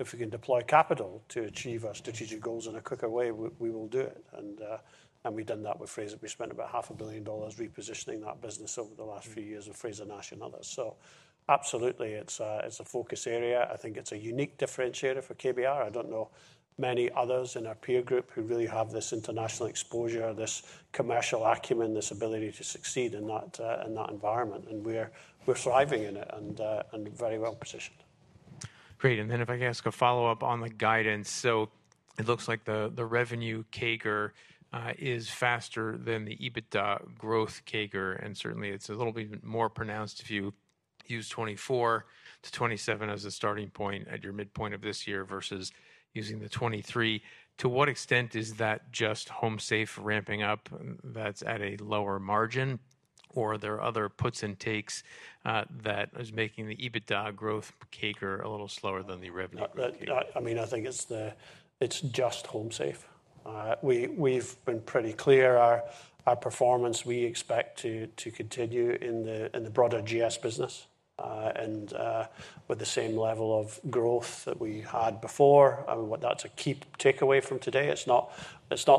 If we can deploy capital to achieve our strategic goals in a quicker way, we will do it. And we've done that with Frazer-Nash. We spent about $500 million repositioning that business over the last few years with Frazer-Nash and others. So absolutely, it's a focus area. I think it's a unique differentiator for KBR. I don't know many others in our peer group who really have this international exposure, this commercial acumen, this ability to succeed in that, in that environment, and we're thriving in it and very well positioned. Great. And then if I could ask a follow-up on the guidance. So it looks like the revenue CAGR is faster than the EBITDA growth CAGR, and certainly, it's a little bit more pronounced if you use 2024-2027 as a starting point at your midpoint of this year versus using the 2023. To what extent is that just HomeSafe ramping up that's at a lower margin, or are there other puts and takes that is making the EBITDA growth CAGR a little slower than the revenue? I mean, I think it's just HomeSafe. We've been pretty clear our performance, we expect to continue in the broader GS business, and with the same level of growth that we had before, and that's a key takeaway from today. It's not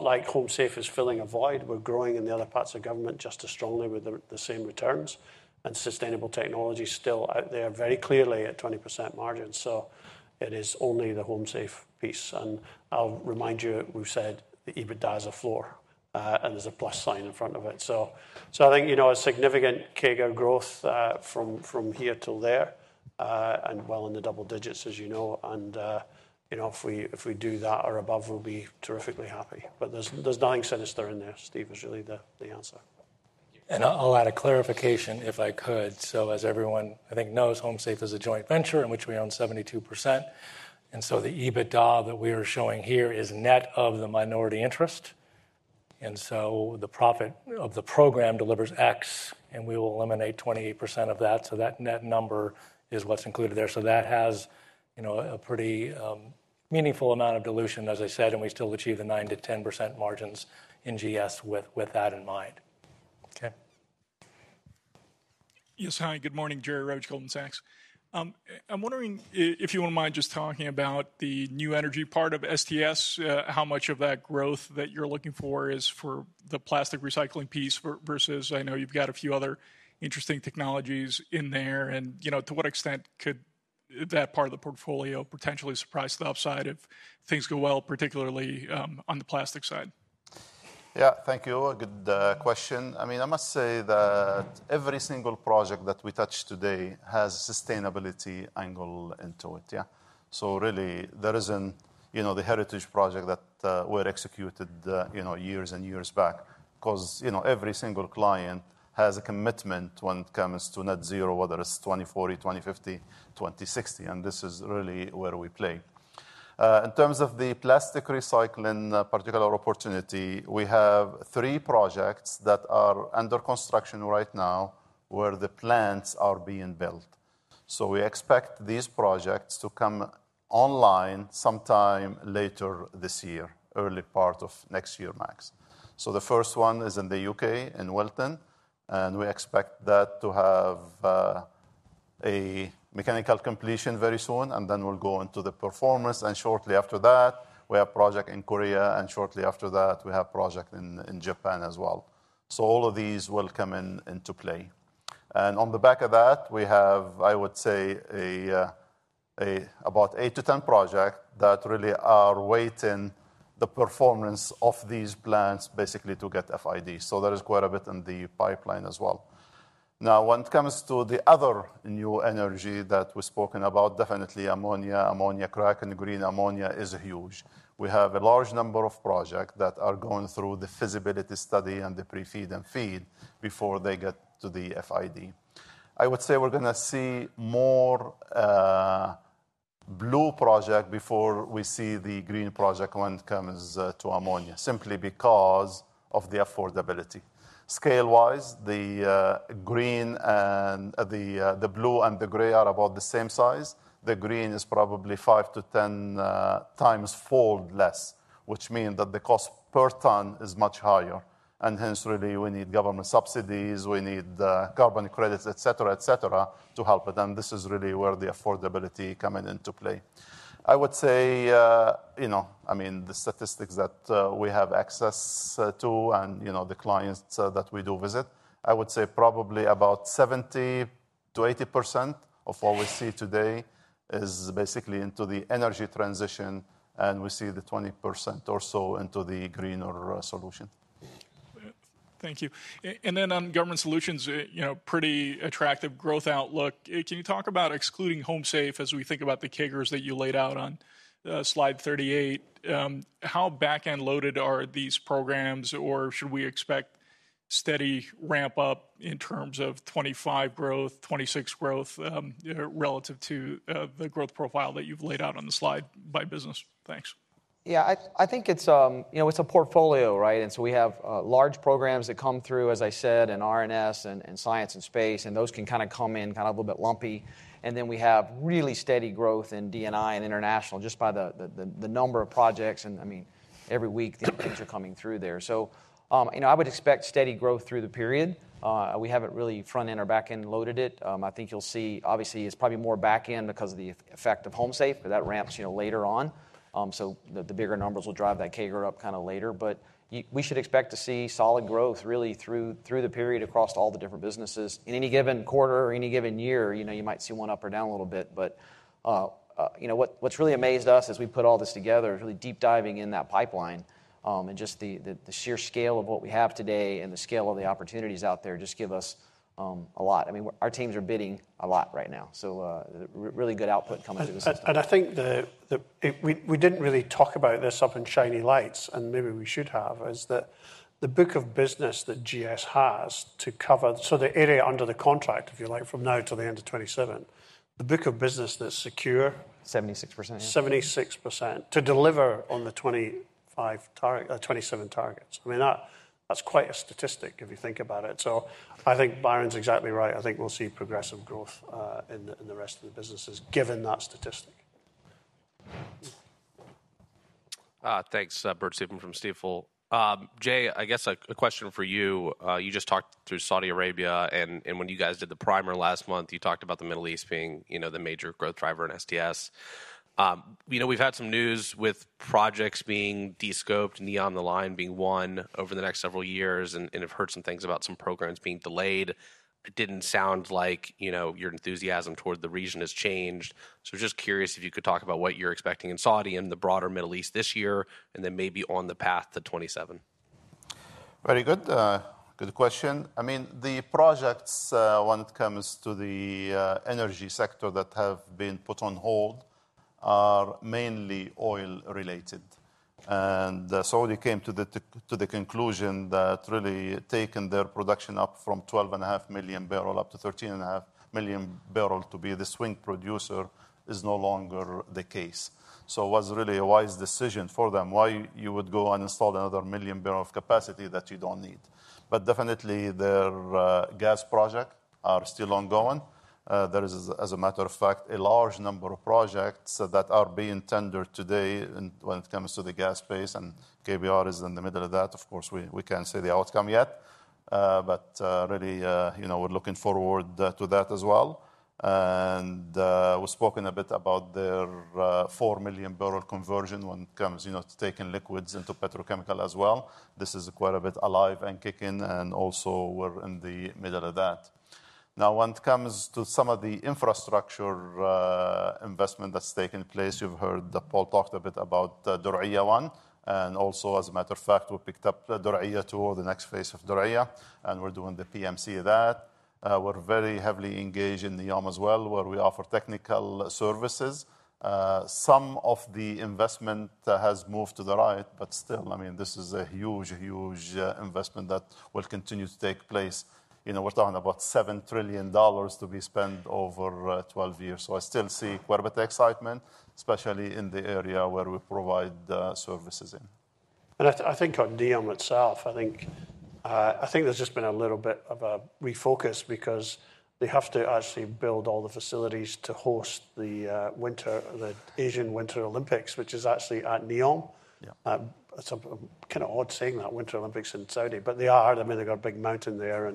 like HomeSafe is filling a void. We're growing in the other parts of government just as strongly with the same returns, and sustainable technology is still out there very clearly at 20% margins. So it is only the HomeSafe piece, and I'll remind you, we've said the EBITDA is a floor, and there's a plus sign in front of it. So I think, you know, a significant CAGR growth from here till there, and well in the double digits, as you know, and you know, if we do that or above, we'll be terrifically happy. But there's nothing sinister in there, Steve, is really the answer. And I'll add a clarification if I could. So as everyone I think knows, HomeSafe is a joint venture in which we own 72%, and so the EBITDA that we are showing here is net of the minority interest. And so the profit of the program delivers X, and we will eliminate 28% of that, so that net number is what's included there. So that has, you know, a pretty, meaningful amount of dilution, as I said, and we still achieve the 9%-10% margins in GS with that in mind. Okay. Yes. Hi, good morning, Jerry Revich, Goldman Sachs. I'm wondering if you wouldn't mind just talking about the new energy part of STS, how much of that growth that you're looking for is for the plastic recycling piece versus I know you've got a few other interesting technologies in there, and, you know, to what extent could that part of the portfolio potentially surprise the upside if things go well, particularly, on the plastic side? Yeah, thank you. A good question. I mean, I must say that every single project that we touch today has sustainability angle into it. Yeah. So really, there isn't, you know, the heritage project that were executed, you know, years and years back. 'Cause, you know, every single client has a commitment when it comes to net zero, whether it's 2040, 2050, 2060, and this is really where we play. In terms of the plastic recycling particular opportunity, we have three projects that are under construction right now, where the plants are being built. So we expect these projects to come online sometime later this year, early part of next year, max. So the first one is in the U.K., in Wilton, and we expect that to have a mechanical completion very soon, and then we'll go into the performance, and shortly after that, we have a project in Korea, and shortly after that, we have a project in Japan as well. So all of these will come into play.... And on the back of that, we have, I would say, about eight-10 projects that really are waiting the performance of these plants, basically to get FID. So there is quite a bit in the pipeline as well. Now, when it comes to the other new energy that we've spoken about, definitely ammonia, ammonia crack, and green ammonia is huge. We have a large number of projects that are going through the feasibility study and the pre-FEED and FEED before they get to the FID. I would say we're gonna see more blue projects before we see the green projects when it comes to ammonia, simply because of the affordability. Scale-wise, the green and the blue and the gray are about the same size. The green is probably five-10 times fold less, which mean that the cost per ton is much higher, and hence, really, we need government subsidies, we need carbon credits, et cetera, et cetera, to help with them. This is really where the affordability coming into play. I would say, you know, I mean, the statistics that we have access to, and, you know, the clients that we do visit, I would say probably about 70%-80% of what we see today is basically into the energy transition, and we see the 20% or so into the greener solution. Thank you. And then on government solutions, you know, pretty attractive growth outlook. Can you talk about excluding HomeSafe as we think about the CAGRs that you laid out on slide 38? How back-end loaded are these programs, or should we expect steady ramp up in terms of 25 growth, 26 growth, relative to the growth profile that you've laid out on the slide by business? Thanks. Yeah, I think it's, you know, it's a portfolio, right? And so we have large programs that come through, as I said, in R&S and science and space, and those can kinda come in kind of a little bit lumpy. And then we have really steady growth in D&I and international, just by the number of projects, and I mean, every week, the things are coming through there. So, you know, I would expect steady growth through the period. We haven't really front-end or back-end loaded it. I think you'll see, obviously, it's probably more back-end because of the effect of HomeSafe, but that ramps, you know, later on. So the bigger numbers will drive that CAGR up kinda later. But we should expect to see solid growth, really, through the period across all the different businesses. In any given quarter or any given year, you know, you might see one up or down a little bit, but, you know what, what's really amazed us as we put all this together, is really deep diving in that pipeline, and just the sheer scale of what we have today and the scale of the opportunities out there just give us, a lot. I mean, our teams are bidding a lot right now, so, really good output coming through the system. I think we didn't really talk about this up in shiny lights, and maybe we should have, is that the book of business that GS has to cover, so the area under the contract, if you like, from now to the end of 2027, the book of business that's secure- Seventy-six percent. 76%, to deliver on the 25 target, 27 targets. I mean, that's quite a statistic if you think about it. So I think Byron's exactly right. I think we'll see progressive growth, in the rest of the businesses, given that statistic. Thanks. Bert Subin from Stifel. Jay, I guess, a question for you. You just talked through Saudi Arabia, and when you guys did the primer last month, you talked about the Middle East being, you know, the major growth driver in STS. You know, we've had some news with projects being de-scoped, NEOM the Line being won over the next several years, and I've heard some things about some programs being delayed. It didn't sound like, you know, your enthusiasm toward the region has changed. So just curious if you could talk about what you're expecting in Saudi and the broader Middle East this year, and then maybe on the path to 2027. Very good. Good question. I mean, the projects, when it comes to the, energy sector that have been put on hold are mainly oil-related. And Saudi came to the conclusion that really taking their production up from 12.5 MM to 13.5 MMb to be the swing producer, is no longer the case. So it was really a wise decision for them. Why would you go and install another million barrels of capacity that you don't need? But definitely, their gas projects are still ongoing. There is, as a matter of fact, a large number of projects that are being tendered today in, when it comes to the gas space, and KBR is in the middle of that. Of course, we, we can't see the outcome yet, but, really, you know, we're looking forward to that as well. And, we've spoken a bit about their, four million barrel conversion when it comes, you know, to taking liquids into petrochemical as well. This is quite a bit alive and kicking, and also we're in the middle of that. Now, when it comes to some of the infrastructure, investment that's taking place, you've heard that Paul talked a bit about the Diriyah 1, and also, as a matter of fact, we picked up the Diriyah 2 the next phase of Diriyah, and we're doing the PMC of that. We're very heavily engaged in NEOM as well, where we offer technical services. Some of the investment has moved to the right, but still, I mean, this is a huge, huge, investment that will continue to take place. You know, we're talking about $7 trillion to be spent over 12 years. So I still see quite a bit of excitement, especially in the area where we provide services in. And I, I think on NEOM itself, I think, I think there's just been a little bit of a refocus because they have to actually build all the facilities to host the winter, the Asian Winter Olympics, which is actually at NEOM. Yeah. It's kind of odd saying that, Winter Olympics in Saudi, but they are. I mean, they got a big mountain there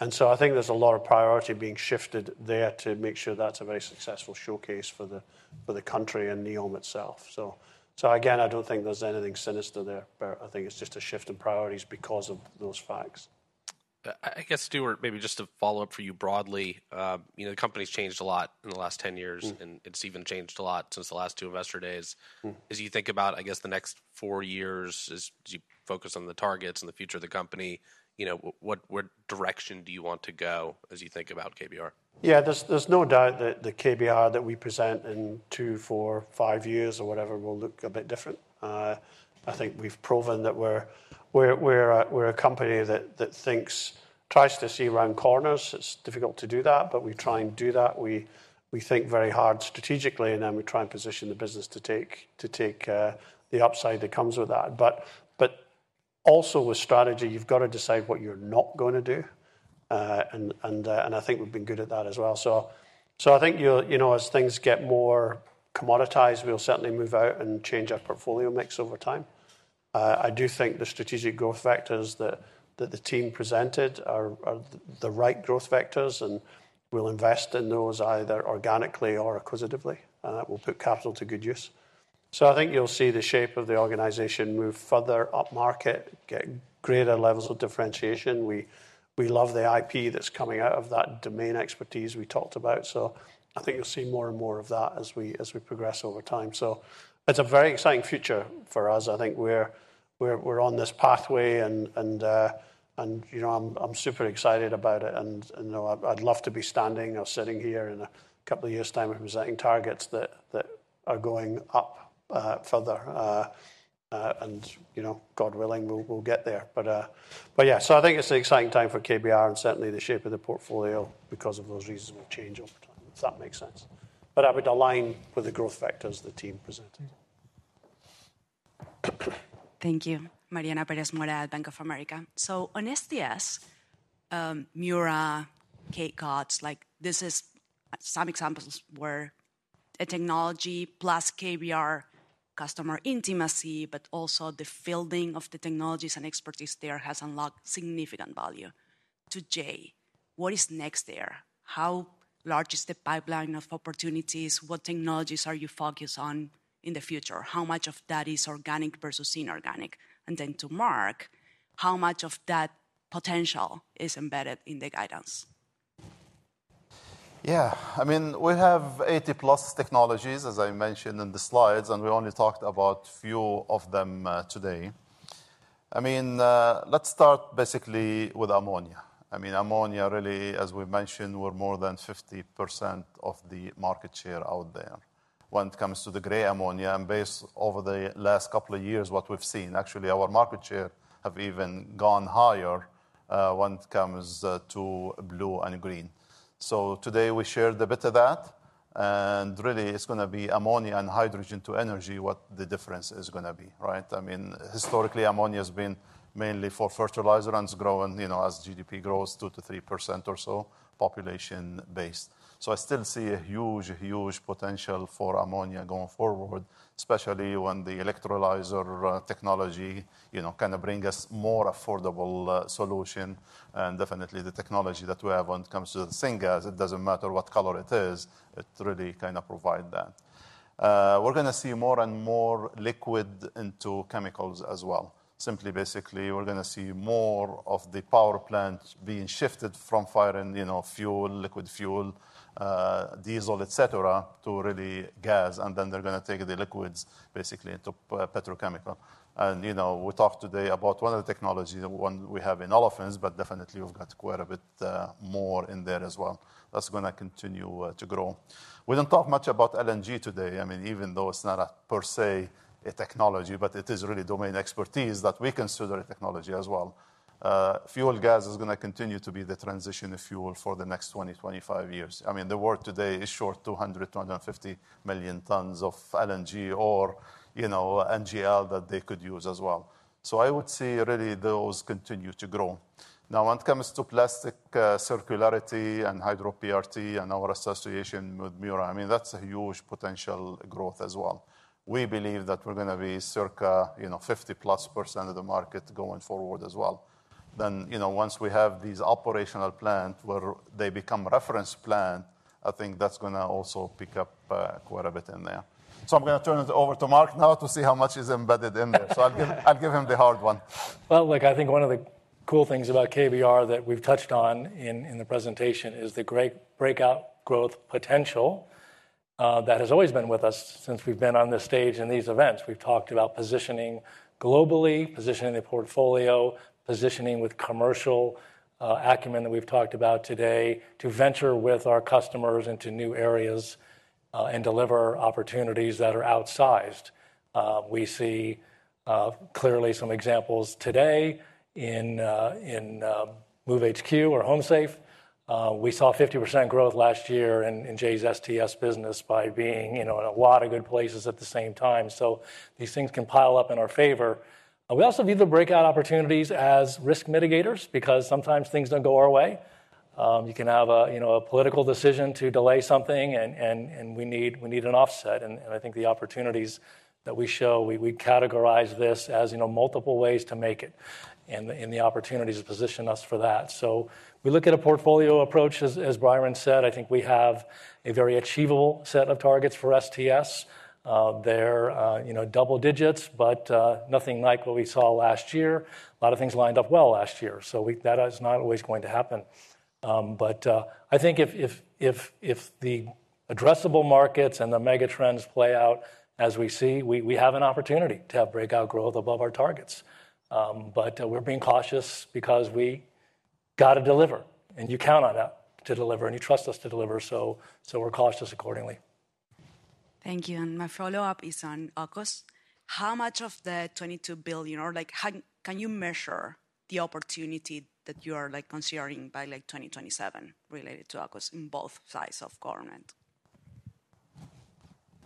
and so I think there's a lot of priority being shifted there to make sure that's a very successful showcase for the country and NEOM itself. So again, I don't think there's anything sinister there, but I think it's just a shift in priorities because of those facts.... I guess, Stuart, maybe just to follow up for you broadly, you know, the company's changed a lot in the last 10 years- Mm. and it's even changed a lot since the last two Investor Days. Mm. As you think about, I guess, the next four years, as you focus on the targets and the future of the company, you know, what direction do you want to go as you think about KBR? Yeah, there's no doubt that the KBR that we present in two, four, five years or whatever, will look a bit different. I think we've proven that we're a company that thinks... tries to see around corners. It's difficult to do that, but we try and do that. We think very hard strategically, and then we try and position the business to take the upside that comes with that. But also with strategy, you've got to decide what you're not going to do, and I think we've been good at that as well. So I think you'll, you know, as things get more commoditized, we'll certainly move out and change our portfolio mix over time. I do think the strategic growth vectors that the team presented are the right growth vectors, and we'll invest in those either organically or acquisitively, and that will put capital to good use. So I think you'll see the shape of the organization move further upmarket, get greater levels of differentiation. We love the IP that's coming out of that domain expertise we talked about, so I think you'll see more and more of that as we progress over time. So it's a very exciting future for us. I think we're on this pathway and, you know, I'm super excited about it, and, you know, I'd love to be standing or sitting here in a couple of years' time and presenting targets that are going up further. you know, God willing, we'll get there. But yeah, so I think it's an exciting time for KBR and certainly the shape of the portfolio, because of those reasons, will change over time, if that makes sense. But I would align with the growth vectors the team presented. Thank you. Mariana Pérez Mora, Bank of America. So on STS, Mura, K-COT, like this is some examples where a technology plus KBR customer intimacy, but also the fielding of the technologies and expertise there, has unlocked significant value. To Jay, what is next there? How large is the pipeline of opportunities? What technologies are you focused on in the future? How much of that is organic versus inorganic? And then to Mark, how much of that potential is embedded in the guidance? Yeah, I mean, we have 80+ technologies, as I mentioned in the slides, and we only talked about few of them, today. I mean, let's start basically with ammonia. I mean, ammonia really, as we mentioned, we're more than 50% of the market share out there when it comes to the gray ammonia. And based over the last couple of years, what we've seen, actually, our market share have even gone higher, when it comes, to blue and green. So today we shared a bit of that, and really it's gonna be ammonia and hydrogen to energy, what the difference is gonna be, right? I mean, historically, ammonia has been mainly for fertilizer and it's growing, you know, as GDP grows 2%-3% or so, population based. So I still see a huge, huge potential for ammonia going forward, especially when the electrolyzer technology, you know, kind of bring us more affordable solution. And definitely the technology that we have when it comes to the syngas, it doesn't matter what color it is, it really kind of provide that. We're gonna see more and more liquid into chemicals as well. Simply basically, we're gonna see more of the power plant being shifted from firing, you know, fuel, liquid fuel, diesel, et cetera, to really gas, and then they're gonna take the liquids basically into petrochemical. And, you know, we talked today about one of the technology, the one we have in olefins, but definitely we've got quite a bit more in there as well. That's gonna continue to grow. We didn't talk much about LNG today. I mean, even though it's not a per se a technology, but it is really domain expertise that we consider a technology as well. Fuel gas is gonna continue to be the transition of fuel for the next 20-25 years. I mean, the world today is short 200-250 million tons of LNG or, you know, NGL that they could use as well. So I would say really, those continue to grow. Now, when it comes to plastic, circularity and Hydro-PRT and our association with Mura, I mean, that's a huge potential growth as well. We believe that we're gonna be circa, you know, 50%+ of the market going forward as well. Then, you know, once we have these operational plant where they become reference plant, I think that's gonna also pick up, quite a bit in there. So I'm gonna turn it over to Mark now to see how much is embedded in there. So I'll give, I'll give him the hard one. Well, look, I think one of the cool things about KBR that we've touched on in the presentation is the great breakout growth potential that has always been with us since we've been on this stage in these events. We've talked about positioning globally, positioning the portfolio, positioning with commercial acumen that we've talked about today, to venture with our customers into new areas and deliver opportunities that are outsized. We see clearly some examples today in MoveHQ or HomeSafe. We saw 50% growth last year in Jay's STS business by being, you know, in a lot of good places at the same time. So these things can pile up in our favor. We also view the breakout opportunities as risk mitigators, because sometimes things don't go our way. You can have a, you know, a political decision to delay something and we need an offset, and I think the opportunities that we show, we categorize this as, you know, multiple ways to make it and the opportunities to position us for that. So we look at a portfolio approach, as Byron said, I think we have a very achievable set of targets for STS. They're, you know, double digits, but nothing like what we saw last year. A lot of things lined up well last year, so we... that is not always going to happen. But I think if the-... addressable markets and the megatrends play out as we see, we have an opportunity to have breakout growth above our targets. But we're being cautious because we got to deliver, and you count on us to deliver, and you trust us to deliver, so we're cautious accordingly. Thank you. My follow-up is on AUKUS. How much of the $22 billion, or like, how can you measure the opportunity that you are, like, considering by 2027 related to AUKUS in both sides of government?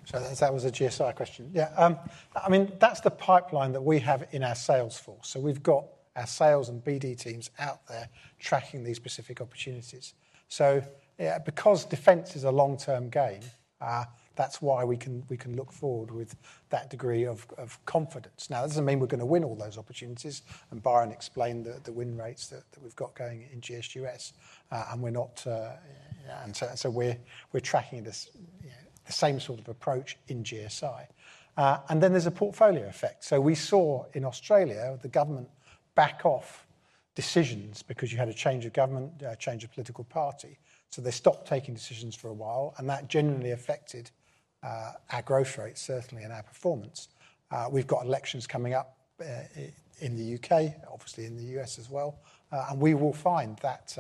So that was a GSI question. Yeah, I mean, that's the pipeline that we have in our sales force. So we've got our sales and BD teams out there tracking these specific opportunities. So, yeah, because defense is a long-term game, that's why we can look forward with that degree of confidence. Now, that doesn't mean we're going to win all those opportunities, and Byron explained the win rates that we've got going in GSUS, and we're not... And so we're tracking the same sort of approach in GSI. And then there's a portfolio effect. So we saw in Australia, the government back off decisions because you had a change of government, a change of political party. So they stopped taking decisions for a while, and that generally affected our growth rate, certainly, and our performance. We've got elections coming up, in the U.K., obviously in the U.S. as well, and we will find that,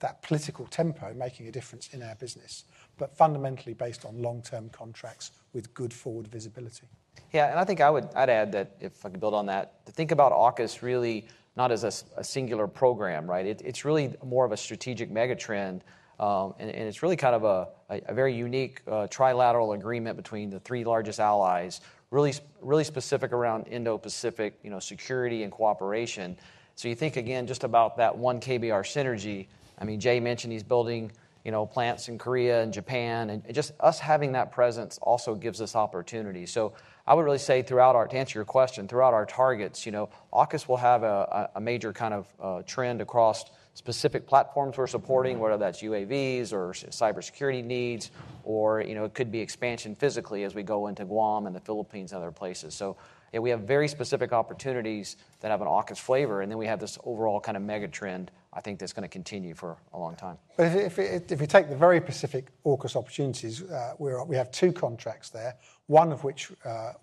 that political tempo making a difference in our business, but fundamentally based on long-term contracts with good forward visibility. Yeah, and I think I'd add that, if I could build on that, to think about AUKUS really not as a singular program, right? It's really more of a strategic megatrend, and it's really kind of a very unique trilateral agreement between the three largest allies, really specific around Indo-Pacific, you know, security and cooperation. So you think, again, just about that one KBR synergy. I mean, Jay mentioned he's building, you know, plants in Korea and Japan, and just us having that presence also gives us opportunity. So I would really say throughout our... To answer your question, throughout our targets, you know, AUKUS will have a major kind of trend across specific platforms we're supporting, whether that's UAVs or cybersecurity needs, or, you know, it could be expansion physically as we go into Guam and the Philippines, and other places. So yeah, we have very specific opportunities that have an AUKUS flavor, and then we have this overall kind of megatrend, I think, that's going to continue for a long time. But if you take the very specific AUKUS opportunities, we have two contracts there, one of which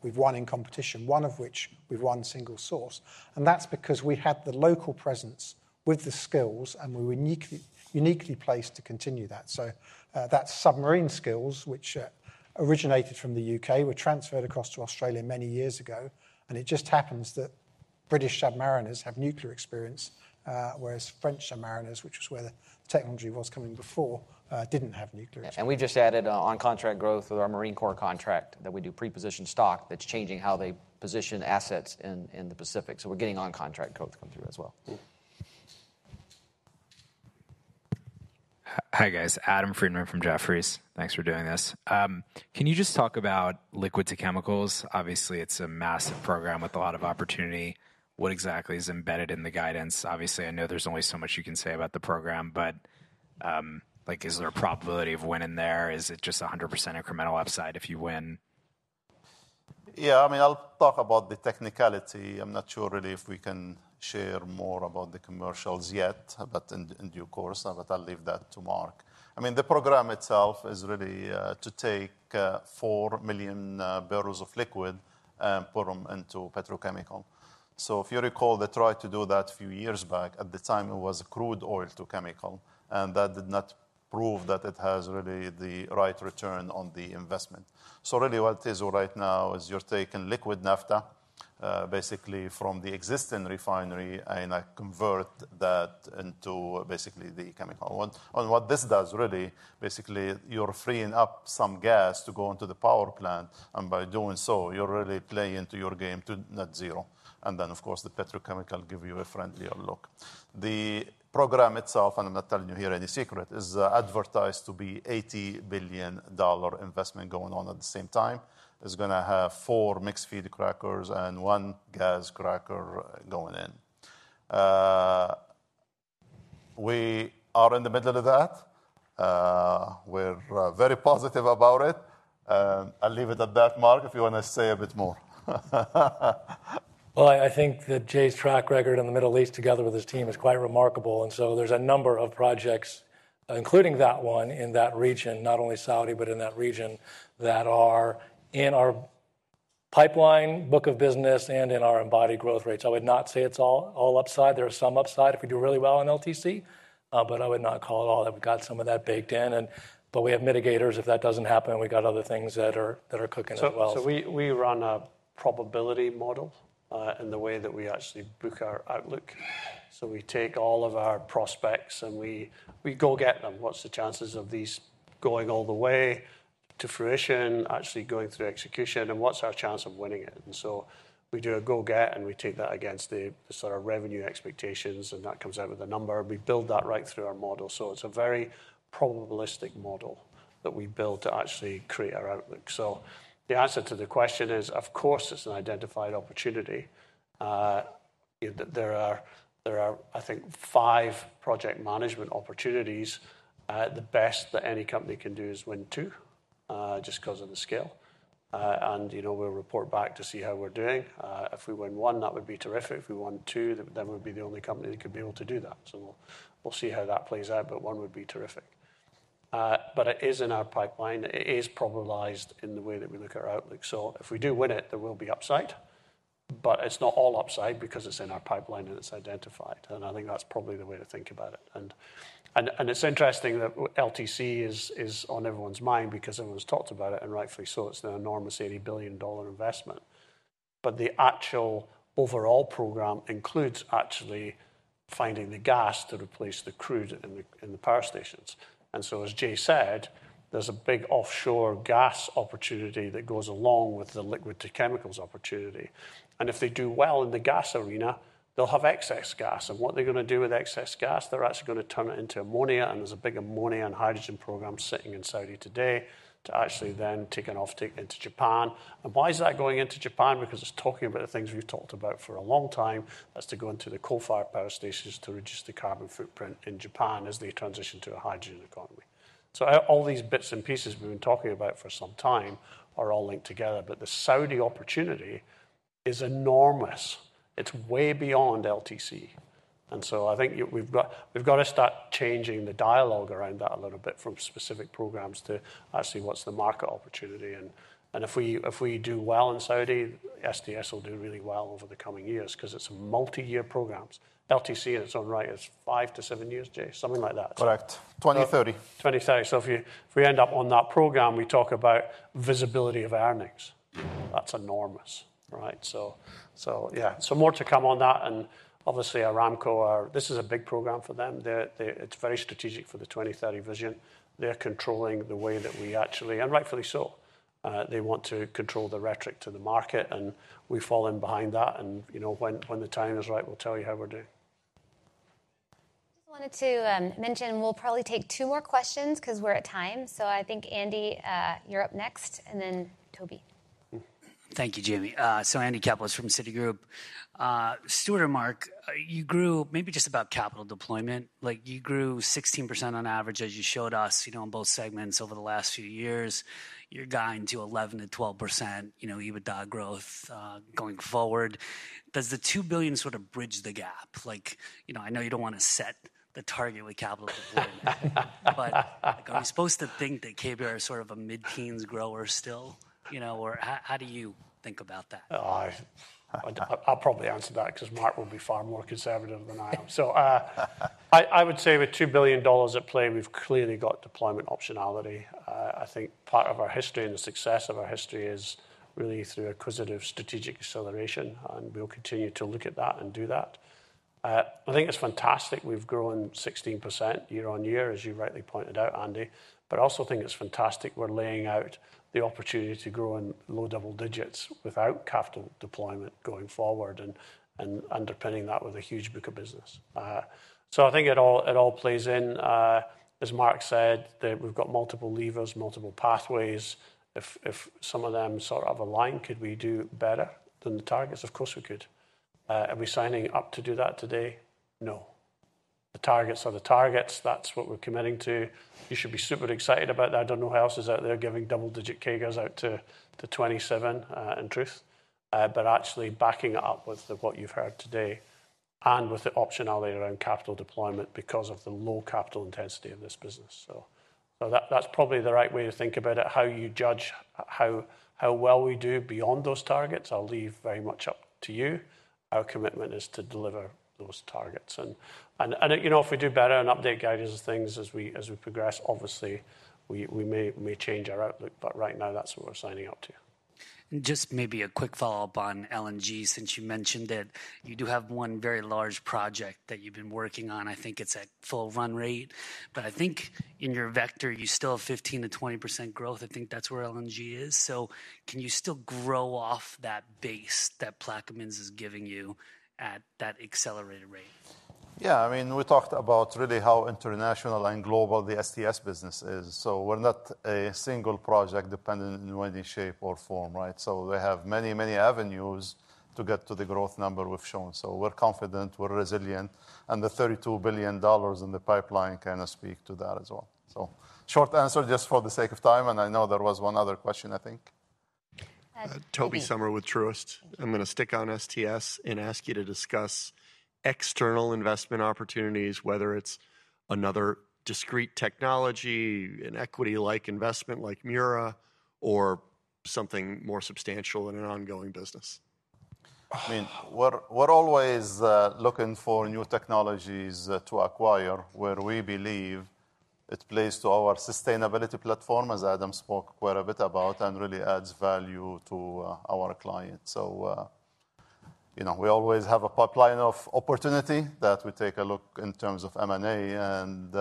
we've won in competition, one of which we've won single source, and that's because we had the local presence with the skills, and we were uniquely placed to continue that. So that's submarine skills, which originated from the UK, were transferred across to Australia many years ago, and it just happens that British submariners have nuclear experience, whereas French submariners, which was where the technology was coming before, didn't have nuclear experience. We just added on-contract growth with our Marine Corps contract that we do pre-position stock that's changing how they position assets in the Pacific, so we're getting on-contract growth come through as well. Mm. Hi, guys. Adam Friedman from Jefferies. Thanks for doing this. Can you just talk about liquid to chemicals? Obviously, it's a massive program with a lot of opportunity. What exactly is embedded in the guidance? Obviously, I know there's only so much you can say about the program, but, like, is there a probability of winning there? Is it just 100% incremental upside if you win? Yeah, I mean, I'll talk about the technicality. I'm not sure really if we can share more about the commercials yet, but in due course. But I'll leave that to Mark. I mean, the program itself is really to take 4 MMb of liquid and put them into petrochemical. So if you recall, they tried to do that a few years back. At the time, it was crude oil to chemical, and that did not prove that it has really the right return on the investment. So really what it is right now is you're taking liquid naphtha basically from the existing refinery, and I convert that into basically the chemical. What this does really, basically, you're freeing up some gas to go into the power plant, and by doing so, you're really playing into your game to net zero, and then, of course, the petrochemical give you a friendlier look. The program itself, and I'm not telling you here any secret, is advertised to be $80 billion investment going on at the same time. It's gonna have four mixed feed crackers and one gas cracker going in. We are in the middle of that. We're very positive about it, and I'll leave it at that, Mark, if you want to say a bit more. Well, I think that Jay's track record in the Middle East together with his team is quite remarkable, and so there's a number of projects, including that one in that region, not only Saudi, but in that region, that are in our pipeline book of business and in our embodied growth rates. I would not say it's all, all upside. There is some upside if we do really well on LTC, but I would not call it all. I've got some of that baked in, and... But we have mitigators if that doesn't happen, and we've got other things that are, that are cooking as well. So we run a probability model in the way that we actually book our outlook. So we take all of our prospects, and we go get them. What's the chances of these going all the way to fruition, actually going through execution, and what's our chance of winning it? And so we do a go get, and we take that against the sort of revenue expectations, and that comes out with a number, and we build that right through our model. So it's a very probabilistic model that we build to actually create our outlook. So the answer to the question is, of course, it's an identified opportunity. There are, I think, five project management opportunities. The best that any company can do is win two, just because of the scale.... and, you know, we'll report back to see how we're doing. If we win one, that would be terrific. If we won two, then, then we'd be the only company that could be able to do that. So we'll, we'll see how that plays out, but one would be terrific. But it is in our pipeline. It is probabilized in the way that we look at our outlook. So if we do win it, there will be upside, but it's not all upside because it's in our pipeline, and it's identified, and I think that's probably the way to think about it. And, and, and it's interesting that LTC is, is on everyone's mind because everyone's talked about it, and rightfully so. It's an enormous $80 billion investment. But the actual overall program includes actually finding the gas to replace the crude in the power stations. And so, as Jay said, there's a big offshore gas opportunity that goes along with the liquid to chemicals opportunity, and if they do well in the gas arena, they'll have excess gas. And what are they gonna do with excess gas? They're actually gonna turn it into ammonia, and there's a big ammonia and hydrogen program sitting in Saudi today to actually then take an offtake into Japan. And why is that going into Japan? Because it's talking about the things we've talked about for a long time, that's to go into the coal-fired power stations to reduce the carbon footprint in Japan as they transition to a hydrogen economy. So all these bits and pieces we've been talking about for some time are all linked together, but the Saudi opportunity is enormous. It's way beyond LTC, and so I think we've got, we've got to start changing the dialogue around that a little bit from specific programs to actually what's the market opportunity. And, and if we, if we do well in Saudi, STS will do really well over the coming years 'cause it's multi-year programs. LTC in its own right is five-seven years, Jay, something like that? Correct. 2030. 2030. So if we end up on that program, we talk about visibility of earnings. That's enormous, right? So, so yeah, so more to come on that, and obviously, Aramco are... This is a big program for them. They're, they-- It's very strategic for the 2030 vision. They're controlling the way that we actually, and rightfully so, they want to control the rhetoric to the market, and we've fallen behind that, and, you know, when the time is right, we'll tell you how we're doing. I just wanted to mention, we'll probably take two more questions 'cause we're at time. So I think, Andy, you're up next, and then Tobey. Thank you, Jamie. So Andy Kaplowitz from Citigroup. Stuart or Mark, you grew maybe just about capital deployment. Like, you grew 16% on average, as you showed us, you know, in both segments over the last few years. You're guiding to 11%-12%, you know, EBITDA growth going forward. Does the $2 billion sort of bridge the gap? Like, you know, I know you don't want to set the target with capital deployment but, like, are we supposed to think that KBR is sort of a mid-teens grower still, you know, or how, how do you think about that? Oh, I'll probably answer that 'cause Mark will be far more conservative than I am. So, I would say with $2 billion at play, we've clearly got deployment optionality. I think part of our history and the success of our history is really through acquisitive strategic acceleration, and we'll continue to look at that and do that. I think it's fantastic we've grown 16% year-on-year, as you rightly pointed out, Andy, but I also think it's fantastic we're laying out the opportunity to grow in low double digits without capital deployment going forward and underpinning that with a huge book of business. So I think it all plays in, as Mark said, that we've got multiple levers, multiple pathways. If some of them sort of align, could we do better than the targets? Of course, we could. Are we signing up to do that today? No. The targets are the targets. That's what we're committing to. You should be super excited about that. I don't know who else is out there giving double-digit CAGRs out to 2027, in truth, but actually backing it up with what you've heard today and with the optionality around capital deployment because of the low capital intensity of this business. So, so that's probably the right way to think about it. How you judge how, how well we do beyond those targets, I'll leave very much up to you. Our commitment is to deliver those targets and, you know, if we do better and update guidance and things as we progress, obviously, we may change our outlook, but right now, that's what we're signing up to. Just maybe a quick follow-up on LNG, since you mentioned it. You do have one very large project that you've been working on. I think it's at full run rate, but I think in your vector, you still have 15%-20% growth. I think that's where LNG is. Can you still grow off that base that Plaquemines is giving you at that accelerated rate? Yeah, I mean, we talked about really how international and global the STS business is. So we're not a single project dependent in any shape or form, right? So we have many, many avenues to get to the growth number we've shown. So we're confident, we're resilient, and the $32 billion in the pipeline kind of speak to that as well. So short answer, just for the sake of time, and I know there was one other question, I think. Yes. Tobey Sommer with Truist. I'm gonna stick on STS and ask you to discuss external investment opportunities, whether it's another discrete technology, an equity-like investment like Mura, or something more substantial in an ongoing business. I mean, we're, we're always looking for new technologies to acquire, where we believe it plays to our sustainability platform, as Adam spoke quite a bit about, and really adds value to our clients. So, you know, we always have a pipeline of opportunity that we take a look in terms of M&A, and,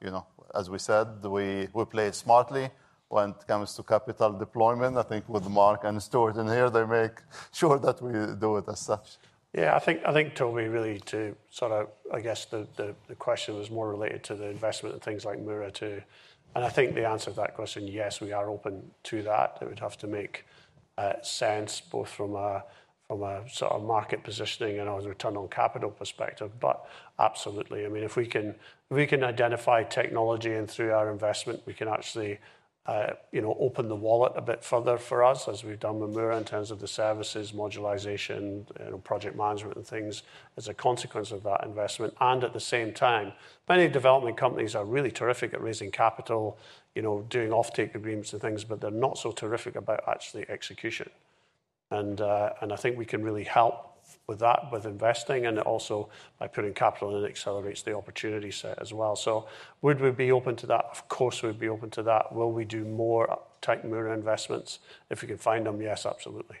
you know, as we said, we, we play smartly when it comes to capital deployment. I think with Mark and Stuart in here, they make sure that we do it as such. Yeah, I think, Tobey, really to sort of... I guess the question was more related to the investment in things like Mura too, and I think the answer to that question, yes, we are open to that. It would have to make sense, both from a sort of market positioning and a return on capital perspective. But absolutely, I mean, if we can identify technology and through our investment, we can actually, you know, open the wallet a bit further for us, as we've done with Mura in terms of the services, modularization, and project management and things as a consequence of that investment. And at the same time, many development companies are really terrific at raising capital, you know, doing offtake agreements and things, but they're not so terrific about actually execution. And I think we can really help with that, with investing, and also by putting capital in, it accelerates the opportunity set as well. So would we be open to that? Of course, we'd be open to that. Will we do more type Mura investments? If we can find them, yes, absolutely.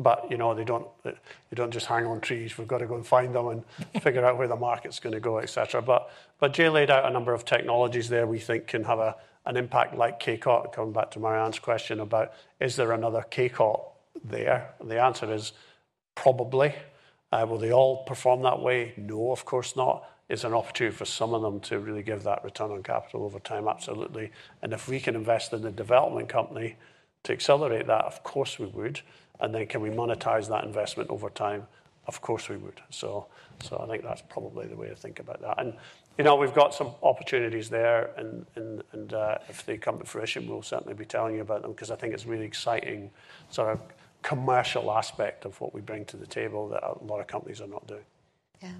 But, you know, they don't just hang on trees. We've got to go and find them and figure out where the market's gonna go, et cetera. But Jay laid out a number of technologies there we think can have an impact like K-COT. Coming back to Mariana's question about, is there another K-COT there? The answer is probably. Will they all perform that way? No, of course not. It's an opportunity for some of them to really give that return on capital over time, absolutely. If we can invest in the development company to accelerate that, of course, we would. And then can we monetize that investment over time? Of course, we would. So I think that's probably the way to think about that. And, you know, we've got some opportunities there, and if they come to fruition, we'll certainly be telling you about them because I think it's really exciting sort of commercial aspect of what we bring to the table that a lot of companies are not doing. Yeah.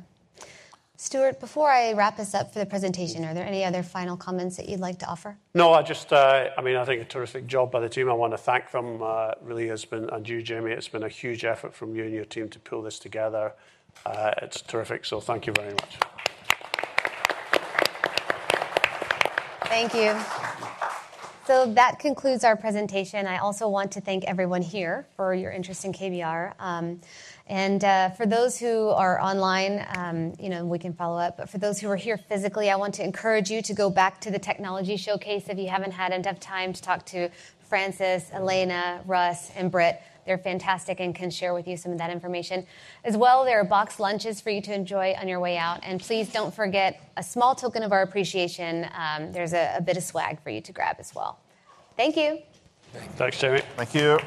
Stuart, before I wrap this up for the presentation, are there any other final comments that you'd like to offer? No, I just, I mean, I think a terrific job by the team. I want to thank them, really has been, and you, Jamie, it's been a huge effort from you and your team to pull this together. It's terrific, so thank you very much. Thank you. So that concludes our presentation. I also want to thank everyone here for your interest in KBR. And, for those who are online, you know, we can follow up. But for those who are here physically, I want to encourage you to go back to the technology showcase if you haven't had enough time to talk to Francois, Elena, Russ, and Britt. They're fantastic and can share with you some of that information. As well, there are boxed lunches for you to enjoy on your way out, and please don't forget a small token of our appreciation, there's a bit of swag for you to grab as well. Thank you. Thanks, Jamie. Thank you.